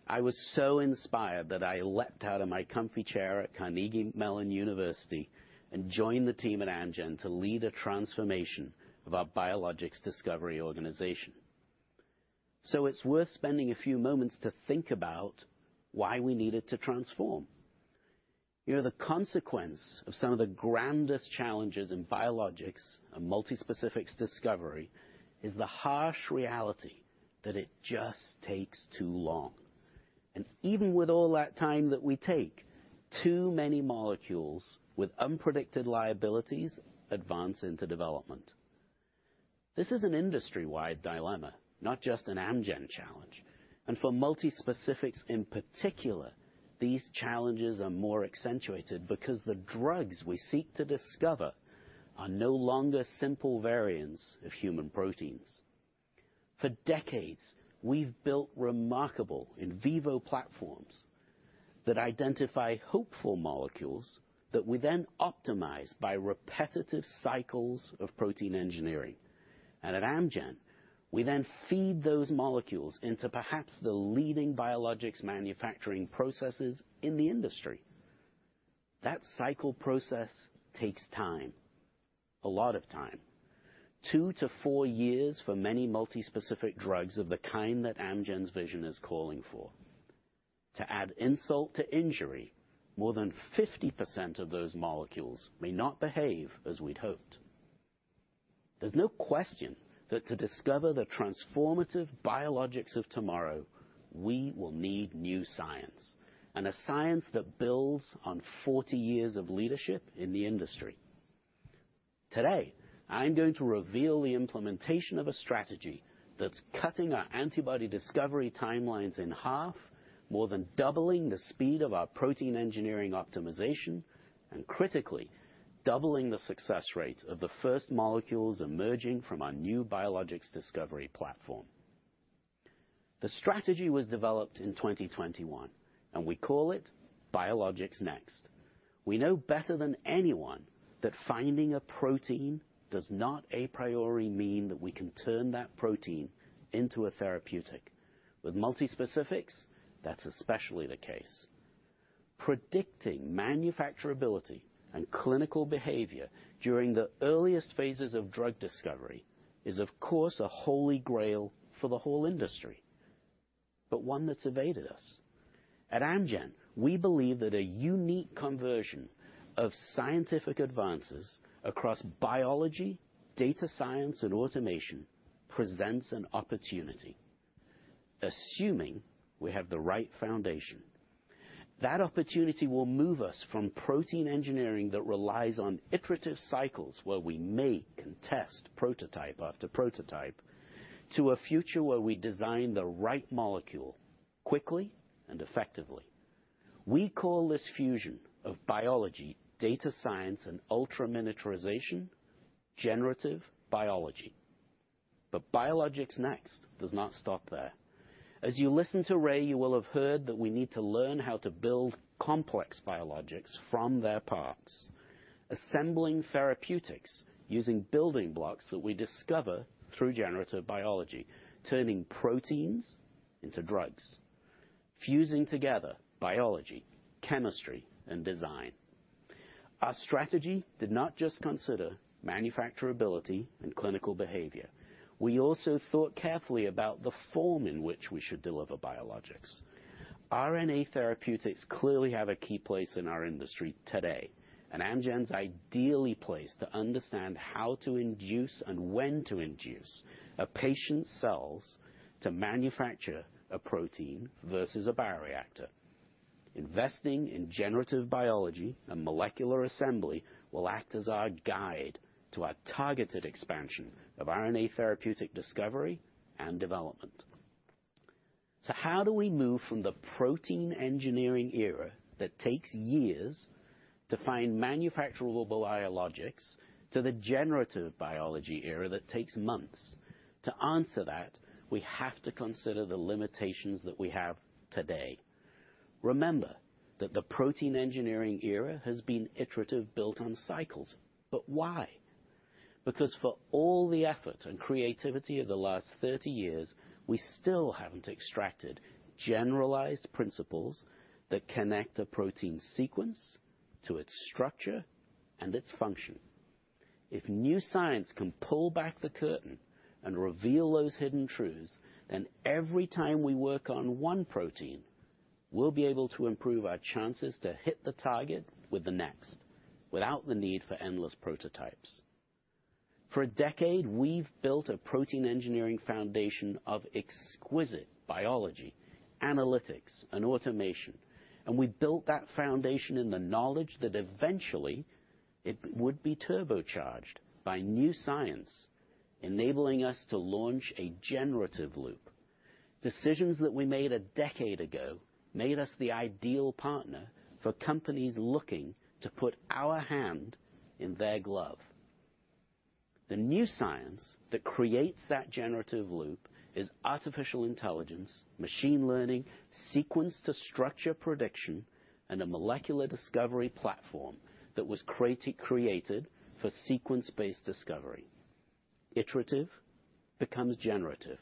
I was so inspired that I leapt out of my comfy chair at Carnegie Mellon University and joined the team at Amgen to lead a transformation of our biologics discovery organization. It's worth spending a few moments to think about why we needed to transform. You know, the consequence of some of the grandest challenges in biologics and multi-specifics discovery is the harsh reality that it just takes too long. Even with all that time that we take, too many molecules with unpredicted liabilities advance into development. This is an industry-wide dilemma, not just an Amgen challenge, and for multi-specifics in particular, these challenges are more accentuated because the drugs we seek to discover are no longer simple variants of human proteins. For decades, we've built remarkable in vivo platforms that identify hopeful molecules that we then optimize by repetitive cycles of protein engineering. At Amgen, we then feed those molecules into perhaps the leading biologics manufacturing processes in the industry. That cycle process takes time, a lot of time, two years-four years for many multi-specific drugs of the kind that Amgen's vision is calling for. To add insult to injury, more than 50% of those molecules may not behave as we'd hoped. There's no question that to discover the transformative biologics of tomorrow, we will need new science, and a science that builds on 40 years of leadership in the industry. Today, I'm going to reveal the implementation of a strategy that's cutting our antibody discovery timelines in 1/2, more than doubling the speed of our protein engineering optimization, and critically, doubling the success rate of the first molecules emerging from our new biologics discovery platform. The strategy was developed in 2021, and we call it Biologics Next. We know better than anyone that finding a protein does not a priori mean that we can turn that protein into a therapeutic. With multi-specifics, that's especially the case. Predicting manufacturability and clinical behavior during the earliest phases of drug discovery is, of course, a holy grail for the whole industry, but one that's evaded us. At Amgen, we believe that a unique conversion of scientific advances across biology, data science, and automation presents an opportunity, assuming we have the right foundation. That opportunity will move us from protein engineering that relies on iterative cycles where we make and test prototype after prototype, to a future where we design the right molecule quickly and effectively. We call this fusion of biology, data science, and ultra-miniaturization generative biology. Biologics Next does not stop there. As you listened to Raymond, you will have heard that we need to learn how to build complex biologics from their parts, assembling therapeutics using building blocks that we discover through generative biology, turning proteins into drugs, fusing together biology, chemistry, and design. Our strategy did not just consider manufacturability and clinical behavior. We also thought carefully about the form in which we should deliver biologics. RNA therapeutics clearly have a key place in our industry today, and Amgen's ideally placed to understand how to induce and when to induce a patient's cells to manufacture a protein versus a bioreactor. Investing in generative biology and molecular assembly will act as our guide to our targeted expansion of RNA therapeutic discovery and development. How do we move from the protein engineering era that takes years to find manufacturable biologics to the generative biology era that takes months? To answer that, we have to consider the limitations that we have today. Remember that the protein engineering era has been iterative, built on cycles. Why? Because for all the effort and creativity of the last 30 years, we still haven't extracted generalized principles that connect a protein sequence to its structure and its function. If new science can pull back the curtain and reveal those hidden truths, then every time we work on one protein, we'll be able to improve our chances to hit the target with the next, without the need for endless prototypes. For a decade, we've built a protein engineering foundation of exquisite biology, analytics, and automation, and we built that foundation in the knowledge that eventually it would be turbocharged by new science, enabling us to launch a generative loop. Decisions that we made a decade ago made us the ideal partner for companies looking to put our hand in their glove. The new science that creates that generative loop is artificial intelligence, machine learning, sequence to structure prediction, and a molecular discovery platform that was created for sequence-based discovery. Iterative becomes generative,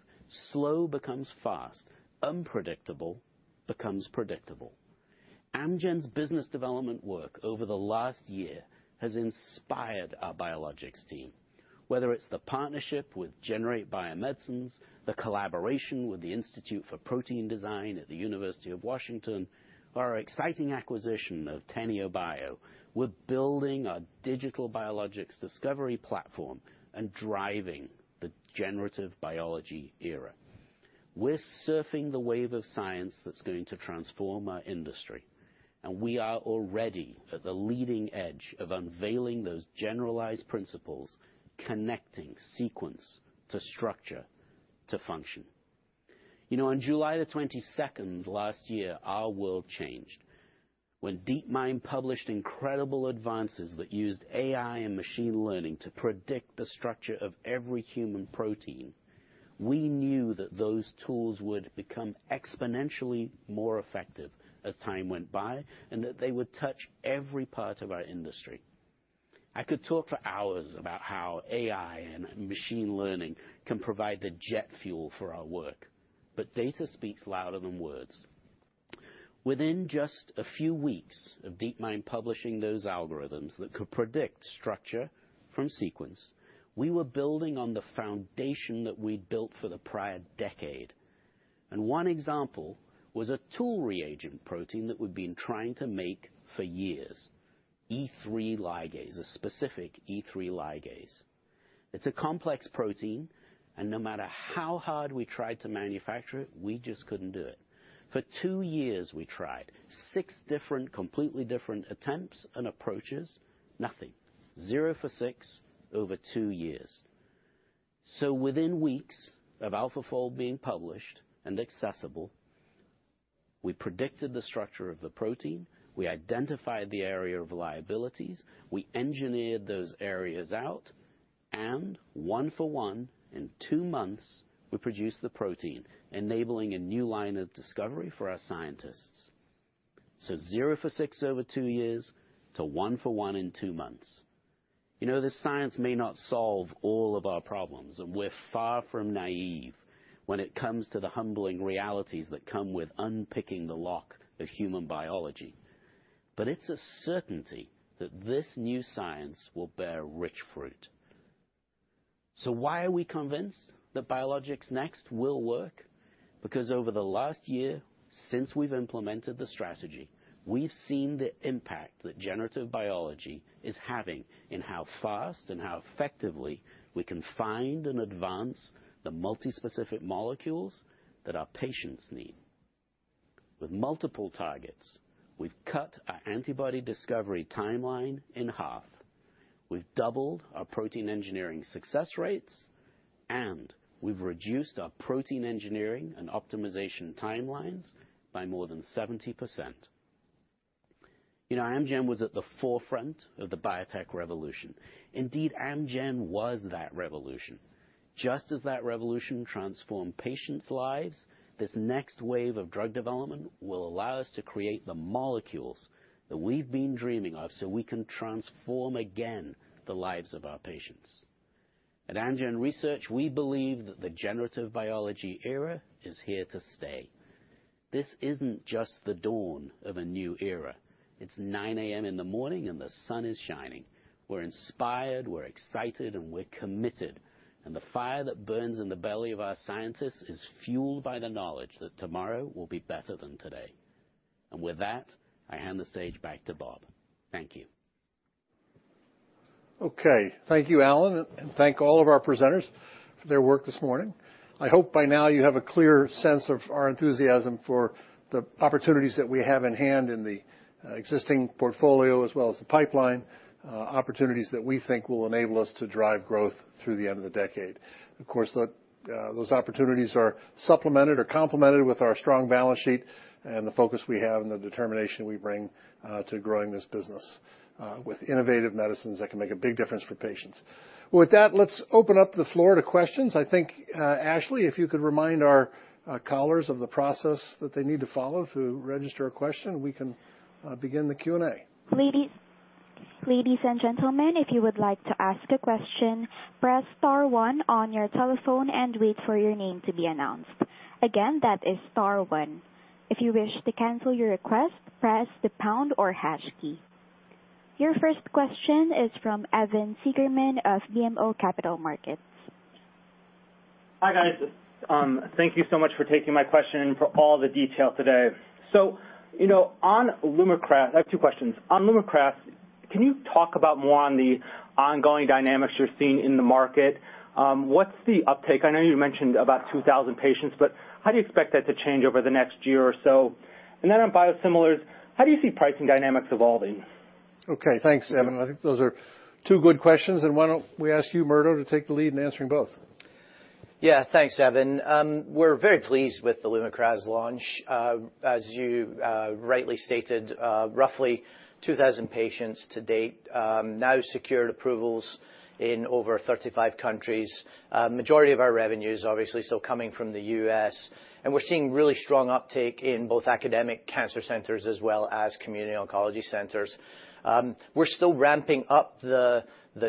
slow becomes fast, unpredictable becomes predictable. Amgen's business development work over the last year has inspired our biologics team, whether it's the partnership with Generate Biomedicines, the collaboration with the Institute for Protein Design at the University of Washington, or our exciting acquisition of Teneobio. We're building a digital biologics discovery platform and driving the generative biology era. We're surfing the wave of science that's going to transform our industry, and we are already at the leading edge of unveiling those generalized principles, connecting sequence to structure to function. You know, on July 22 last year, our world changed. When DeepMind published incredible advances that used AI and machine learning to predict the structure of every human protein, we knew that those tools would become exponentially more effective as time went by, and that they would touch every part of our industry. I could talk for hours about how AI and machine learning can provide the jet fuel for our work, but data speaks louder than words. Within just a few weeks of DeepMind publishing those algorithms that could predict structure from sequence, we were building on the foundation that we'd built for the prior decade, and one example was a tool reagent protein that we'd been trying to make for years, E3 ligase, a specific E3 ligase. It's a complex protein, and no matter how hard we tried to manufacture it, we just couldn't do it. For two years, we tried six different, completely different attempts and approaches. Nothing. Zero for six over two years. Within weeks of AlphaFold being published and accessible, we predicted the structure of the protein, we identified the area of liabilities, we engineered those areas out, and one for one, in two months, we produced the protein, enabling a new line of discovery for our scientists. Zero for six over two years to one for one in two months. You know, the science may not solve all of our problems, and we're far from naive when it comes to the humbling realities that come with unpicking the lock of human biology. It's a certainty that this new science will bear rich fruit. Why are we convinced that Biologics Next will work? Because over the last year, since we've implemented the strategy, we've seen the impact that generative biology is having in how fast and how effectively we can find and advance the multispecific molecules that our patients need. With multiple targets, we've cut our antibody discovery timeline in 1/2. We've doubled our protein engineering success rates, and we've reduced our protein engineering and optimization timelines by more than 70%. You know, Amgen was at the forefront of the biotech revolution. Indeed, Amgen was that revolution. Just as that revolution transformed patients' lives, this next wave of drug development will allow us to create the molecules that we've been dreaming of so we can transform again the lives of our patients. At Amgen Research, we believe that the generative biology era is here to stay. This isn't just the dawn of a new era. It's 9:00 A.M. in the morning and the sun is shining. We're inspired, we're excited, and we're committed, and the fire that burns in the belly of our scientists is fueled by the knowledge that tomorrow will be better than today. With that, I hand the stage back to Robert. Thank you. Okay. Thank you, Alan, and thank all of our presenters for their work this morning. I hope by now you have a clear sense of our enthusiasm for the opportunities that we have in hand in the existing portfolio as well as the pipeline opportunities that we think will enable us to drive growth through the end of the decade. Of course, those opportunities are supplemented or complemented with our strong balance sheet and the focus we have and the determination we bring to growing this business with innovative medicines that can make a big difference for patients. With that, let's open up the floor to questions. I think, Ashley, if you could remind our callers of the process that they need to follow to register a question, we can begin the Q&A. Ladies and gentlemen, if you would like to ask a question, press star one on your telephone and wait for your name to be announced. Again, that is star one. If you wish to cancel your request, press the pound or hash key. Your first question is from Evan Seigerman of BMO Capital Markets. Hi, guys. Thank you so much for taking my question and for all the detail today. You know, on LUMAKRAS. I have two questions. On LUMAKRAS, can you talk about more on the ongoing dynamics you're seeing in the market? What's the uptake? I know you mentioned about 2,000 patients, but how do you expect that to change over the next year or so? Then on biosimilars, how do you see pricing dynamics evolving? Okay, thanks, Evan. I think those are two good questions, and why don't we ask you, Murdo, to take the lead in answering both? Yeah, thanks, Evan. We're very pleased with the Lumakras launch. As you rightly stated, roughly 2,000 patients to date, now secured approvals in over 35 countries. Majority of our revenue is obviously still coming from the U.S., and we're seeing really strong uptake in both academic cancer centers as well as community oncology centers. We're still ramping up the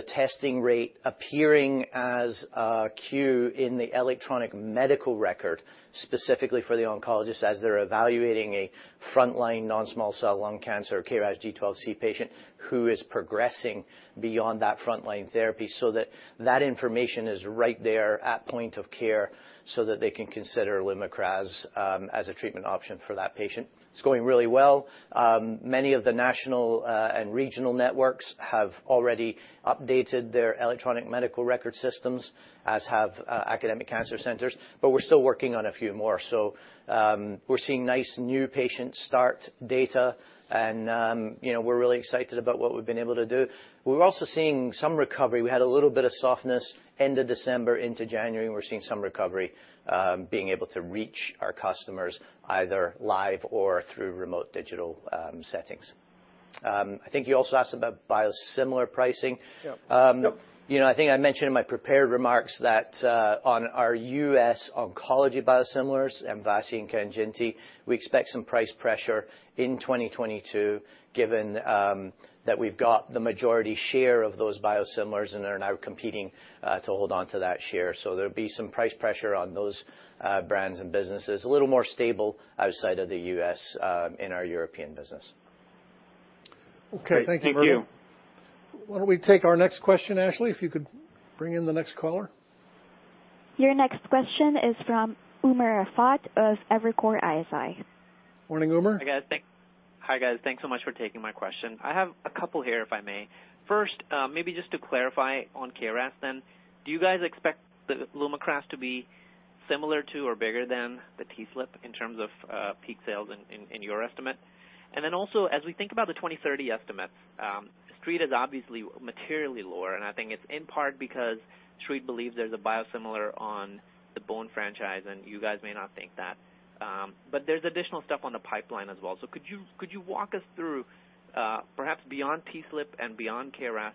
testing rate appearing as a queue in the electronic medical record, specifically for the oncologists as they're evaluating a frontline non-small cell lung cancer or KRAS G12C patient who is progressing beyond that frontline therapy, so that information is right there at point of care so that they can consider Lumakras as a treatment option for that patient. It's going really well. Many of the national and regional networks have already updated their electronic medical record systems, as have academic cancer centers, but we're still working on a few more. We're seeing nice new patients start data and, you know, we're really excited about what we've been able to do. We're also seeing some recovery. We had a little bit of softness end of December into January, and we're seeing some recovery, being able to reach our customers either live or through remote digital settings. I think you also asked about biosimilar pricing. Yeah. Yep. you know, I think I mentioned in my prepared remarks that, on our U.S. oncology biosimilars, MVASI and KANJINTI, we expect some price pressure in 2022, given that we've got the majority share of those biosimilars and are now competing to hold on to that share. There'll be some price pressure on those brands and businesses, a little more stable outside of the U.S., in our European business. Okay. Thank you, Murdo. Thank you. Why don't we take our next question, Ashley, if you could bring in the next caller. Your next question is from Umer Raffat of Evercore ISI. Morning, Umer. Hi, guys. Thanks so much for taking my question. I have a couple here, if I may. First, maybe just to clarify on KRAS then, do you guys expect the LUMAKRAS to be similar to or bigger than the TSLP in terms of peak sales in your estimate? As we think about the 2030 estimates, Street is obviously materially lower, and I think it's in part because Street believes there's a biosimilar on the bone franchise, and you guys may not think that. But there's additional stuff on the pipeline as well. Could you walk us through perhaps beyond TSLP and beyond KRAS,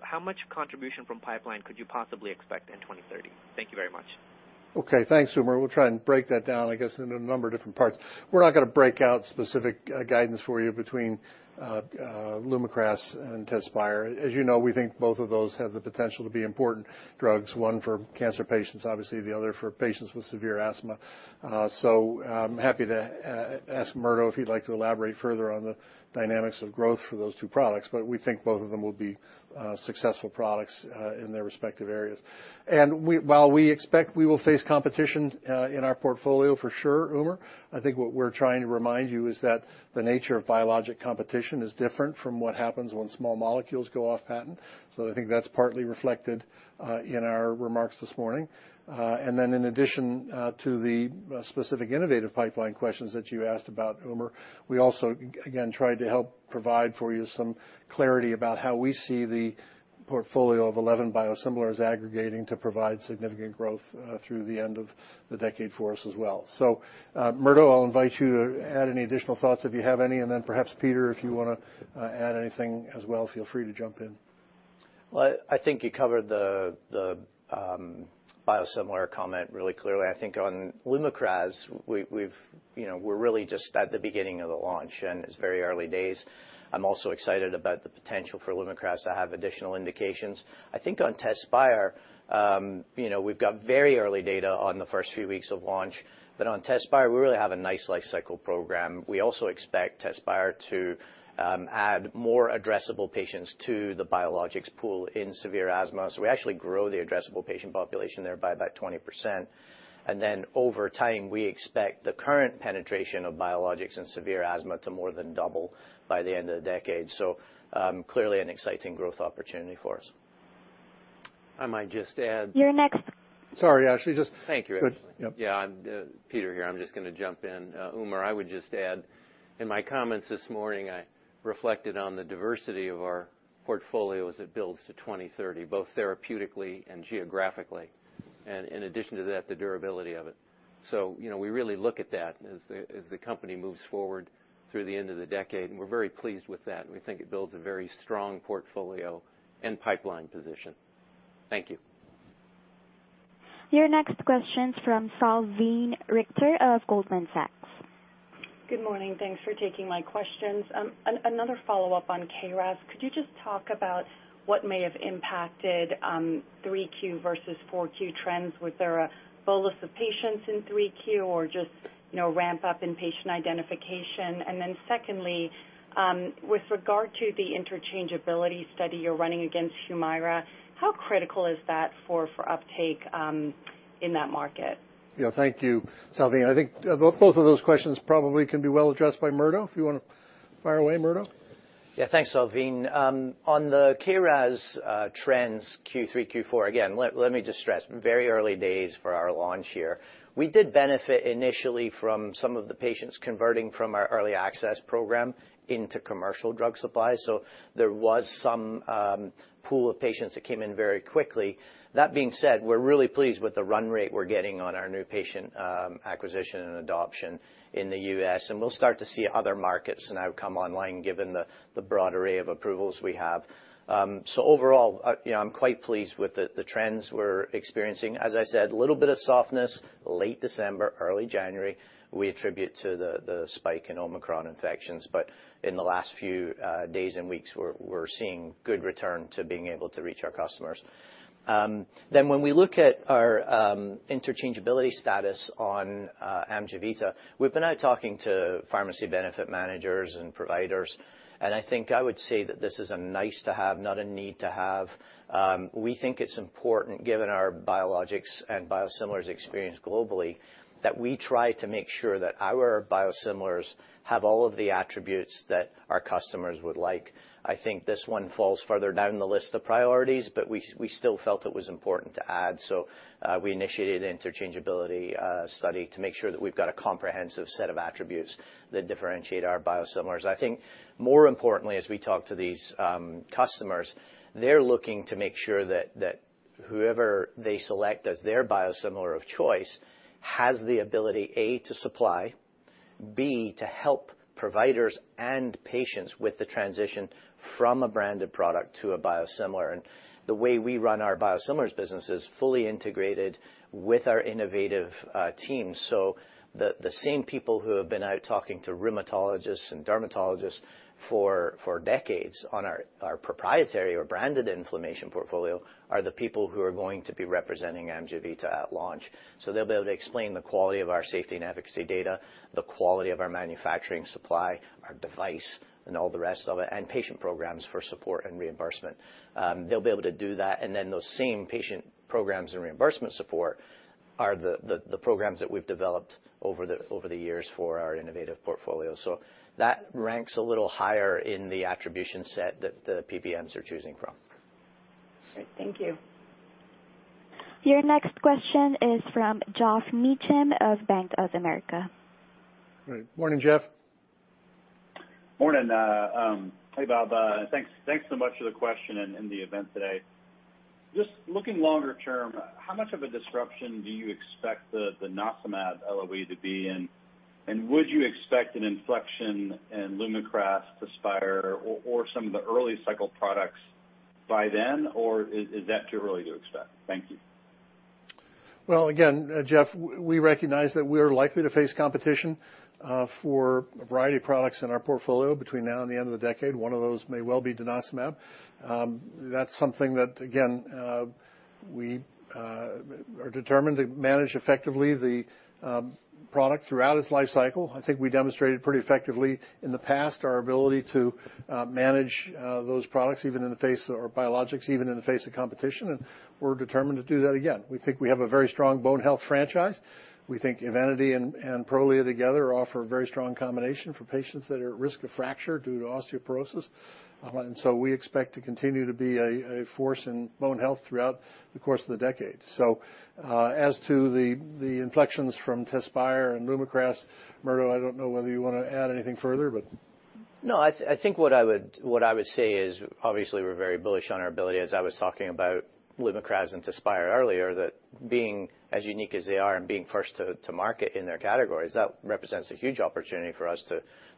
how much contribution from pipeline could you possibly expect in 2030? Thank you very much. Okay. Thanks, Umer. We'll try and break that down, I guess, into a number of different parts. We're not gonna break out specific guidance for you between LUMAKRAS and Tezspire. As you know, we think both of those have the potential to be important drugs, one for cancer patients, obviously the other for patients with severe asthma. So I'm happy to ask Murdo if he'd like to elaborate further on the dynamics of growth for those two products, but we think both of them will be successful products in their respective areas. While we expect we will face competition in our portfolio for sure, Umer, I think what we're trying to remind you is that the nature of biologic competition is different from what happens when small molecules go off patent. I think that's partly reflected in our remarks this morning. In addition to the specific innovative pipeline questions that you asked about Umer, we also, again, tried to help provide for you some clarity about how we see the portfolio of 11 biosimilars aggregating to provide significant growth through the end of the decade for us as well. Murdo, I'll invite you to add any additional thoughts if you have any, and then perhaps, Peter, if you wanna add anything as well, feel free to jump in. Well, I think you covered the biosimilar comment really clearly. I think on LUMAKRAS, we've, you know, we're really just at the beginning of the launch, and it's very early days. I'm also excited about the potential for LUMAKRAS to have additional indications. I think on Tezspire, you know, we've got very early data on the first few weeks of launch. On Tezspire, we really have a nice lifecycle program. We also expect Tezspire to add more addressable patients to the biologics pool in severe asthma. We actually grow the addressable patient population there by about 20%. Then over time, we expect the current penetration of biologics in severe asthma to more than double by the end of the decade. Clearly an exciting growth opportunity for us. I might just add- Your next- Sorry, Ashley, just- Thank you, Ashley. Good. Yep. Yeah, I'm Peter here. I'm just gonna jump in. Umer, I would just add, in my comments this morning, I reflected on the diversity of our portfolio as it builds to 2030, both therapeutically and geographically, and in addition to that, the durability of it. You know, we really look at that as the company moves forward through the end of the decade, and we're very pleased with that, and we think it builds a very strong portfolio and pipeline position. Thank you. Your next question's from Salveen Richter of Goldman Sachs. Good morning. Thanks for taking my questions. Another follow-up on KRAS. Could you just talk about what may have impacted, Q3 versus Q4 trends? Was there a bolus of patients in 3Q or just, you know, ramp up in patient identification? And then secondly, with regard to the interchangeability study you're running against Humira, how critical is that for uptake, in that market? Yeah, thank you, Salveen. I think both of those questions probably can be well addressed by Murdo, if you wanna fire away, Murdo. Yeah. Thanks, Salveen. On the Tezspire trends Q3, Q4, again, let me just stress, very early days for our launch here. We did benefit initially from some of the patients converting from our early access program into commercial drug supply, so there was some pool of patients that came in very quickly. That being said, we're really pleased with the run rate we're getting on our new patient acquisition and adoption in the U.S., and we'll start to see other markets now come online given the broad array of approvals we have. So overall, you know, I'm quite pleased with the trends we're experiencing. As I said, a little bit of softness late December, early January we attribute to the spike in Omicron infections. In the last few days and weeks, we're seeing good return to being able to reach our customers. Then when we look at our interchangeability status on Amjevita, we've been out talking to pharmacy benefit managers and providers, and I think I would say that this is a nice to have, not a need to have. We think it's important given our biologics and biosimilars experience globally, that we try to make sure that our biosimilars have all of the attributes that our customers would like. I think this one falls further down the list of priorities, but we still felt it was important to add, so we initiated an interchangeability study to make sure that we've got a comprehensive set of attributes that differentiate our biosimilars. I think more importantly, as we talk to these customers, they're looking to make sure that whoever they select as their biosimilar of choice has the ability, A, to supply, B, to help providers and patients with the transition from a branded product to a biosimilar. The way we run our biosimilars business is fully integrated with our innovative teams. The same people who have been out talking to rheumatologists and dermatologists for decades on our proprietary or branded inflammation portfolio are the people who are going to be representing Amjevita at launch. They'll be able to explain the quality of our safety and efficacy data, the quality of our manufacturing supply, our device, and all the rest of it, and patient programs for support and reimbursement. They'll be able to do that, and then those same patient programs and reimbursement support are the programs that we've developed over the years for our innovative portfolio. That ranks a little higher in the attribution set that the PBMs are choosing from. Great. Thank you. Your next question is from Geoff Meacham of Bank of America. Good morning, Geoff. Morning. Hey, Robert. Thanks so much for the question and the event today. Just looking longer term, how much of a disruption do you expect the Neulasta LOE to be, and would you expect an inflection in LUMAKRAS, Tezspire, or some of the early cycle products by then, or is that too early to expect? Thank you. Well, again, Geoff, we recognize that we're likely to face competition for a variety of products in our portfolio between now and the end of the decade. One of those may well be denosumab. That's something that, again, we are determined to manage effectively the product throughout its life cycle. I think we demonstrated pretty effectively in the past our ability to manage those products or biologics even in the face of competition, and we're determined to do that again. We think we have a very strong bone health franchise. We think Evenity and Prolia together offer a very strong combination for patients that are at risk of fracture due to osteoporosis. We expect to continue to be a force in bone health throughout the course of the decade. As to the inflections from Tezspire and LUMAKRAS, Murdo, I don't know whether you wanna add anything further, but. No, I think what I would say is obviously we're very bullish on our ability, as I was talking about LUMAKRAS and Tezspire earlier, that being as unique as they are and being first to market in their categories, that represents a huge opportunity for us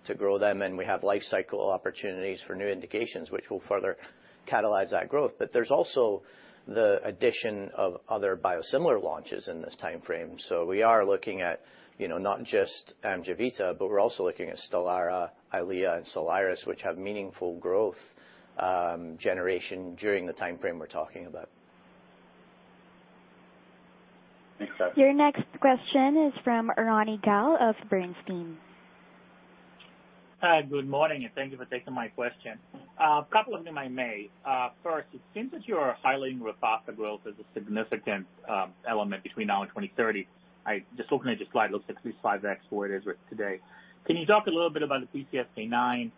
to grow them, and we have life cycle opportunities for new indications, which will further catalyze that growth. But there's also the addition of other biosimilar launches in this timeframe. We are looking at, you know, not just Amjevita, but we're also looking at Stelara, EYLEA, and Soliris, which have meaningful growth generation during the timeframe we're talking about. Thanks, guys. Your next question is from Ronny Gal of Bernstein. Hi. Good morning, and thank you for taking my question. A couple of them. First, it seems that you are highlighting Repatha growth as a significant element between now and 2030. I just opened it, your slide looks at least 5x where it is today. Can you talk a little bit about the PCSK9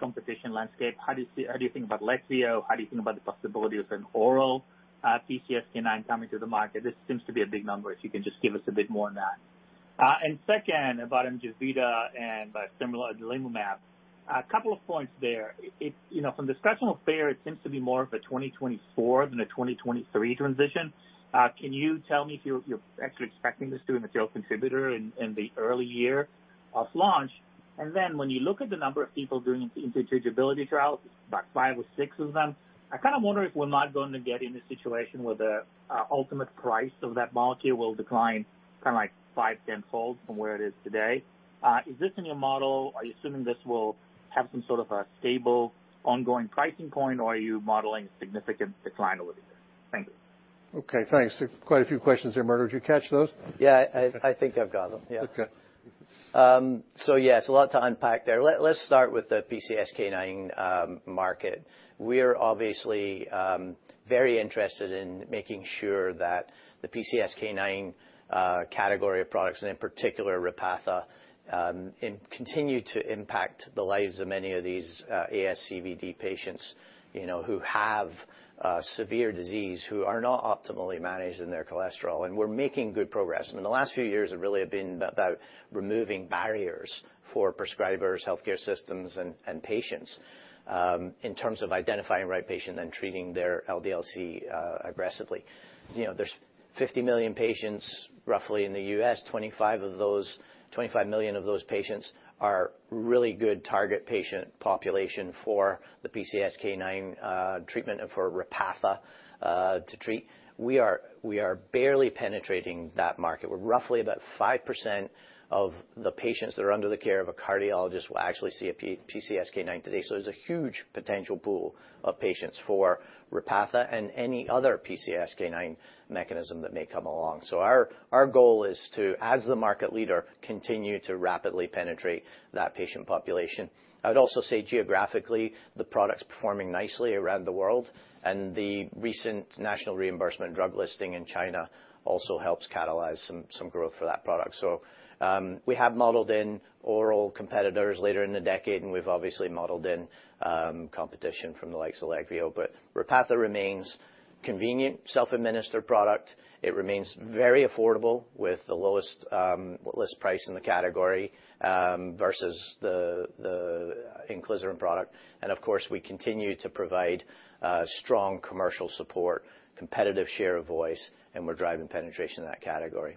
competition landscape? How do you think about Leqvio? How do you think about the possibility of an oral PCSK9 coming to the market? This seems to be a big number, if you can just give us a bit more on that. And second, about Amjevita and biosimilar adalimumab. A couple of points there. You know, from the discussion today, it seems to be more of a 2024 than a 2023 transition. Can you tell me if you're actually expecting this to be a material contributor in the early year of launch? When you look at the number of people doing interchangeability trials, about five or six of them, I kind of wonder if we're not going to get in a situation where the ultimate price of that molecule will decline kinda like five-10 fold from where it is today. Is this in your model? Are you assuming this will have some sort of a stable ongoing pricing point, or are you modeling a significant decline over the years? Thank you. Okay, thanks. Quite a few questions there, Murdo. Did you catch those? Yeah, I think I've got them. Yeah. Okay. Yes, a lot to unpack there. Let's start with the PCSK9 market. We're obviously very interested in making sure that the PCSK9 category of products, and in particular Repatha, can continue to impact the lives of many of these ASCVD patients, you know, who have severe disease, who are not optimally managed in their cholesterol, and we're making good progress. I mean, the last few years have really been about removing barriers for prescribers, healthcare systems, and patients in terms of identifying the right patient and treating their LDL-C aggressively. You know, there's roughly 50 million patients in the U.S., 25 million of those patients are really good target patient population for the PCSK9 treatment and for Repatha to treat. We are barely penetrating that market. We're roughly about 5% of the patients that are under the care of a cardiologist will actually see a PCSK9 today. There's a huge potential pool of patients for Repatha and any other PCSK9 mechanism that may come along. Our goal is to, as the market leader, continue to rapidly penetrate that patient population. I'd also say geographically, the product's performing nicely around the world, and the recent national reimbursement drug listing in China also helps catalyze some growth for that product. We have modeled in oral competitors later in the decade, and we've obviously modeled in competition from the like Leqvio. Repatha remains convenient, self-administered product. It remains very affordable with the lowest list price in the category versus the inclisiran product. Of course, we continue to provide strong commercial support, competitive share of voice, and we're driving penetration in that category.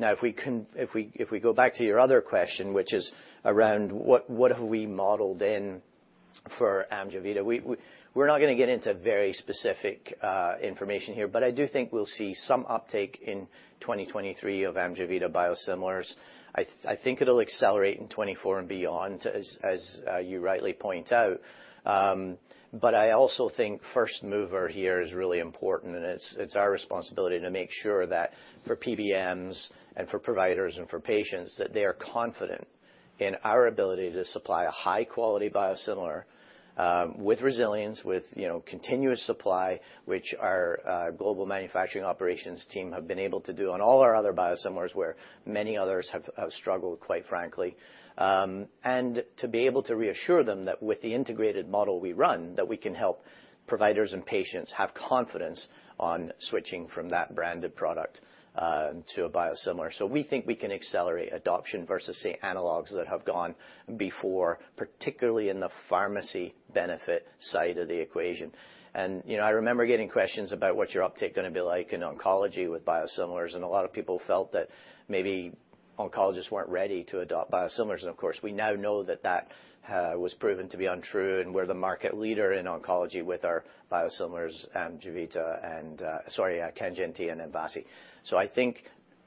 Now, if we go back to your other question, which is around what we've modeled in for Amjevita. We're not gonna get into very specific information here, but I do think we'll see some uptake in 2023 of Amjevita biosimilars. I think it'll accelerate in 2024 and beyond, as you rightly point out. I also think first mover here is really important, and it's our responsibility to make sure that for PBMs and for providers and for patients, that they are confident in our ability to supply a high-quality biosimilar, with resilience, with you know, continuous supply, which our global manufacturing operations team have been able to do on all our other biosimilars where many others have struggled, quite frankly. To be able to reassure them that with the integrated model we run, that we can help providers and patients have confidence on switching from that branded product to a biosimilar. We think we can accelerate adoption versus say, analogs that have gone before, particularly in the pharmacy benefit side of the equation. You know, I remember getting questions about what's your uptake gonna be like in oncology with biosimilars, and a lot of people felt that maybe oncologists weren't ready to adopt biosimilars. Of course, we now know that was proven to be untrue, and we're the market leader in oncology with our biosimilars, Kanjinti and Mvasi. I think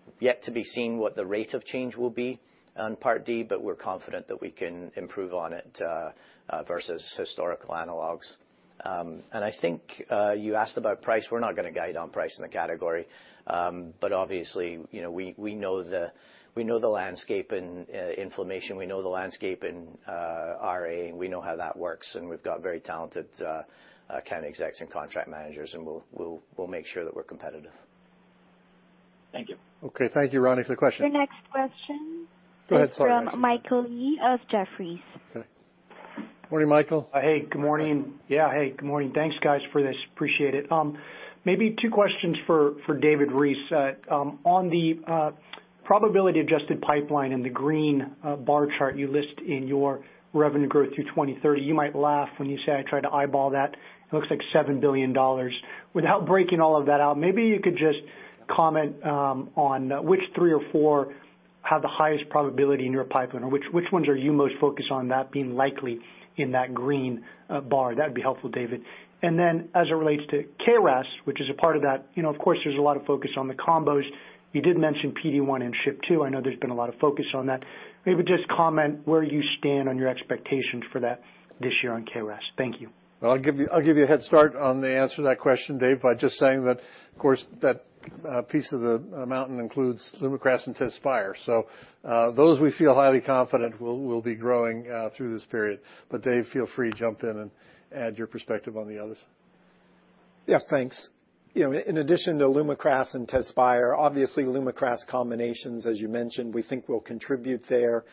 it's yet to be seen what the rate of change will be on Part D, but we're confident that we can improve on it versus historical analogs. I think you asked about price. We're not gonna guide on price in the category. Obviously, you know, we know the landscape in inflammation, we know the landscape in RA, and we know how that works, and we've got very talented chem execs and contract managers, and we'll make sure that we're competitive. Thank you. Okay. Thank you, Ronny, for the question. The next question. Go ahead, sorry, Ashley. is from Michael Yee of Jefferies. Okay. Morning, Michael. Hey, good morning. Yeah. Hey, good morning. Thanks, guys, for this. Appreciate it. Maybe two questions for David Reese. On the probability-adjusted pipeline in the green bar chart you list in your revenue growth through 2030, you might laugh when you say I tried to eyeball that. It looks like $7 billion. Without breaking all of that out, maybe you could just comment on which three or four have the highest probability in your pipeline, or which ones are you most focused on that being likely in that green bar? That'd be helpful, David. As it relates to KRAS, which is a part of that, you know, of course, there's a lot of focus on the combos. You did mention PD-1 and SHP2. I know there's been a lot of focus on that. Maybe just comment where you stand on your expectations for that this year on KRAS. Thank you. Well, I'll give you a head start on the answer to that question, David, by just saying that, of course, that piece of the mountain includes LUMAKRAS and Tezspire. Those we feel highly confident will be growing through this period. David, feel free to jump in and add your perspective on the others. Yeah, thanks. You know, in addition to Lumakras and Tezspire, obviously Lumakras combinations, as you mentioned, we think will contribute there.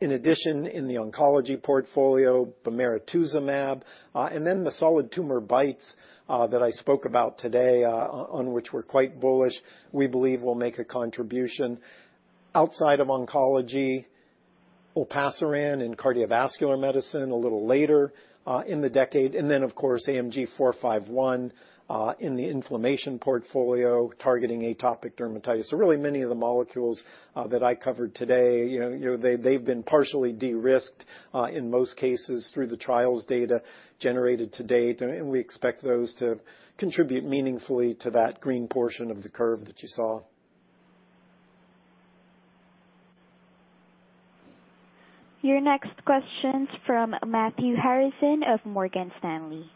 In addition, in the oncology portfolio, bemarituzumab, and then the solid tumor BiTEs, that I spoke about today, on which we're quite bullish, we believe will make a contribution. Outside of oncology, olpasiran in cardiovascular medicine a little later, in the decade, and then of course AMG 451, in the inflammation portfolio targeting atopic dermatitis. So really many of the molecules, that I covered today, you know, they've been partially de-risked, in most cases through the trials data generated to date, and we expect those to contribute meaningfully to that green portion of the curve that you saw. Your next question's from Matthew Harrison of Morgan Stanley.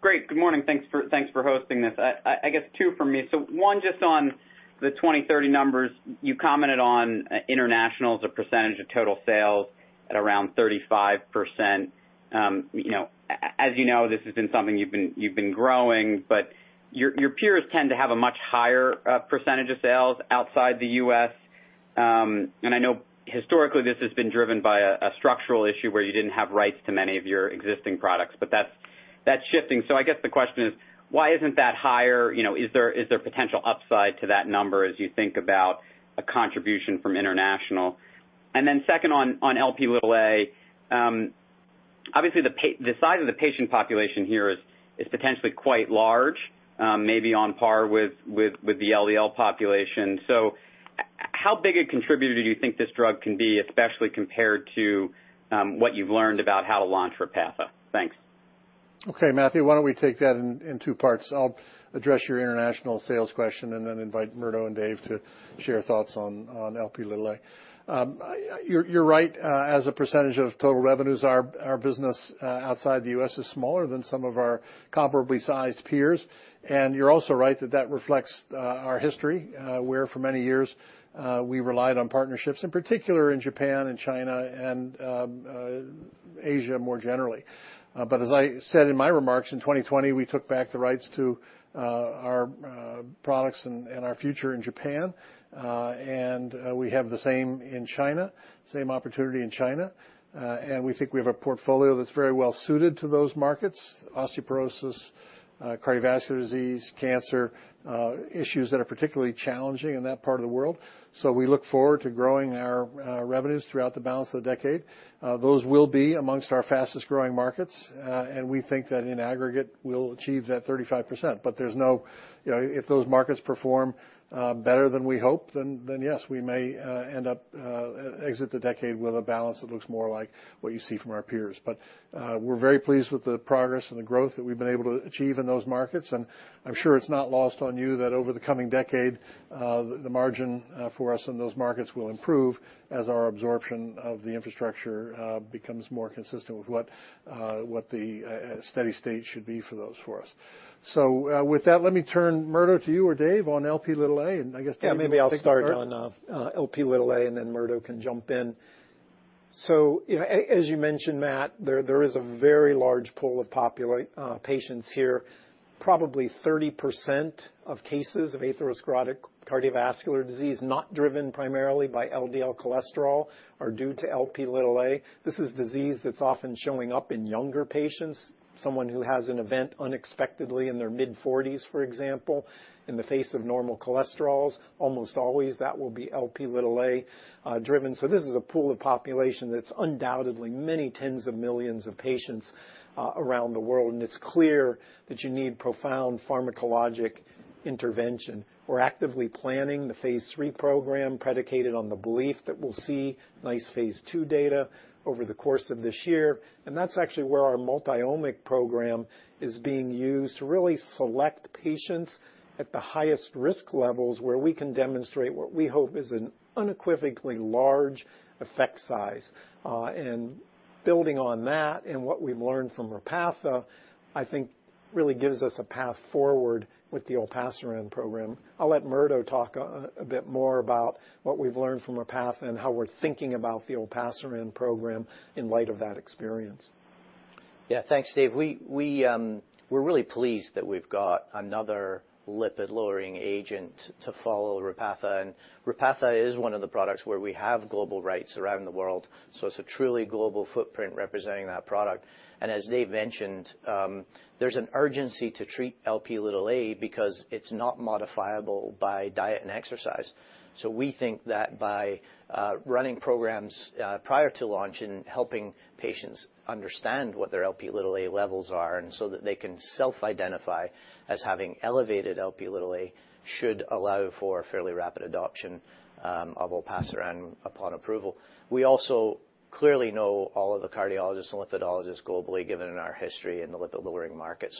Great. Good morning. Thanks for hosting this. I guess two from me. One just on the 2030 numbers. You commented on internationals, a percentage of total sales at around 35%. You know, as you know, this has been something you've been growing, but your peers tend to have a much higher percentage of sales outside the U.S.. I know historically this has been driven by a structural issue where you didn't have rights to many of your existing products, but that's shifting. I guess the question is, why isn't that higher? You know, is there potential upside to that number as you think about a contribution from international? Then second on Lp(a), obviously the size of the patient population here is potentially quite large, maybe on par with the LDL population. How big a contributor do you think this drug can be, especially compared to what you've learned about how to launch Repatha? Thanks. Okay, Matthew, why don't we take that in two parts? I'll address your international sales question and then invite Murdo and Dave to share thoughts on Lp(a). You're right. As a percentage of total revenues, our business outside the U.S. is smaller than some of our comparably sized peers. You're also right that that reflects our history, where for many years we relied on partnerships, in particular in Japan and China and Asia more generally. As I said in my remarks, in 2020, we took back the rights to our products and our future in Japan. We have the same in China, same opportunity in China. We think we have a portfolio that's very well suited to those markets, osteoporosis, cardiovascular disease, cancer, issues that are particularly challenging in that part of the world. We look forward to growing our revenues throughout the balance of the decade. Those will be amongst our fastest-growing markets. We think that in aggregate we'll achieve that 35%. But there's no. You know, if those markets perform better than we hope, then yes, we may end up exit the decade with a balance that looks more like what you see from our peers. We're very pleased with the progress and the growth that we've been able to achieve in those markets. I'm sure it's not lost on you that over the coming decade, the margin for us in those markets will improve as our absorption of the infrastructure becomes more consistent with what the steady state should be for those for us. With that, let me turn over to Murdo or David on Lp(a), and I guess David can- Yeah, maybe I'll start on Lp(a), and then Murdo can jump in. You know, as you mentioned, Matthew, there is a very large pool of patients here. Probably 30% of cases of atherosclerotic cardiovascular disease, not driven primarily by LDL cholesterol, are due to Lp(a). This is disease that's often showing up in younger patients, someone who has an event unexpectedly in their mid-forties, for example, in the face of normal cholesterols. Almost always that will be Lp(a) driven. This is a pool of population that's undoubtedly many tens of millions of patients around the world, and it's clear that you need profound pharmacologic intervention. We're actively planning the phase III program predicated on the belief that we'll see nice phase II data over the course of this year. That's actually where our multi-omics program is being used to really select patients at the highest risk levels, where we can demonstrate what we hope is an unequivocally large effect size. Building on that and what we've learned from Repatha, I think really gives us a path forward with the Olpasiran program. I'll let Murdo talk a bit more about what we've learned from Repatha and how we're thinking about the Olpasiran program in light of that experience. Yeah. Thanks, David. We're really pleased that we've got another lipid-lowering agent to follow Repatha. Repatha is one of the products where we have global rights around the world, so it's a truly global footprint representing that product. As David mentioned, there's an urgency to treat Lp(a) because it's not modifiable by diet and exercise. We think that by running programs prior to launch and helping patients understand what their Lp(a) levels are, and so that they can self-identify as having elevated Lp(a) should allow for a fairly rapid adoption of Olpasiran upon approval. We also clearly know all of the cardiologists and lipidologists globally, given our history in the lipid-lowering market.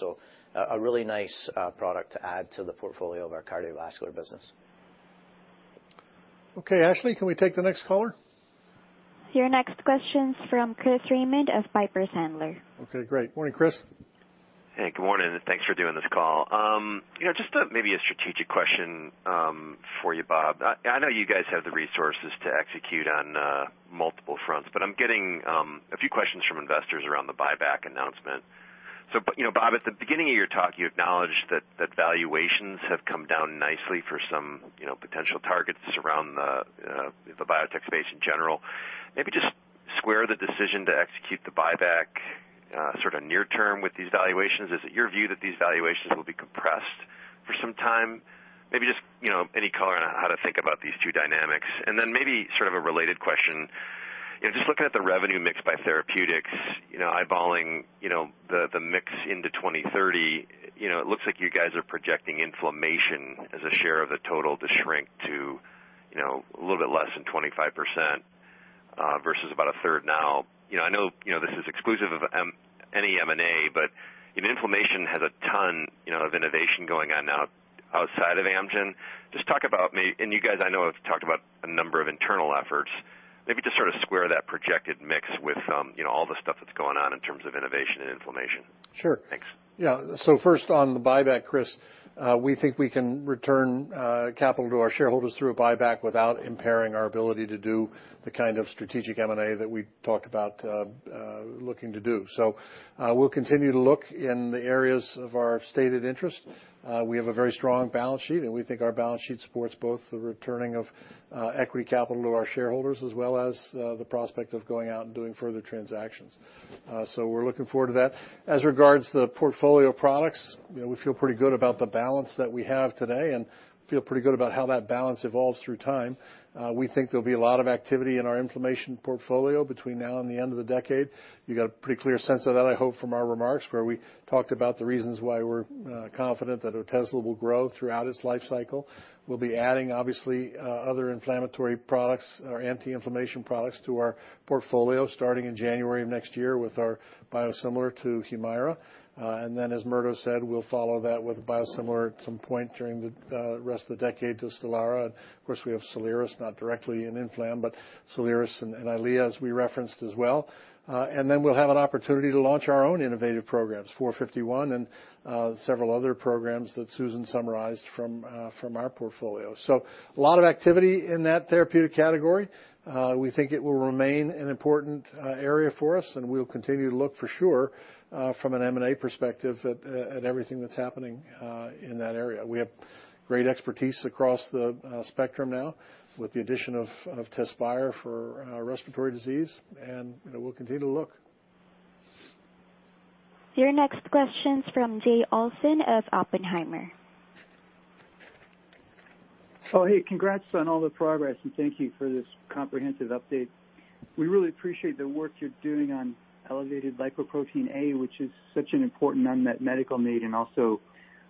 A really nice product to add to the portfolio of our cardiovascular business. Okay. Ashley, can we take the next caller? Your next question's from Chris Raymond of Piper Sandler. Okay, great. Morning, Chris. Hey, good morning. Thanks for doing this call. You know, just a maybe a strategic question for you, Robert. I know you guys have the resources to execute on multiple fronts, but I'm getting a few questions from investors around the buyback announcement. You know, Robert, at the beginning of your talk, you acknowledged that valuations have come down nicely for some potential targets around the biotech space in general. Maybe just square the decision to execute the buyback sort of near term with these valuations. Is it your view that these valuations will be compressed for some time? Maybe just, you know, any color on how to think about these two dynamics. Then maybe sort of a related question, you know, just looking at the revenue mix by therapeutics, you know, eyeballing, you know, the mix into 2030, you know, it looks like you guys are projecting inflammation as a share of the total to shrink to, you know, a little bit less than 25%, versus about 1/3 now. You know, I know, you know, this is exclusive of any M&A, but Inflammation has a ton, you know, of innovation going on now outside of Amgen. Just talk about and you guys, I know have talked about a number of internal efforts. Maybe just sort of square that projected mix with, you know, all the stuff that's going on in terms of innovation and inflammation. Sure. Thanks. Yeah. First on the buyback, Chris, we think we can return capital to our shareholders through a buyback without impairing our ability to do the kind of strategic M&A that we talked about looking to do. We'll continue to look in the areas of our stated interest. We have a very strong balance sheet, and we think our balance sheet supports both the returning of equity capital to our shareholders, as well as the prospect of going out and doing further transactions. We're looking forward to that. As regards to the portfolio of products, you know, we feel pretty good about the balance that we have today and feel pretty good about how that balance evolves through time. We think there'll be a lot of activity in our inflammation portfolio between now and the end of the decade. You got a pretty clear sense of that, I hope, from our remarks, where we talked about the reasons why we're confident that Otezla will grow throughout its life cycle. We'll be adding obviously other inflammatory products or anti-inflammation products to our portfolio starting in January of next year with our biosimilar to Humira. As Murdo said, we'll follow that with a biosimilar at some point during the rest of the decade to Stelara. Of course, we have Soliris, not directly in inflammation, but Soliris and EYLEA, as we referenced as well. We'll have an opportunity to launch our own innovative programs, AMG 451 and several other programs that Susan summarized from our portfolio. A lot of activity in that therapeutic category. We think it will remain an important area for us, and we'll continue to look for sure from an M&A perspective at everything that's happening in that area. We have great expertise across the spectrum now with the addition of Tezspire for respiratory disease, and you know, we'll continue to look. Your next question's from Jay Olson of Oppenheimer. Oh, hey, congrats on all the progress, and thank you for this comprehensive update. We really appreciate the work you're doing on elevated lipoprotein A, which is such an important unmet medical need and also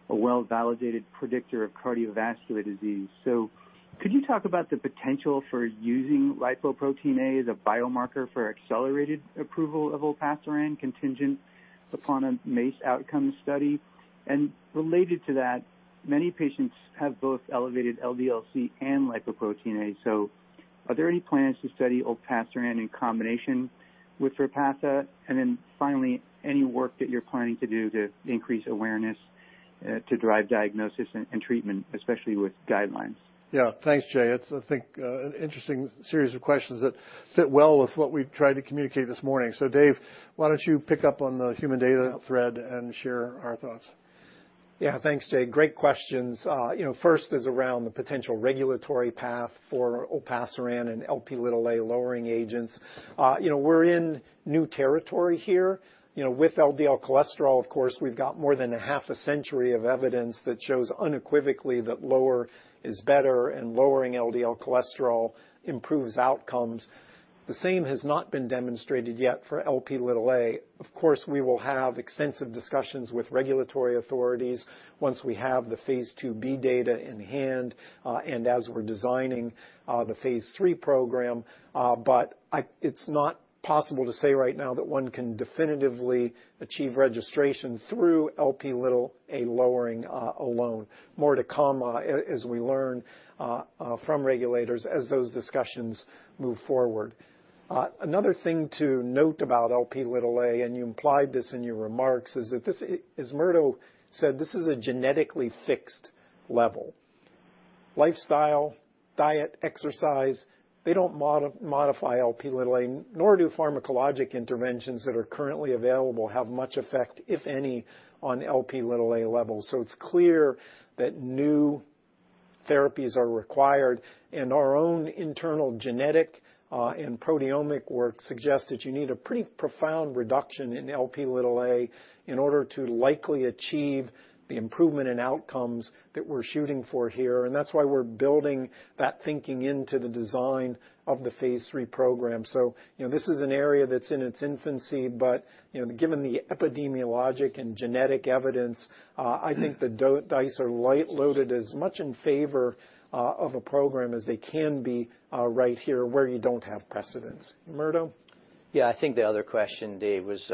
a well-validated predictor of cardiovascular disease. Could you talk about the potential for using lipoprotein A as a biomarker for accelerated approval of Olpasiran contingent upon a MACE outcome study? Related to that, many patients have both elevated LDL-C and lipoprotein A. Are there any plans to study Olpasiran in combination with Repatha? Finally, any work that you're planning to do to increase awareness to drive diagnosis and treatment, especially with guidelines? Yeah. Thanks, Jay. It's I think, an interesting series of questions that fit well with what we've tried to communicate this morning. David, why don't you pick up on the human data thread and share our thoughts? Yeah. Thanks, Jay. Great questions. You know, first is around the potential regulatory path for Olpasiran and Lp(a) lowering agents. You know, we're in new territory here. You know, with LDL cholesterol, of course, we've got more than 1/2 a century of evidence that shows unequivocally that lower is better and lowering LDL cholesterol improves outcomes. The same has not been demonstrated yet for Lp(a). Of course, we will have extensive discussions with regulatory authorities once we have the phase II-B data in hand, and as we're designing the phase III program. It's not possible to say right now that one can definitively achieve registration through Lp(a) lowering alone. More to come as we learn from regulators as those discussions move forward. Another thing to note about Lp(a), and you implied this in your remarks, is that this is, as Murdo said, a genetically fixed level. Lifestyle, diet, exercise, they don't modify Lp(a), nor do pharmacologic interventions that are currently available have much effect, if any, on Lp(a) levels. So it's clear that new therapies are required, and our own internal genetic and proteomic work suggests that you need a pretty profound reduction in Lp(a) in order to likely achieve the improvement in outcomes that we're shooting for here. That's why we're building that thinking into the design of the phase III program. You know, this is an area that's in its infancy, but, you know, given the epidemiologic and genetic evidence, I think the dice are loaded as much in favor of a program as they can be, right here where you don't have precedent. Murdo? Yeah. I think the other question, Dave, was,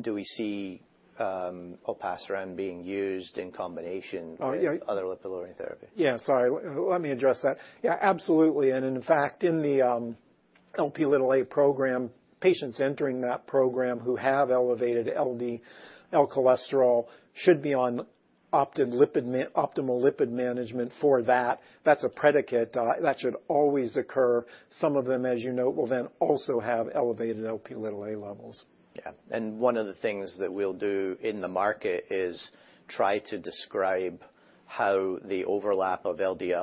do we see Olpasiran being used in combination? Oh, yeah. ...with other lipid-lowering therapy? Yeah, sorry. Let me address that. Yeah, absolutely. In fact, in the Lp(a) program, patients entering that program who have elevated LDL cholesterol should be on optimal lipid management for that. That's a predicate that should always occur. Some of them, as you know, will then also have elevated Lp(a) levels. One of the things that we'll do in the market is try to describe how the overlap of elevated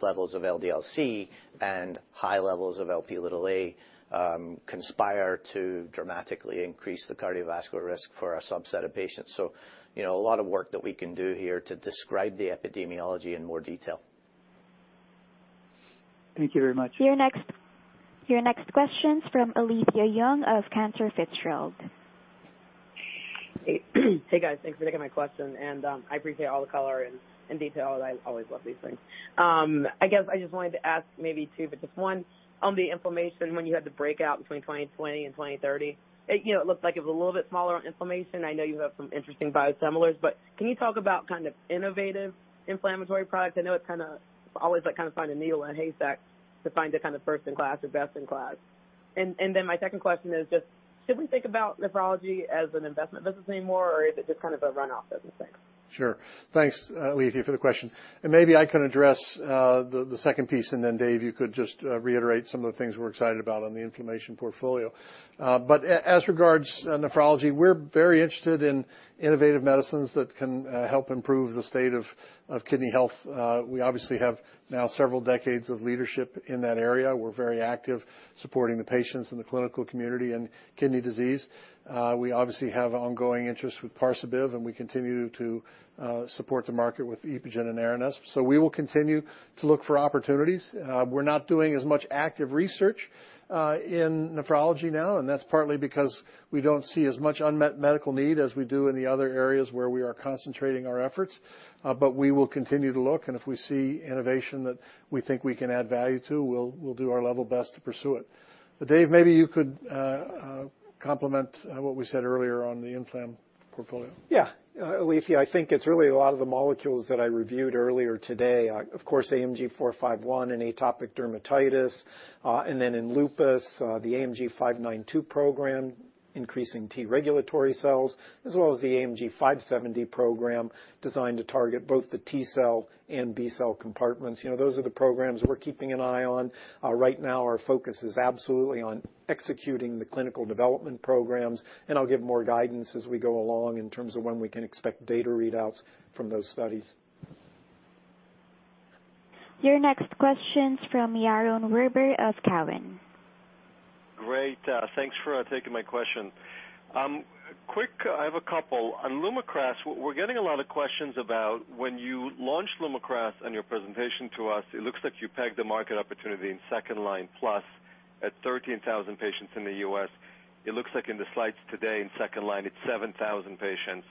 LDL-C and high levels of Lp(a) conspire to dramatically increase the cardiovascular risk for a subset of patients. You know, a lot of work that we can do here to describe the epidemiology in more detail. Thank you very much. Your next question's from Alethia Young of Cantor Fitzgerald. Hey, guys. Thanks for taking my question, and I appreciate all the color and detail. I always love these things. I guess I just wanted to ask maybe two, but just one on the inflammation, when you had the breakout between 2020 and 2030. It you know it looked like it was a little bit smaller on inflammation. I know you have some interesting biosimilars, but can you talk about kind of innovative inflammatory products? I know it's kinda always like find a needle in a haystack to find a kind of first in class or best in class. Then my second question is just should we think about nephrology as an investment business anymore, or is it just kind of a runoff business? Thanks. Sure. Thanks, Alethea, for the question. Maybe I can address the second piece, and then David, you could just reiterate some of the things we're excited about on the inflammation portfolio. As regards nephrology, we're very interested in innovative medicines that can help improve the state of kidney health. We obviously have now several decades of leadership in that area. We're very active supporting the patients in the clinical community in kidney disease. We obviously have ongoing interest with Parsabiv, and we continue to support the market with EPOGEN and Aranesp. We will continue to look for opportunities. We're not doing as much active research in nephrology now, and that's partly because we don't see as much unmet medical need as we do in the other areas where we are concentrating our efforts. We will continue to look, and if we see innovation that we think we can add value to, we'll do our level best to pursue it. David, maybe you could complement what we said earlier on the inflammation portfolio. Yeah. Alethea, I think it's really a lot of the molecules that I reviewed earlier today. Of course, AMG 451 in atopic dermatitis. And then in lupus, the AMG 592 program, increasing T-regulatory cells, as well as the AMG 570 program designed to target both the T-cell and B-cell compartments. You know, those are the programs we're keeping an eye on. Right now our focus is absolutely on executing the clinical development programs, and I'll give more guidance as we go along in terms of when we can expect data readouts from those studies. Your next question's from Yaron Werber of TD Cowen. Great. Thanks for taking my question. Quick, I have a couple. On Lumakras, we're getting a lot of questions about when you launched Lumakras in your presentation to us, it looks like you pegged the market opportunity in second-line plus at 13,000 patients in the U.S. It looks like in the slides today in second line, it's 7,000 patients.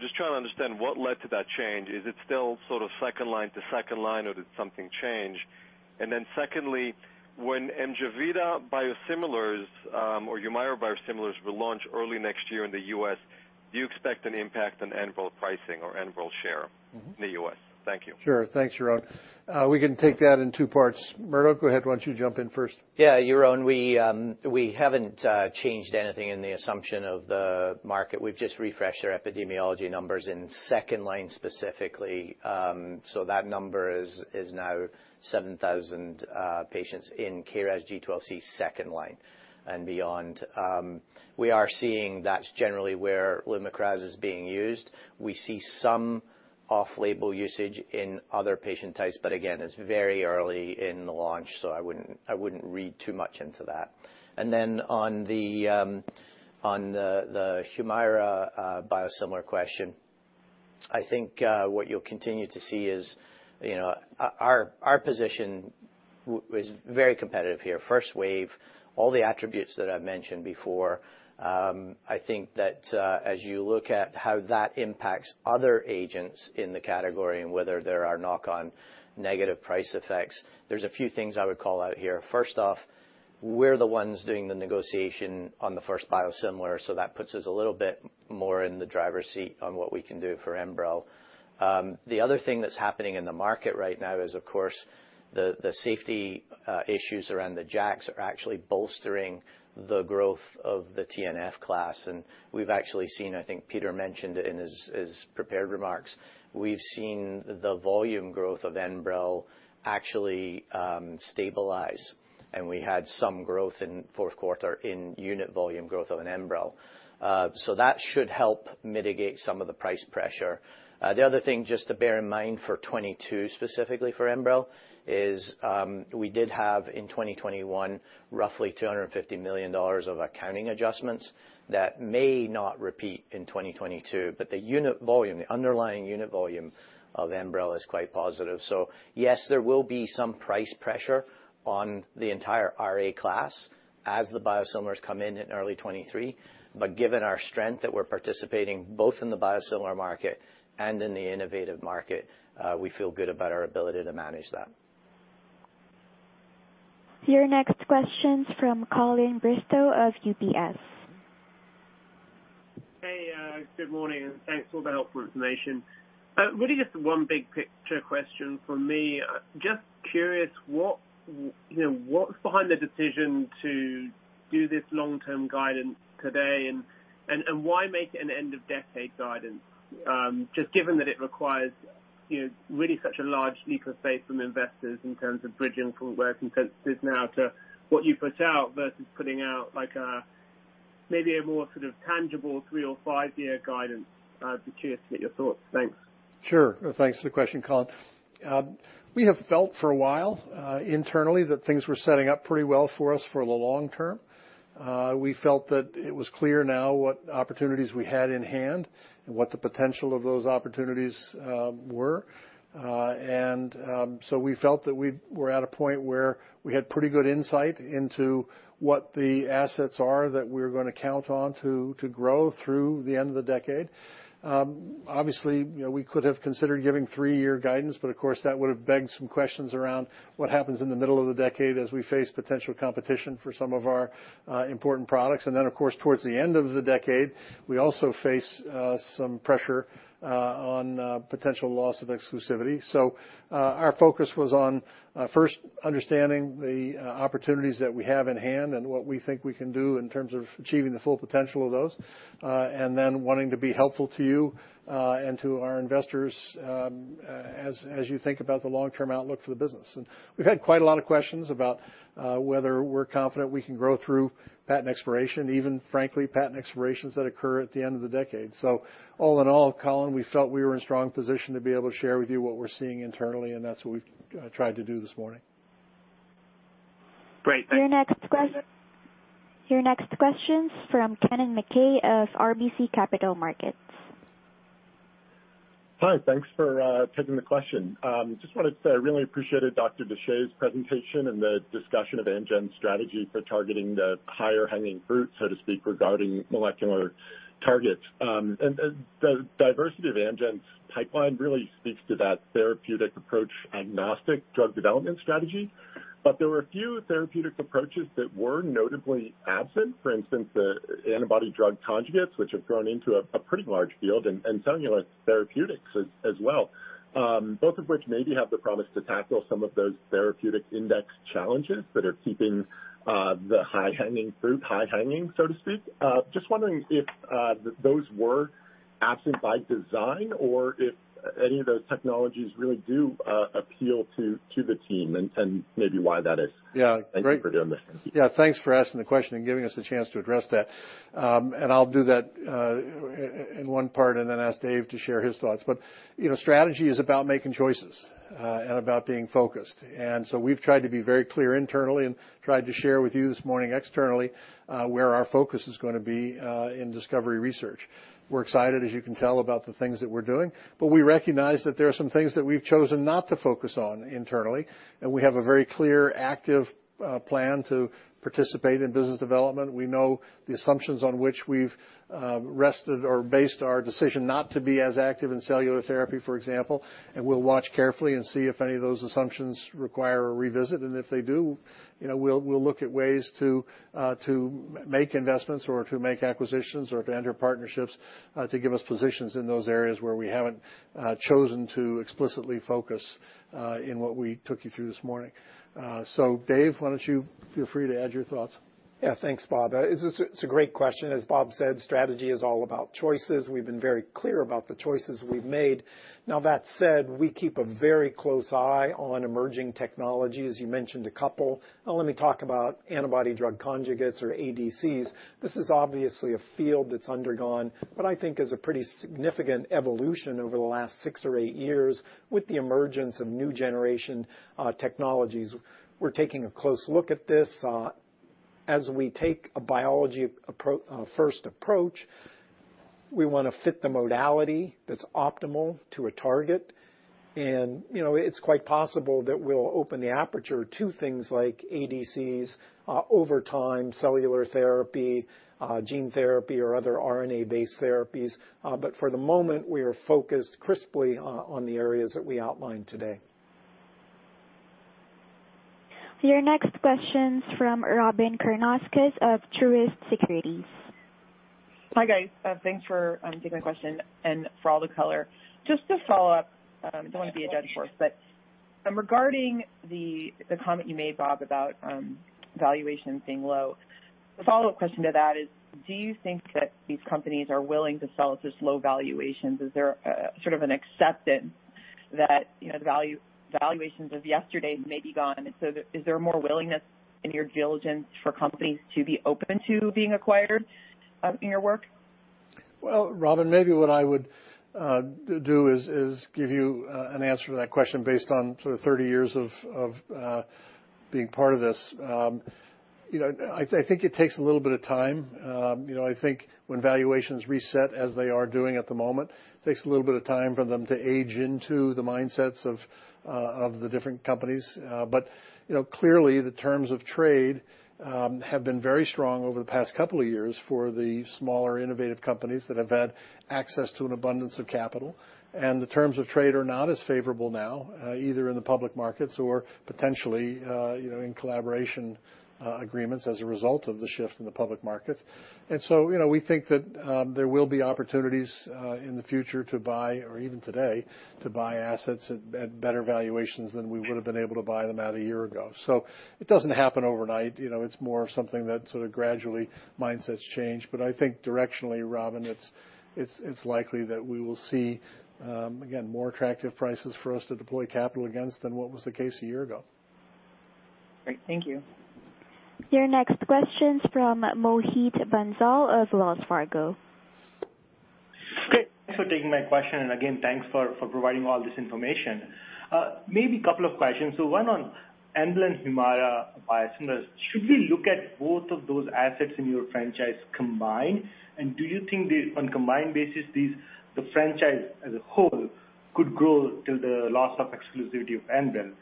Just trying to understand what led to that change. Is it still sort of second line to second line, or did something change? And then secondly, when Amjevita biosimilars or Humira biosimilars will launch early next year in the U.S., do you expect any impact on Enbrel pricing or Enbrel share- Mm-hmm. in the U.S.? Thank you. Sure. Thanks, Yaron. We can take that in two parts. Murdo, go ahead. Why don't you jump in first? Yeah, Yaron, we haven't changed anything in the assumption of the market. We've just refreshed our epidemiology numbers in second line specifically. So that number is now 7,000 patients in KRAS G12C second line and beyond. We are seeing that's generally where LUMAKRAS is being used. We see some off-label usage in other patient types, but again, it's very early in the launch, so I wouldn't read too much into that. Then on the Humira biosimilar question, I think what you'll continue to see is, you know, our position is very competitive here. First wave, all the attributes that I've mentioned before. I think that, as you look at how that impacts other agents in the category and whether there are knock-on negative price effects, there's a few things I would call out here. First off, we're the ones doing the negotiation on the first biosimilar, so that puts us a little bit more in the driver's seat on what we can do for Enbrel. The other thing that's happening in the market right now is, of course, the safety issues around the JAKs are actually bolstering the growth of the TNF class. We've actually seen, I think Peter mentioned it in his prepared remarks, we've seen the volume growth of Enbrel actually stabilize, and we had some growth in Q4 in unit volume growth of Enbrel. That should help mitigate some of the price pressure. The other thing, just to bear in mind for 2022, specifically for Enbrel, is we did have in 2021, roughly $250 million of accounting adjustments that may not repeat in 2022. The unit volume, the underlying unit volume of Enbrel is quite positive. Yes, there will be some price pressure on the entire RA class as the biosimilars come in in early 2023. Given our strength that we're participating both in the biosimilar market and in the innovative market, we feel good about our ability to manage that. Your next question's from Colin Bristow of UBS. Hey, good morning, and thanks for all the helpful information. Really just one big-picture question from me. Just curious what, you know, what's behind the decision to do this long-term guidance today and why make it an end-of-decade guidance? Just given that it requires, you know, really such a large leap of faith from investors in terms of bridging forward consensus now to what you put out versus putting out like a, maybe a more sort of tangible three or five-year guidance. I'd be curious to get your thoughts. Thanks. Sure. Thanks for the question, Colin. We have felt for a while internally that things were setting up pretty well for us for the long term. We felt that it was clear now what opportunities we had in hand and what the potential of those opportunities were. We felt that we were at a point where we had pretty good insight into what the assets are that we're gonna count on to grow through the end of the decade. Obviously, you know, we could have considered giving three-year guidance, but of course, that would have begged some questions around what happens in the middle of the decade as we face potential competition for some of our important products. Then, of course, towards the end of the decade, we also face some pressure on potential loss of exclusivity. Our focus was on first understanding the opportunities that we have in hand and what we think we can do in terms of achieving the full potential of those, and then wanting to be helpful to you and to our investors, as you think about the long-term outlook for the business. We've had quite a lot of questions about whether we're confident we can grow through patent expiration, even frankly, patent expirations that occur at the end of the decade. All in all, Colin, we felt we were in a strong position to be able to share with you what we're seeing internally, and that's what we've tried to do this morning. Great. Thanks. Your next quest- David? Your next question's from Kennen MacKay of RBC Capital Markets. Hi. Thanks for taking the question. Just wanted to say I really appreciated Dr. Deshaies' presentation and the discussion of Amgen's strategy for targeting the higher hanging fruit, so to speak, regarding molecular targets. The diversity of Amgen's pipeline really speaks to that therapeutic approach, agnostic drug development strategy. There were a few therapeutic approaches that were notably absent. For instance, the antibody drug conjugates, which have grown into a pretty large field, and cellular therapeutics as well, both of which maybe have the promise to tackle some of those therapeutic index challenges that are keeping the high hanging fruit high hanging, so to speak. Just wondering if those were absent by design or if any of those technologies really do appeal to the team, and maybe why that is. Yeah. Great. Thank you for doing this. Yeah, thanks for asking the question and giving us a chance to address that. I'll do that in one part and then ask David to share his thoughts. You know, strategy is about making choices and about being focused. We've tried to be very clear internally and tried to share with you this morning externally where our focus is gonna be in discovery research. We're excited, as you can tell, about the things that we're doing, but we recognize that there are some things that we've chosen not to focus on internally, and we have a very clear, active plan to participate in business development. We know the assumptions on which we've rested or based our decision not to be as active in cellular therapy, for example. We'll watch carefully and see if any of those assumptions require a revisit. If they do, you know, we'll look at ways to make investments or to make acquisitions or to enter partnerships to give us positions in those areas where we haven't chosen to explicitly focus in what we took you through this morning. David, why don't you feel free to add your thoughts? Yeah. Thanks, Robert. It's a great question. As Bob said, strategy is all about choices. We've been very clear about the choices we've made. Now, that said, we keep a very close eye on emerging technology, as you mentioned a couple. Now let me talk about antibody drug conjugates or ADCs. This is obviously a field that's undergone what I think is a pretty significant evolution over the last six years or eight years with the emergence of new-generation technologies. We're taking a close look at this. As we take a biology-first approach, we want to fit the modality that's optimal to a target. You know, it's quite possible that we'll open the aperture to things like ADCs over time, cellular therapy, gene therapy or other RNA-based therapies. For the moment, we are focused crisply on the areas that we outlined today. Your next question's from Robyn Karnauskas of Truist Securities. Hi, guys. Thanks for taking my question and for all the color. Just to follow up, don't want to beat a dead horse, but regarding the comment you made, Robert, about valuation being low, the follow-up question to that is, do you think that these companies are willing to sell at these low valuations? Is there sort of an acceptance that, you know, the valuations of yesterday may be gone? Is there more willingness in your diligence for companies to be open to being acquired in your work? Well, Robyn, maybe what I would do is give you an answer to that question based on sort of 30 years of being part of this. You know, I think it takes a little bit of time. You know, I think when valuations reset, as they are doing at the moment, it takes a little bit of time for them to age into the mindsets of the different companies. But you know, clearly, the terms of trade have been very strong over the past couple of years for the smaller, innovative companies that have had access to an abundance of capital. The terms of trade are not as favorable now, either in the public markets or potentially, you know, in collaboration agreements as a result of the shift in the public markets. You know, we think that there will be opportunities in the future to buy or even today to buy assets at better valuations than we would've been able to buy them at a year ago. It doesn't happen overnight. You know, it's more of something that sort of gradually mindsets change. I think directionally, Robyn, it's likely that we will see again more attractive prices for us to deploy capital against than what was the case a year ago. Great. Thank you. Your next question's from Mohit Bansal of Wells Fargo. Great. Thanks for taking my question, and again, thanks for providing all this information. Maybe a couple of questions. One on Enbrel and Humira biosimilars, should we look at both of those assets in your franchise combined? Do you think on a combined basis, the franchise as a whole could grow till the loss of exclusivity of Enbrel?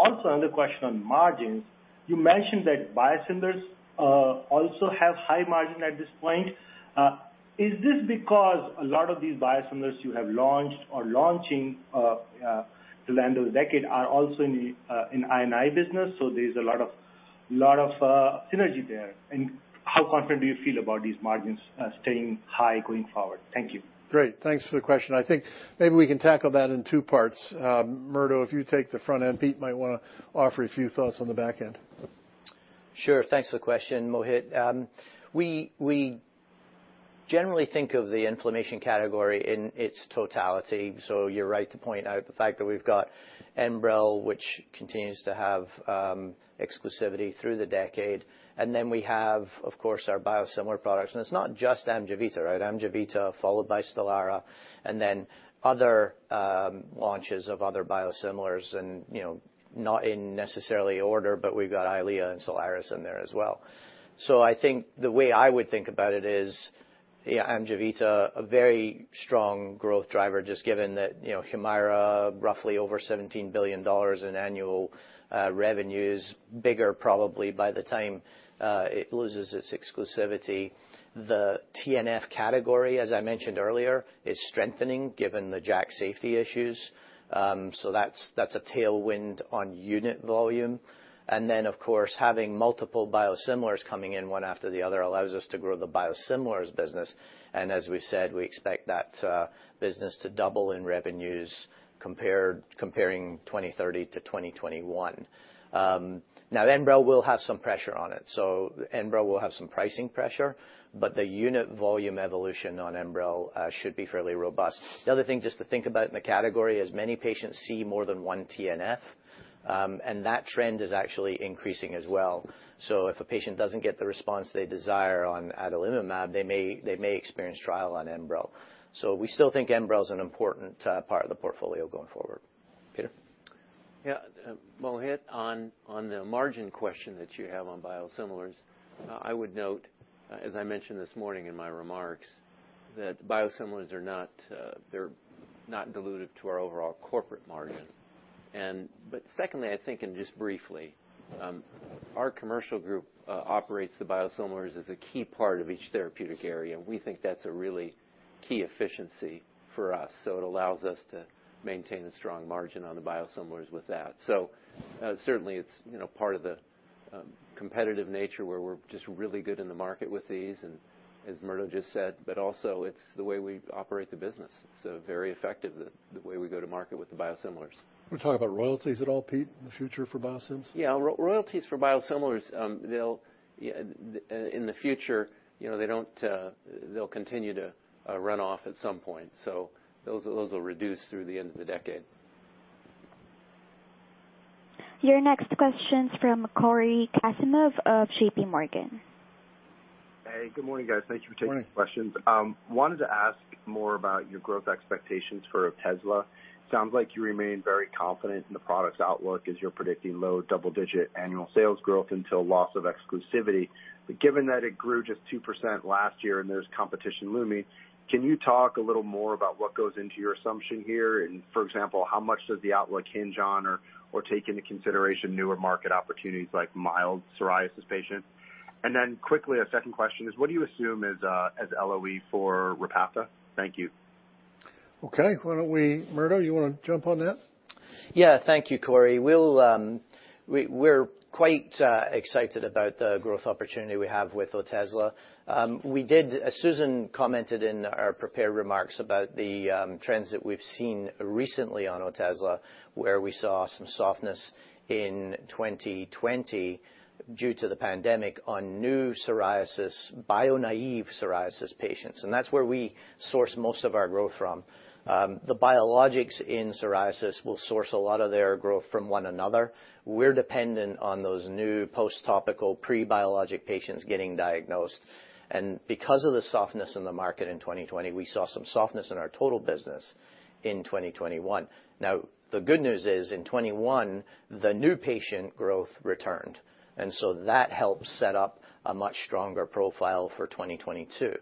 Another question on margins. You mentioned that biosimilars also have high margin at this point. Is this because a lot of these biosimilars you have launched or launching till end of the decade are also in the I&I business, so there's a lot of synergy there? How confident do you feel about these margins staying high going forward? Thank you. Great. Thanks for the question. I think maybe we can tackle that in two parts. Murdo, if you take the front end, Peter might wanna offer a few thoughts on the back end. Sure. Thanks for the question, Mohit. We generally think of the inflammation category in its totality, so you're right to point out the fact that we've got Enbrel, which continues to have exclusivity through the decade, and then we have, of course, our biosimilar products. It's not just Amjevita, right? Amjevita followed by Stelara, and then other launches of other biosimilars and, you know, not necessarily in order, but we've got Eylea and Soliris in there as well. I think the way I would think about it is, yeah, Amjevita a very strong growth driver just given that, you know, Humira roughly over $17 billion in annual revenues, bigger probably by the time it loses its exclusivity. The TNF category, as I mentioned earlier, is strengthening given the JAK safety issues, so that's a tailwind on unit volume. Of course, having multiple biosimilars coming in one after the other allows us to grow the biosimilars business. As we've said, we expect that business to double in revenues comparing 2030 to 2021. Now Enbrel will have some pressure on it. Enbrel will have some pricing pressure, but the unit volume evolution on Enbrel should be fairly robust. The other thing just to think about in the category is many patients see more than one TNF, and that trend is actually increasing as well. If a patient doesn't get the response they desire on adalimumab, they may try Enbrel. We still think Enbrel's an important part of the portfolio going forward. Peter? Mohit, on the margin question that you have on biosimilars, I would note, as I mentioned this morning in my remarks, that biosimilars are not, they're not dilutive to our overall corporate margins. Secondly, I think, and just briefly, our commercial group operates the biosimilars as a key part of each therapeutic area. We think that's a really key efficiency for us, so it allows us to maintain a strong margin on the biosimilars with that. Certainly it's, you know, part of the competitive nature where we're just really good in the market with these and as Murdo just said, but also it's the way we operate the business. It's very effective the way we go to market with the biosimilars. Want to talk about royalties at all, Peter, in the future for biosims? Yeah. Royalties for biosimilars, they'll, in the future, you know, they'll continue to run off at some point. Those will reduce through the end of the decade. Your next question's from Cory Kasimov of JPMorgan. Hey, good morning, guys. Thank you for taking the questions. Morning. I wanted to ask more about your growth expectations for Otezla. Sounds like you remain very confident in the product's outlook as you're predicting low double-digit annual sales growth until loss of exclusivity. Given that it grew just 2% last year and there's competition looming, can you talk a little more about what goes into your assumption here? For example, how much does the outlook hinge on or take into consideration newer market opportunities like mild psoriasis patients? Then quickly, a second question is, what do you assume as LOE for Repatha? Thank you. Okay. Murdo, you wanna jump on that? Yeah. Thank you, Cory. We're quite excited about the growth opportunity we have with Otezla. Susan commented in our prepared remarks about the trends that we've seen recently on Otezla, where we saw some softness in 2020 due to the pandemic on new psoriasis, bio-naive psoriasis patients, and that's where we source most of our growth from. The biologics in psoriasis will source a lot of their growth from one another. We're dependent on those new post topical pre-biologic patients getting diagnosed. Because of the softness in the market in 2020, we saw some softness in our total business in 2021. Now, the good news is in 2021, the new patient growth returned, and so that helps set up a much stronger profile for 2022.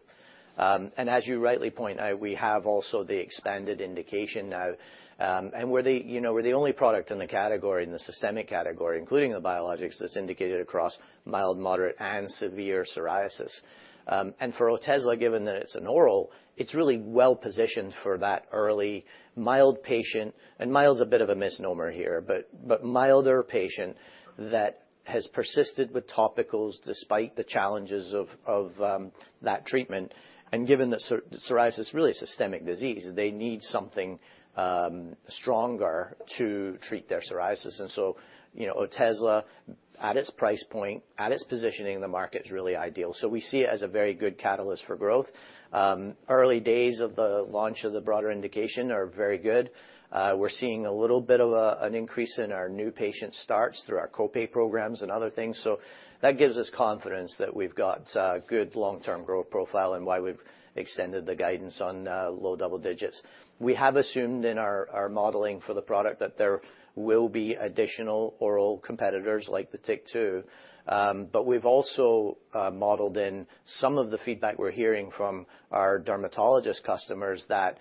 As you rightly point out, we have also the expanded indication now, and we're the, you know, we're the only product in the category, in the systemic category, including the biologics, that's indicated across mild, moderate, and severe psoriasis. For Otezla, given that it's an oral, it's really well-positioned for that early mild patient, and mild is a bit of a misnomer here, but milder patient that has persisted with topicals despite the challenges of that treatment. Given that psoriasis is really a systemic disease, they need something stronger to treat their psoriasis. You know, Otezla, at its price point, at its positioning in the market is really ideal. We see it as a very good catalyst for growth. Early days of the launch of the broader indication are very good. We're seeing a little bit of an increase in our new patient starts through our co-pay programs and other things. That gives us confidence that we've got a good long-term growth profile and why we've extended the guidance on low double digits. We have assumed in our modeling for the product that there will be additional oral competitors like the TYK2. But we've also modeled in some of the feedback we're hearing from our dermatologist customers that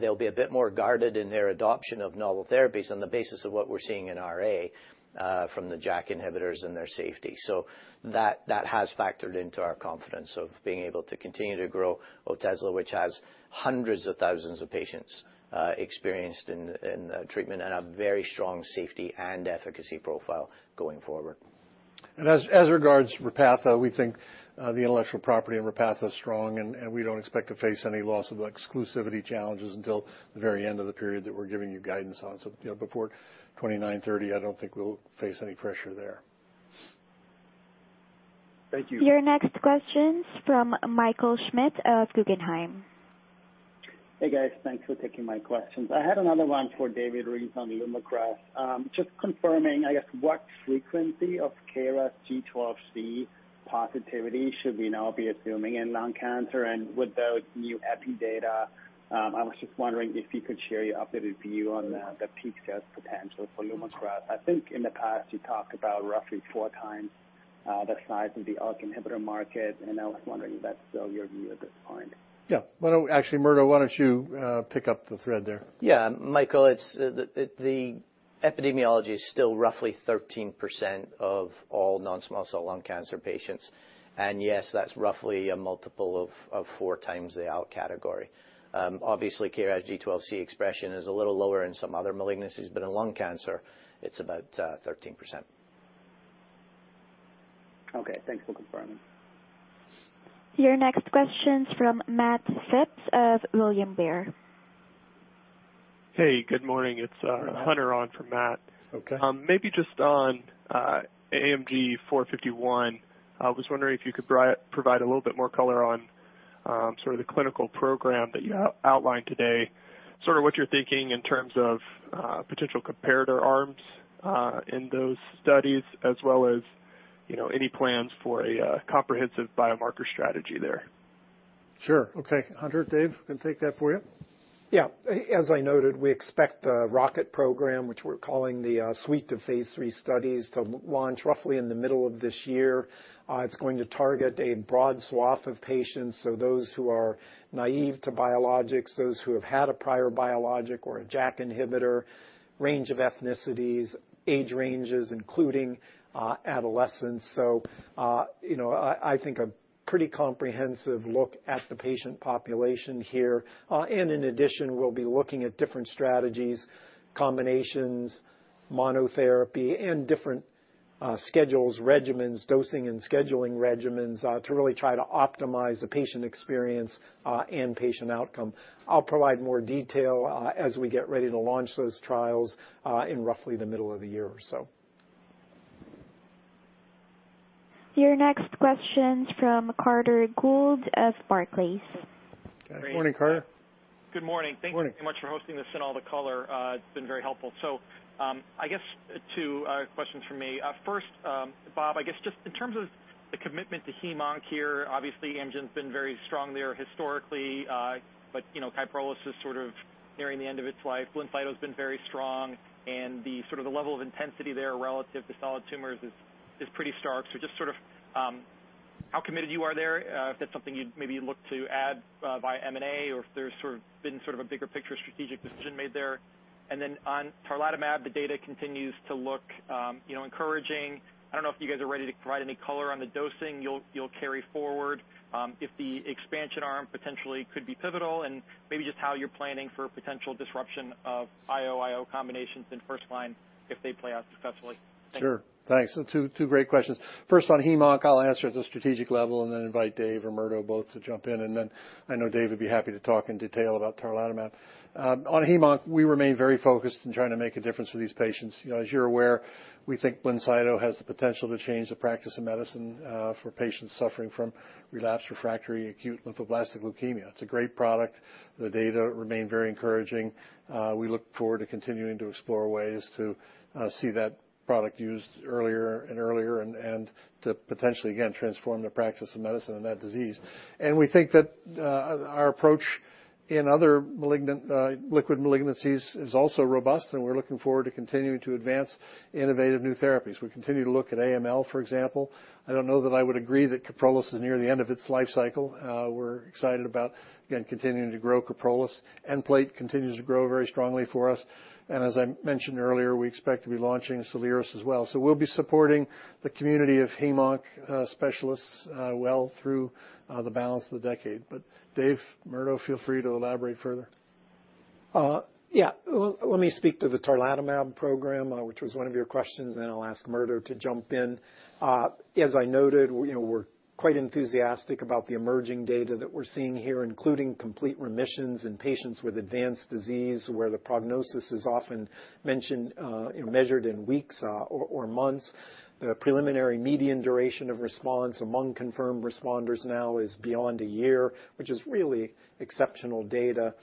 they'll be a bit more guarded in their adoption of novel therapies on the basis of what we're seeing in RA from the JAK inhibitors and their safety. That has factored into our confidence of being able to continue to grow Otezla, which has hundreds of thousands of patients experienced in treatment and a very strong safety and efficacy profile going forward. As regards Repatha, we think the intellectual property in Repatha is strong, and we don't expect to face any loss of exclusivity challenges until the very end of the period that we're giving you guidance on. You know, before 2029-2030, I don't think we'll face any pressure there. Thank you. Your next question's from Michael Schmidt of Guggenheim. Hey, guys. Thanks for taking my questions. I had another one for David Reese on LUMAKRAS. Just confirming, I guess, what frequency of KRAS G12C positivity should we now be assuming in lung cancer? With those new epi data, I was just wondering if you could share your updated view on the peak sales potential for LUMAKRAS. I think in the past, you talked about roughly four times the size of the ALK inhibitor market, and I was wondering if that's still your view at this point. Yeah. Actually, Murdo, why don't you pick up the thread there? Yeah. Michael, it's the epidemiology is still roughly 13% of all non-small cell lung cancer patients. Yes, that's roughly a multiple of 4x the other category. Obviously, KRAS G12C expression is a little lower in some other malignancies, but in lung cancer, it's about 13%. Okay, thanks for confirming. Your next question's from Matt Phipps of William Blair. Hey, good morning. It's Hunter on for Matt. Okay. Maybe just on AMG 451, I was wondering if you could provide a little bit more color on sort of the clinical program that you outlined today, sort of what you're thinking in terms of potential comparator arms in those studies, as well as, you know, any plans for a comprehensive biomarker strategy there. Sure. Okay. Hunter, David can take that for you. Yeah. As I noted, we expect the ROCKET program, which we're calling the suite of phase III studies, to launch roughly in the middle of this year. It's going to target a broad swath of patients, so those who are naive to biologics, those who have had a prior biologic or a JAK inhibitor, range of ethnicities, age ranges, including adolescents. You know, I think a pretty comprehensive look at the patient population here. In addition, we'll be looking at different strategies, combinations, monotherapy, and different schedules, regimens, dosing and scheduling regimens to really try to optimize the patient experience and patient outcome. I'll provide more detail as we get ready to launch those trials in roughly the middle of the year or so. Your next question's from Carter Gould of Barclays. Good morning, Carter. Good morning. Good morning. Thank you so much for hosting this and all the color. It's been very helpful. I guess two questions from me. First, Robert, I guess just in terms of the commitment to hem/onc here, obviously Amgen's been very strong there historically. But you know, KYPROLIS is sort of nearing the end of its life. BLINCYTO's been very strong, and the level of intensity there relative to solid tumors is pretty stark. Just sort of how committed you are there, if that's something you'd maybe look to add via M&A or if there's sort of been a bigger picture strategic decision made there. Then on tarlatamab, the data continues to look you know, encouraging. I don't know if you guys are ready to provide any color on the dosing you'll carry forward, if the expansion arm potentially could be pivotal, and maybe just how you're planning for potential disruption of IO combinations in first line if they play out successfully. Thank you. Sure. Thanks. Two great questions. First, on hem/onc, I'll answer at the strategic level and then invite David or Murdo both to jump in, and then I know Dave would be happy to talk in detail about tarlatamab. On hem/onc, we remain very focused in trying to make a difference for these patients. You know, as you're aware, we think BLINCYTO has the potential to change the practice of medicine for patients suffering from relapsed refractory acute lymphoblastic leukemia. It's a great product. The data remain very encouraging. We look forward to continuing to explore ways to see that product used earlier and earlier and to potentially, again, transform the practice of medicine in that disease. We think that our approach in other malignant liquid malignancies is also robust, and we're looking forward to continuing to advance innovative new therapies. We continue to look at AML, for example. I don't know that I would agree that KYPROLIS is near the end of its life cycle. We're excited about, again, continuing to grow KYPROLIS. Nplate continues to grow very strongly for us. As I mentioned earlier, we expect to be launching Soliris as well. We'll be supporting the community of hemonc specialists well through the balance of the decade. David, Murdo, feel free to elaborate further. Let me speak to the tarlatamab program, which was one of your questions, and then I'll ask Murdo to jump in. As I noted, you know, we're quite enthusiastic about the emerging data that we're seeing here, including complete remissions in patients with advanced disease where the prognosis is often measured in weeks or months. The preliminary median duration of response among confirmed responders now is beyond a year, which is really exceptional data.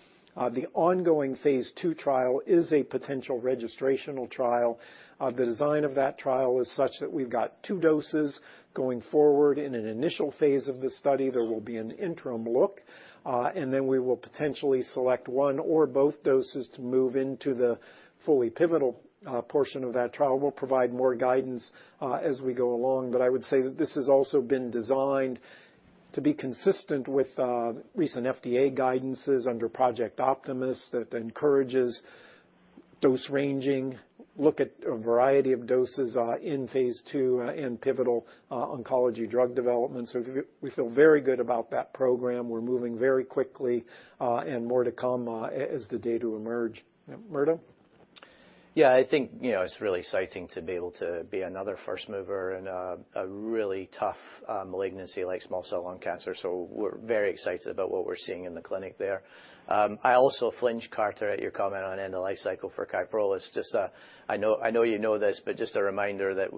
The ongoing phase II trial is a potential registrational trial. The design of that trial is such that we've got two doses going forward. In an initial phase of this study, there will be an interim look, and then we will potentially select one or both doses to move into the fully pivotal portion of that trial. We'll provide more guidance as we go along. I would say that this has also been designed to be consistent with recent FDA guidances under Project Optimus that encourages dose ranging, look at a variety of doses, in phase II, in pivotal oncology drug development. We feel very good about that program. We're moving very quickly, and more to come, as the data emerge. Murdo? Yeah, I think, you know, it's really exciting to be able to be another first mover in a really tough malignancy like small cell lung cancer. We're very excited about what we're seeing in the clinic there. I also flinch, Carter, at your comment on end of life cycle for KYPROLIS. Just, I know you know this, but just a reminder that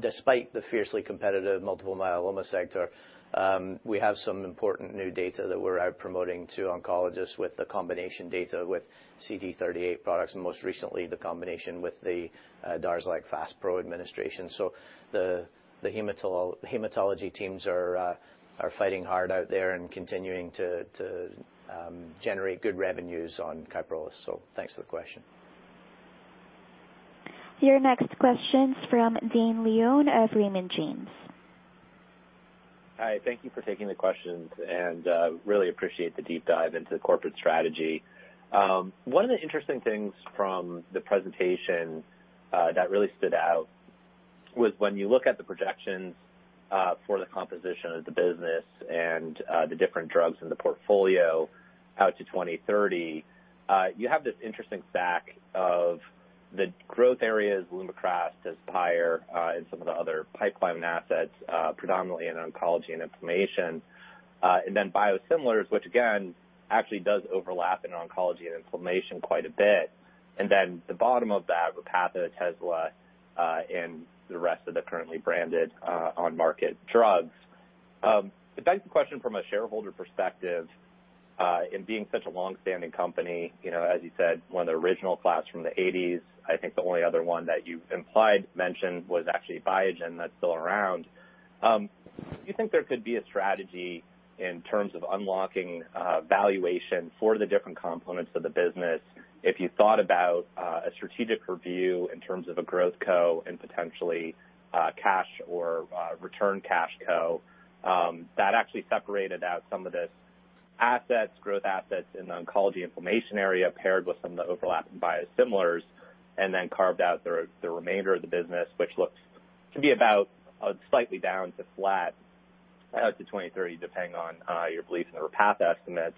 despite the fiercely competitive multiple myeloma sector, we have some important new data that we're out promoting to oncologists with the combination data with CD38 products, and most recently the combination with the Darzalex Faspro administration. The hematology teams are fighting hard out there and continuing to generate good revenues on KYPROLIS. Thanks for the question. Your next question's from Dane Leone of Raymond James. Hi, thank you for taking the questions, and really appreciate the deep dive into the corporate strategy. One of the interesting things from the presentation that really stood out was when you look at the projections for the composition of the business and the different drugs in the portfolio out to 2030, you have this interesting stack of the growth areas, LUMAKRAS, TEzspire, and some of the other pipeline assets, predominantly in oncology and inflammation. Biosimilars, which again actually does overlap in oncology and inflammation quite a bit. The bottom of that, Repatha, Otezla, and the rest of the currently branded on market drugs. To beg the question from a shareholder perspective, in being such a long-standing company, you know, as you said, one of the original class from the 1980s, I think the only other one that you implied mentioned was actually Biogen that's still around. Do you think there could be a strategy in terms of unlocking, valuation for the different components of the business if you thought about, a strategic review in terms of a growth co and potentially, cash or, return cash co, that actually separated out some of the assets, growth assets in the oncology inflammation area paired with some of the overlap in biosimilars, and then carved out the remainder of the business, which looks to be about, slightly down to flat, to 2030, depending on, your belief in the Repatha estimates.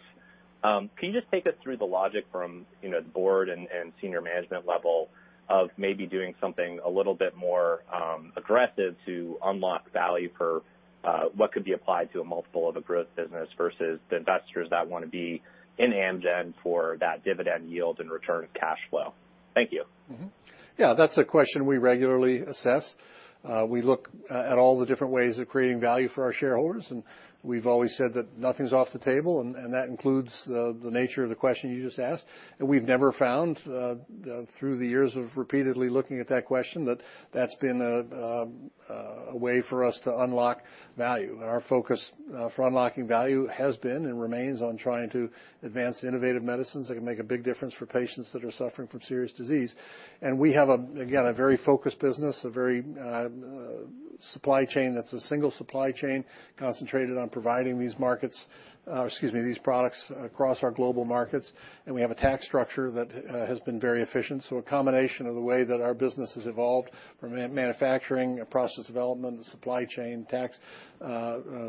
Can you just take us through the logic from, you know, the board and senior management level of maybe doing something a little bit more aggressive to unlock value for what could be applied to a multiple of a growth business versus the investors that wanna be in Amgen for that dividend yield and return of cash flow? Thank you. Mm-hmm. Yeah, that's a question we regularly assess. We look at all the different ways of creating value for our shareholders, and we've always said that nothing's off the table, and that includes the nature of the question you just asked. We've never found, through the years of repeatedly looking at that question, that that's been a way for us to unlock value. Our focus for unlocking value has been and remains on trying to advance innovative medicines that can make a big difference for patients that are suffering from serious disease. We have, again, a very focused business, a very supply chain that's a single supply chain concentrated on providing these markets, excuse me, these products across our global markets. We have a tax structure that has been very efficient. A combination of the way that our business has evolved from manufacturing, process development, the supply chain, tax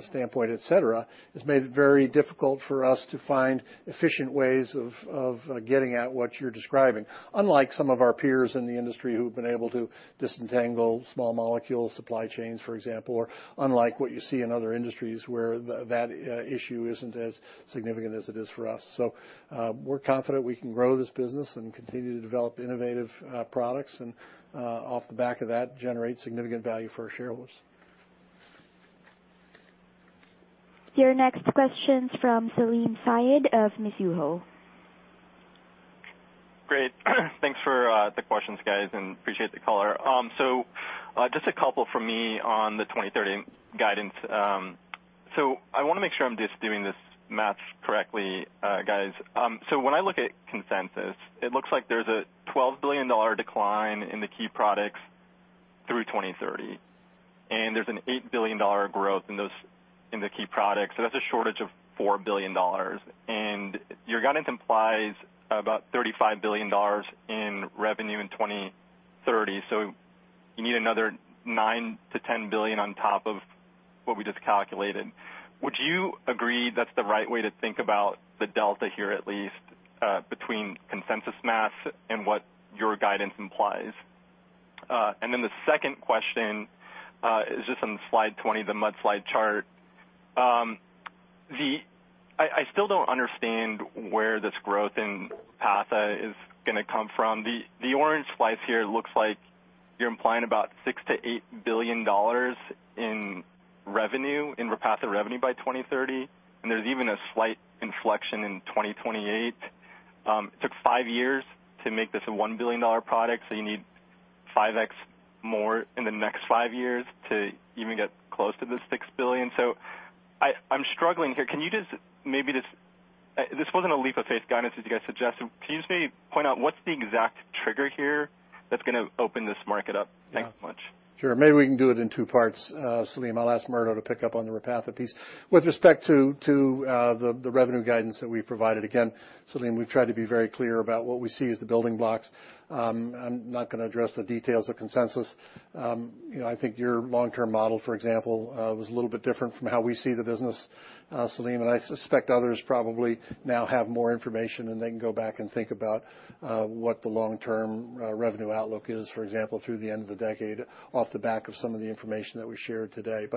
standpoint, et cetera, has made it very difficult for us to find efficient ways of getting at what you're describing. Unlike some of our peers in the industry who've been able to disentangle small molecule supply chains, for example, or unlike what you see in other industries where that issue isn't as significant as it is for us. We're confident we can grow this business and continue to develop innovative products and off the back of that, generate significant value for our shareholders. Your next question's from Salim Syed of Mizuho. Great. Thanks for the questions, guys, and appreciate the caller. Just a couple from me on the 2030 guidance. I wanna make sure I'm just doing this math correctly, guys. When I look at consensus, it looks like there's a $12 billion decline in the key products through 2030, and there's an $8 billion growth in those, in the key products. That's a shortage of $4 billion. Your guidance implies about $35 billion in revenue in 2030. You need another $9 billion-$10 billion on top of what we just calculated. Would you agree that's the right way to think about the delta here, at least, between consensus math and what your guidance implies? The second question is just on slide 20, the multi-slide chart. I still don't understand where this growth in Repatha is gonna come from. The orange slice here looks like you're implying about $6 billion-$8 billion in Repatha revenue by 2030, and there's even a slight inflection in 2028. Took five years to make this a $1 billion product, so you need 5x more in the next five years to even get close to this $6 billion. I'm struggling here. This wasn't a leap of faith guidance as you guys suggested. Can you just maybe point out what's the exact trigger here that's gonna open this market up? Thanks so much. Yeah. Sure. Maybe we can do it in two parts, Salim. I'll ask Murdo to pick up on the Repatha piece. With respect to the revenue guidance that we provided, again, Salim, we've tried to be very clear about what we see as the building blocks. I'm not gonna address the details of consensus. You know, I think your long-term model, for example, was a little bit different from how we see the business, Salim, and I suspect others probably now have more information, and they can go back and think about what the long-term revenue outlook is, for example, through the end of the decade off the back of some of the information that we shared today.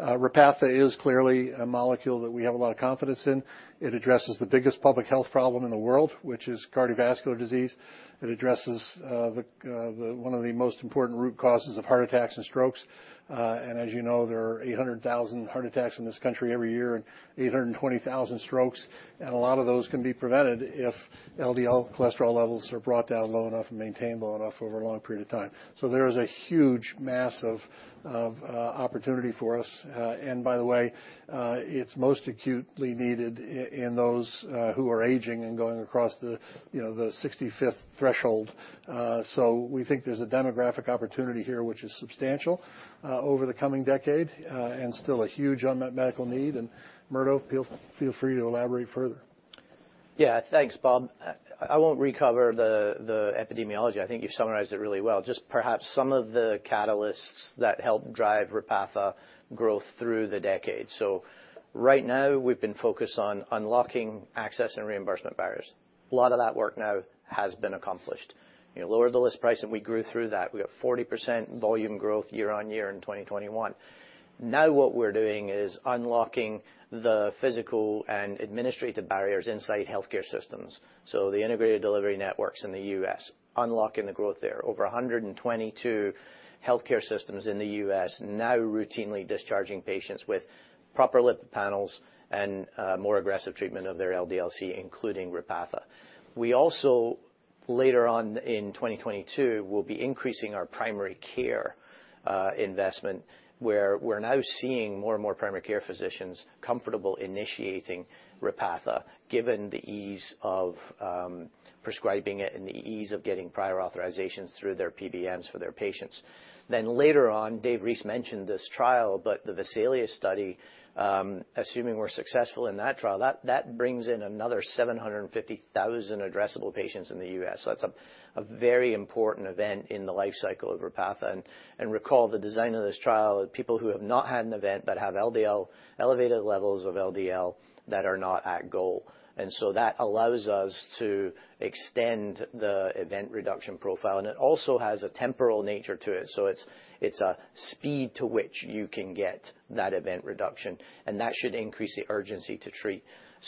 Repatha is clearly a molecule that we have a lot of confidence in. It addresses the biggest public health problem in the world, which is cardiovascular disease. It addresses the one of the most important root causes of heart attacks and strokes. As you know, there are 800,000 heart attacks in this country every year and 820,000 strokes, and a lot of those can be prevented if LDL cholesterol levels are brought down low enough and maintained low enough over a long period of time. There is a huge massive opportunity for us. By the way, it's most acutely needed in those who are aging and going across the, you know, the 65th threshold. We think there's a demographic opportunity here which is substantial over the coming decade and still a huge unmet medical need. Murdo, feel free to elaborate further. Yeah. Thanks, Robert. I won't recover the epidemiology. I think you've summarized it really well, just perhaps some of the catalysts that help drive Repatha growth through the decade. Right now, we've been focused on unlocking access and reimbursement barriers. A lot of that work now has been accomplished. You know, lowered the list price, and we grew through that. We have 40% volume growth year-on-year in 2021. Now what we're doing is unlocking the physical and administrative barriers inside healthcare systems, so the integrated delivery networks in the U.S., unlocking the growth there. Over 122 healthcare systems in the U.S. now routinely discharging patients with proper lipid panels and more aggressive treatment of their LDL-C, including Repatha. We also, later on in 2022, will be increasing our primary care investment, where we're now seeing more and more primary care physicians comfortable initiating Repatha, given the ease of prescribing it and the ease of getting prior authorizations through their PBMs for their patients. Later on, Dave Reese mentioned this trial, but the VESALIUS-CV study, assuming we're successful in that trial, that brings in another 750,000 addressable patients in the U.S. That's a very important event in the life cycle of Repatha. Recall the design of this trial are people who have not had an event but have LDL elevated levels of LDL that are not at goal. That allows us to extend the event reduction profile, and it also has a temporal nature to it. It's a speed to which you can get that event reduction, and that should increase the urgency to treat.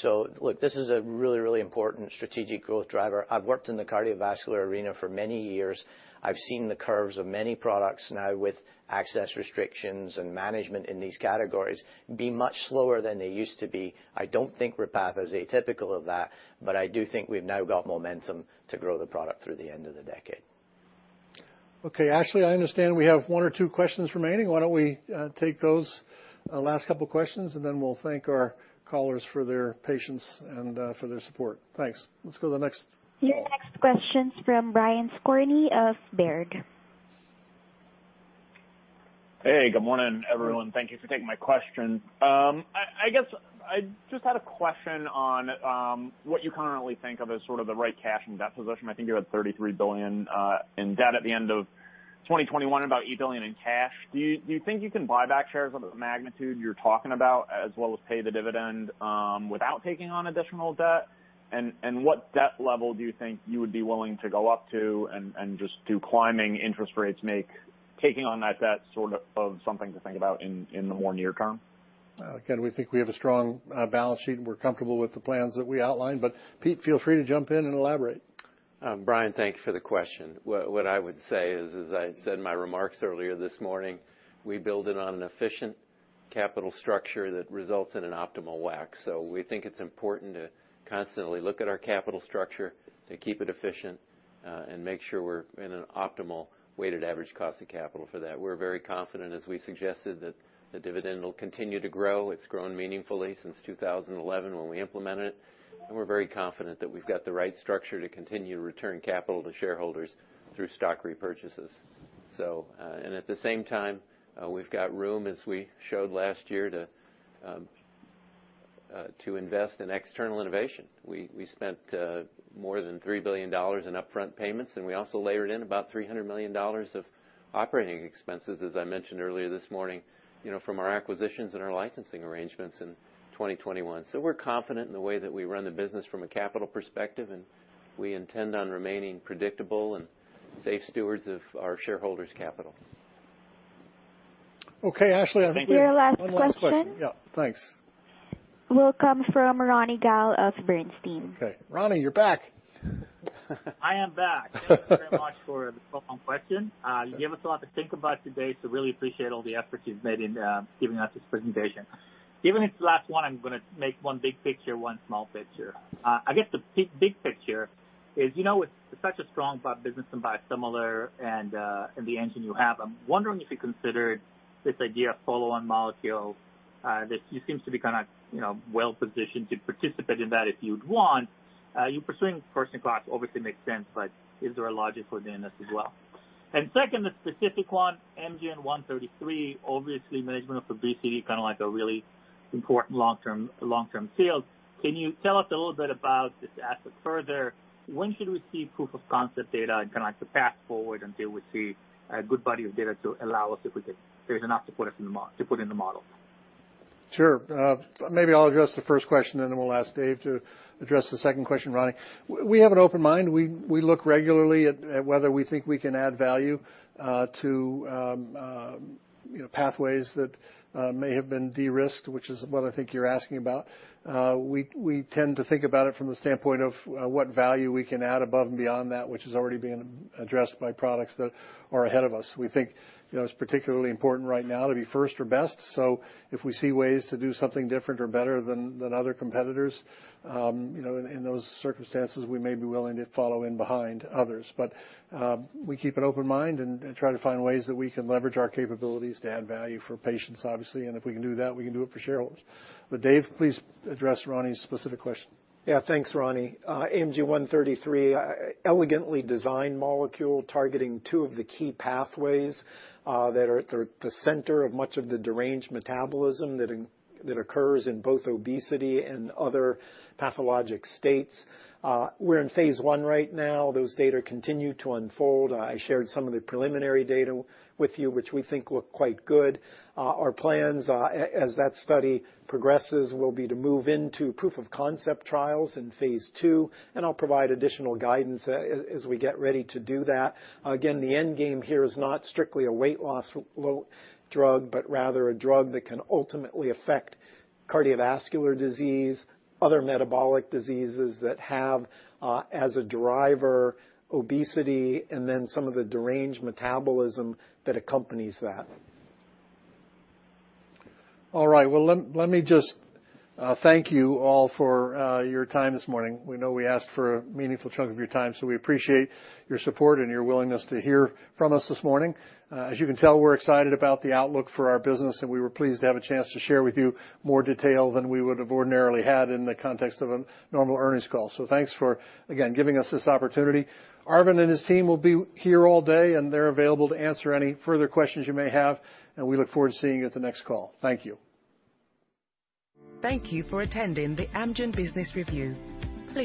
Look, this is a really, really important strategic growth driver. I've worked in the cardiovascular arena for many years. I've seen the curves of many products now with access restrictions and management in these categories be much slower than they used to be. I don't think Repatha is atypical of that, but I do think we've now got momentum to grow the product through the end of the decade. Okay. Ashley, I understand we have one or two questions remaining. Why don't we take those last couple questions, and then we'll thank our callers for their patience and for their support. Thanks. Let's go to the next call. Your next question's from Brian Skorney of Baird. Hey, good morning, everyone. Thank you for taking my question. I guess I just had a question on what you currently think of as sort of the right cash and debt position. I think you're at $33 billion in debt at the end of 2021, about $8 billion in cash. Do you think you can buy back shares of the magnitude you're talking about as well as pay the dividend without taking on additional debt? What debt level do you think you would be willing to go up to and just how climbing interest rates make taking on that debt sort of something to think about in the more near term? Again, we think we have a strong balance sheet, and we're comfortable with the plans that we outlined. Peter, feel free to jump in and elaborate. Brian, thank you for the question. What I would say is, as I said in my remarks earlier this morning, we build it on an efficient capital structure that results in an optimal WACC. We think it's important to constantly look at our capital structure to keep it efficient, and make sure we're in an optimal weighted average cost of capital for that. We're very confident, as we suggested, that the dividend will continue to grow. It's grown meaningfully since 2011 when we implemented it, and we're very confident that we've got the right structure to continue to return capital to shareholders through stock repurchases. At the same time, we've got room, as we showed last year, to To invest in external innovation. We spent more than $3 billion in upfront payments, and we also layered in about $300 million of operating expenses, as I mentioned earlier this morning, you know, from our acquisitions and our licensing arrangements in 2021. We're confident in the way that we run the business from a capital perspective, and we intend on remaining predictable and safe stewards of our shareholders' capital. Okay, Ashley, I think we have one last question. Your last question. Yeah, thanks. Will come from Ronny Gal of Bernstein. Okay. Ronny, you're back. I am back. Thank you very much for the follow-on question. You gave us a lot to think about today, so really appreciate all the effort you've made in giving us this presentation. Given it's the last one, I'm gonna make one big picture, one small picture. I guess the big, big picture is, you know, with such a strong P-business and biosimilar and the engine you have, I'm wondering if you considered this idea of follow-on molecule that just seems to be kinda, you know, well positioned to participate in that if you'd want. You pursuing first in class obviously makes sense, but is there a logic within this as well? Second, the specific one, AMG 133, obviously management of obesity, kinda like a really important long-term field. Can you tell us a little bit about this asset further? When should we see proof of concept data and kinda like the path forward until we see a good body of data to allow us, if we can, there is enough to put in the model? Sure. Maybe I'll address the first question, and then we'll ask David to address the second question, Ronny. We have an open mind. We look regularly at whether we think we can add value to you know, pathways that may have been de-risked, which is what I think you're asking about. We tend to think about it from the standpoint of what value we can add above and beyond that which is already being addressed by products that are ahead of us. We think you know, it's particularly important right now to be first or best. If we see ways to do something different or better than other competitors, you know, in those circumstances, we may be willing to follow in behind others. We keep an open mind and try to find ways that we can leverage our capabilities to add value for patients, obviously. If we can do that, we can do it for shareholders. Dave, please address Ronny's specific question. Yeah. Thanks, Ronny. AMG 133, elegantly designed molecule targeting two of the key pathways that are at the center of much of the deranged metabolism that occurs in both obesity and other pathologic states. We're in phase I right now. Those data continue to unfold. I shared some of the preliminary data with you, which we think look quite good. Our plans, as that study progresses, will be to move into proof of concept trials in phase II, and I'll provide additional guidance as we get ready to do that. Again, the end game here is not strictly a weight loss drug, but rather a drug that can ultimately affect cardiovascular disease, other metabolic diseases that have as a driver obesity and then some of the deranged metabolism that accompanies that. All right. Well, let me just thank you all for your time this morning. We know we asked for a meaningful chunk of your time, so we appreciate your support and your willingness to hear from us this morning. As you can tell, we're excited about the outlook for our business, and we were pleased to have a chance to share with you more detail than we would have ordinarily had in the context of a normal earnings call. Thanks for, again, giving us this opportunity. Arvind and his team will be here all day, and they're available to answer any further questions you may have, and we look forward to seeing you at the next call. Thank you. Thank you for attending the Amgen Business Review. Please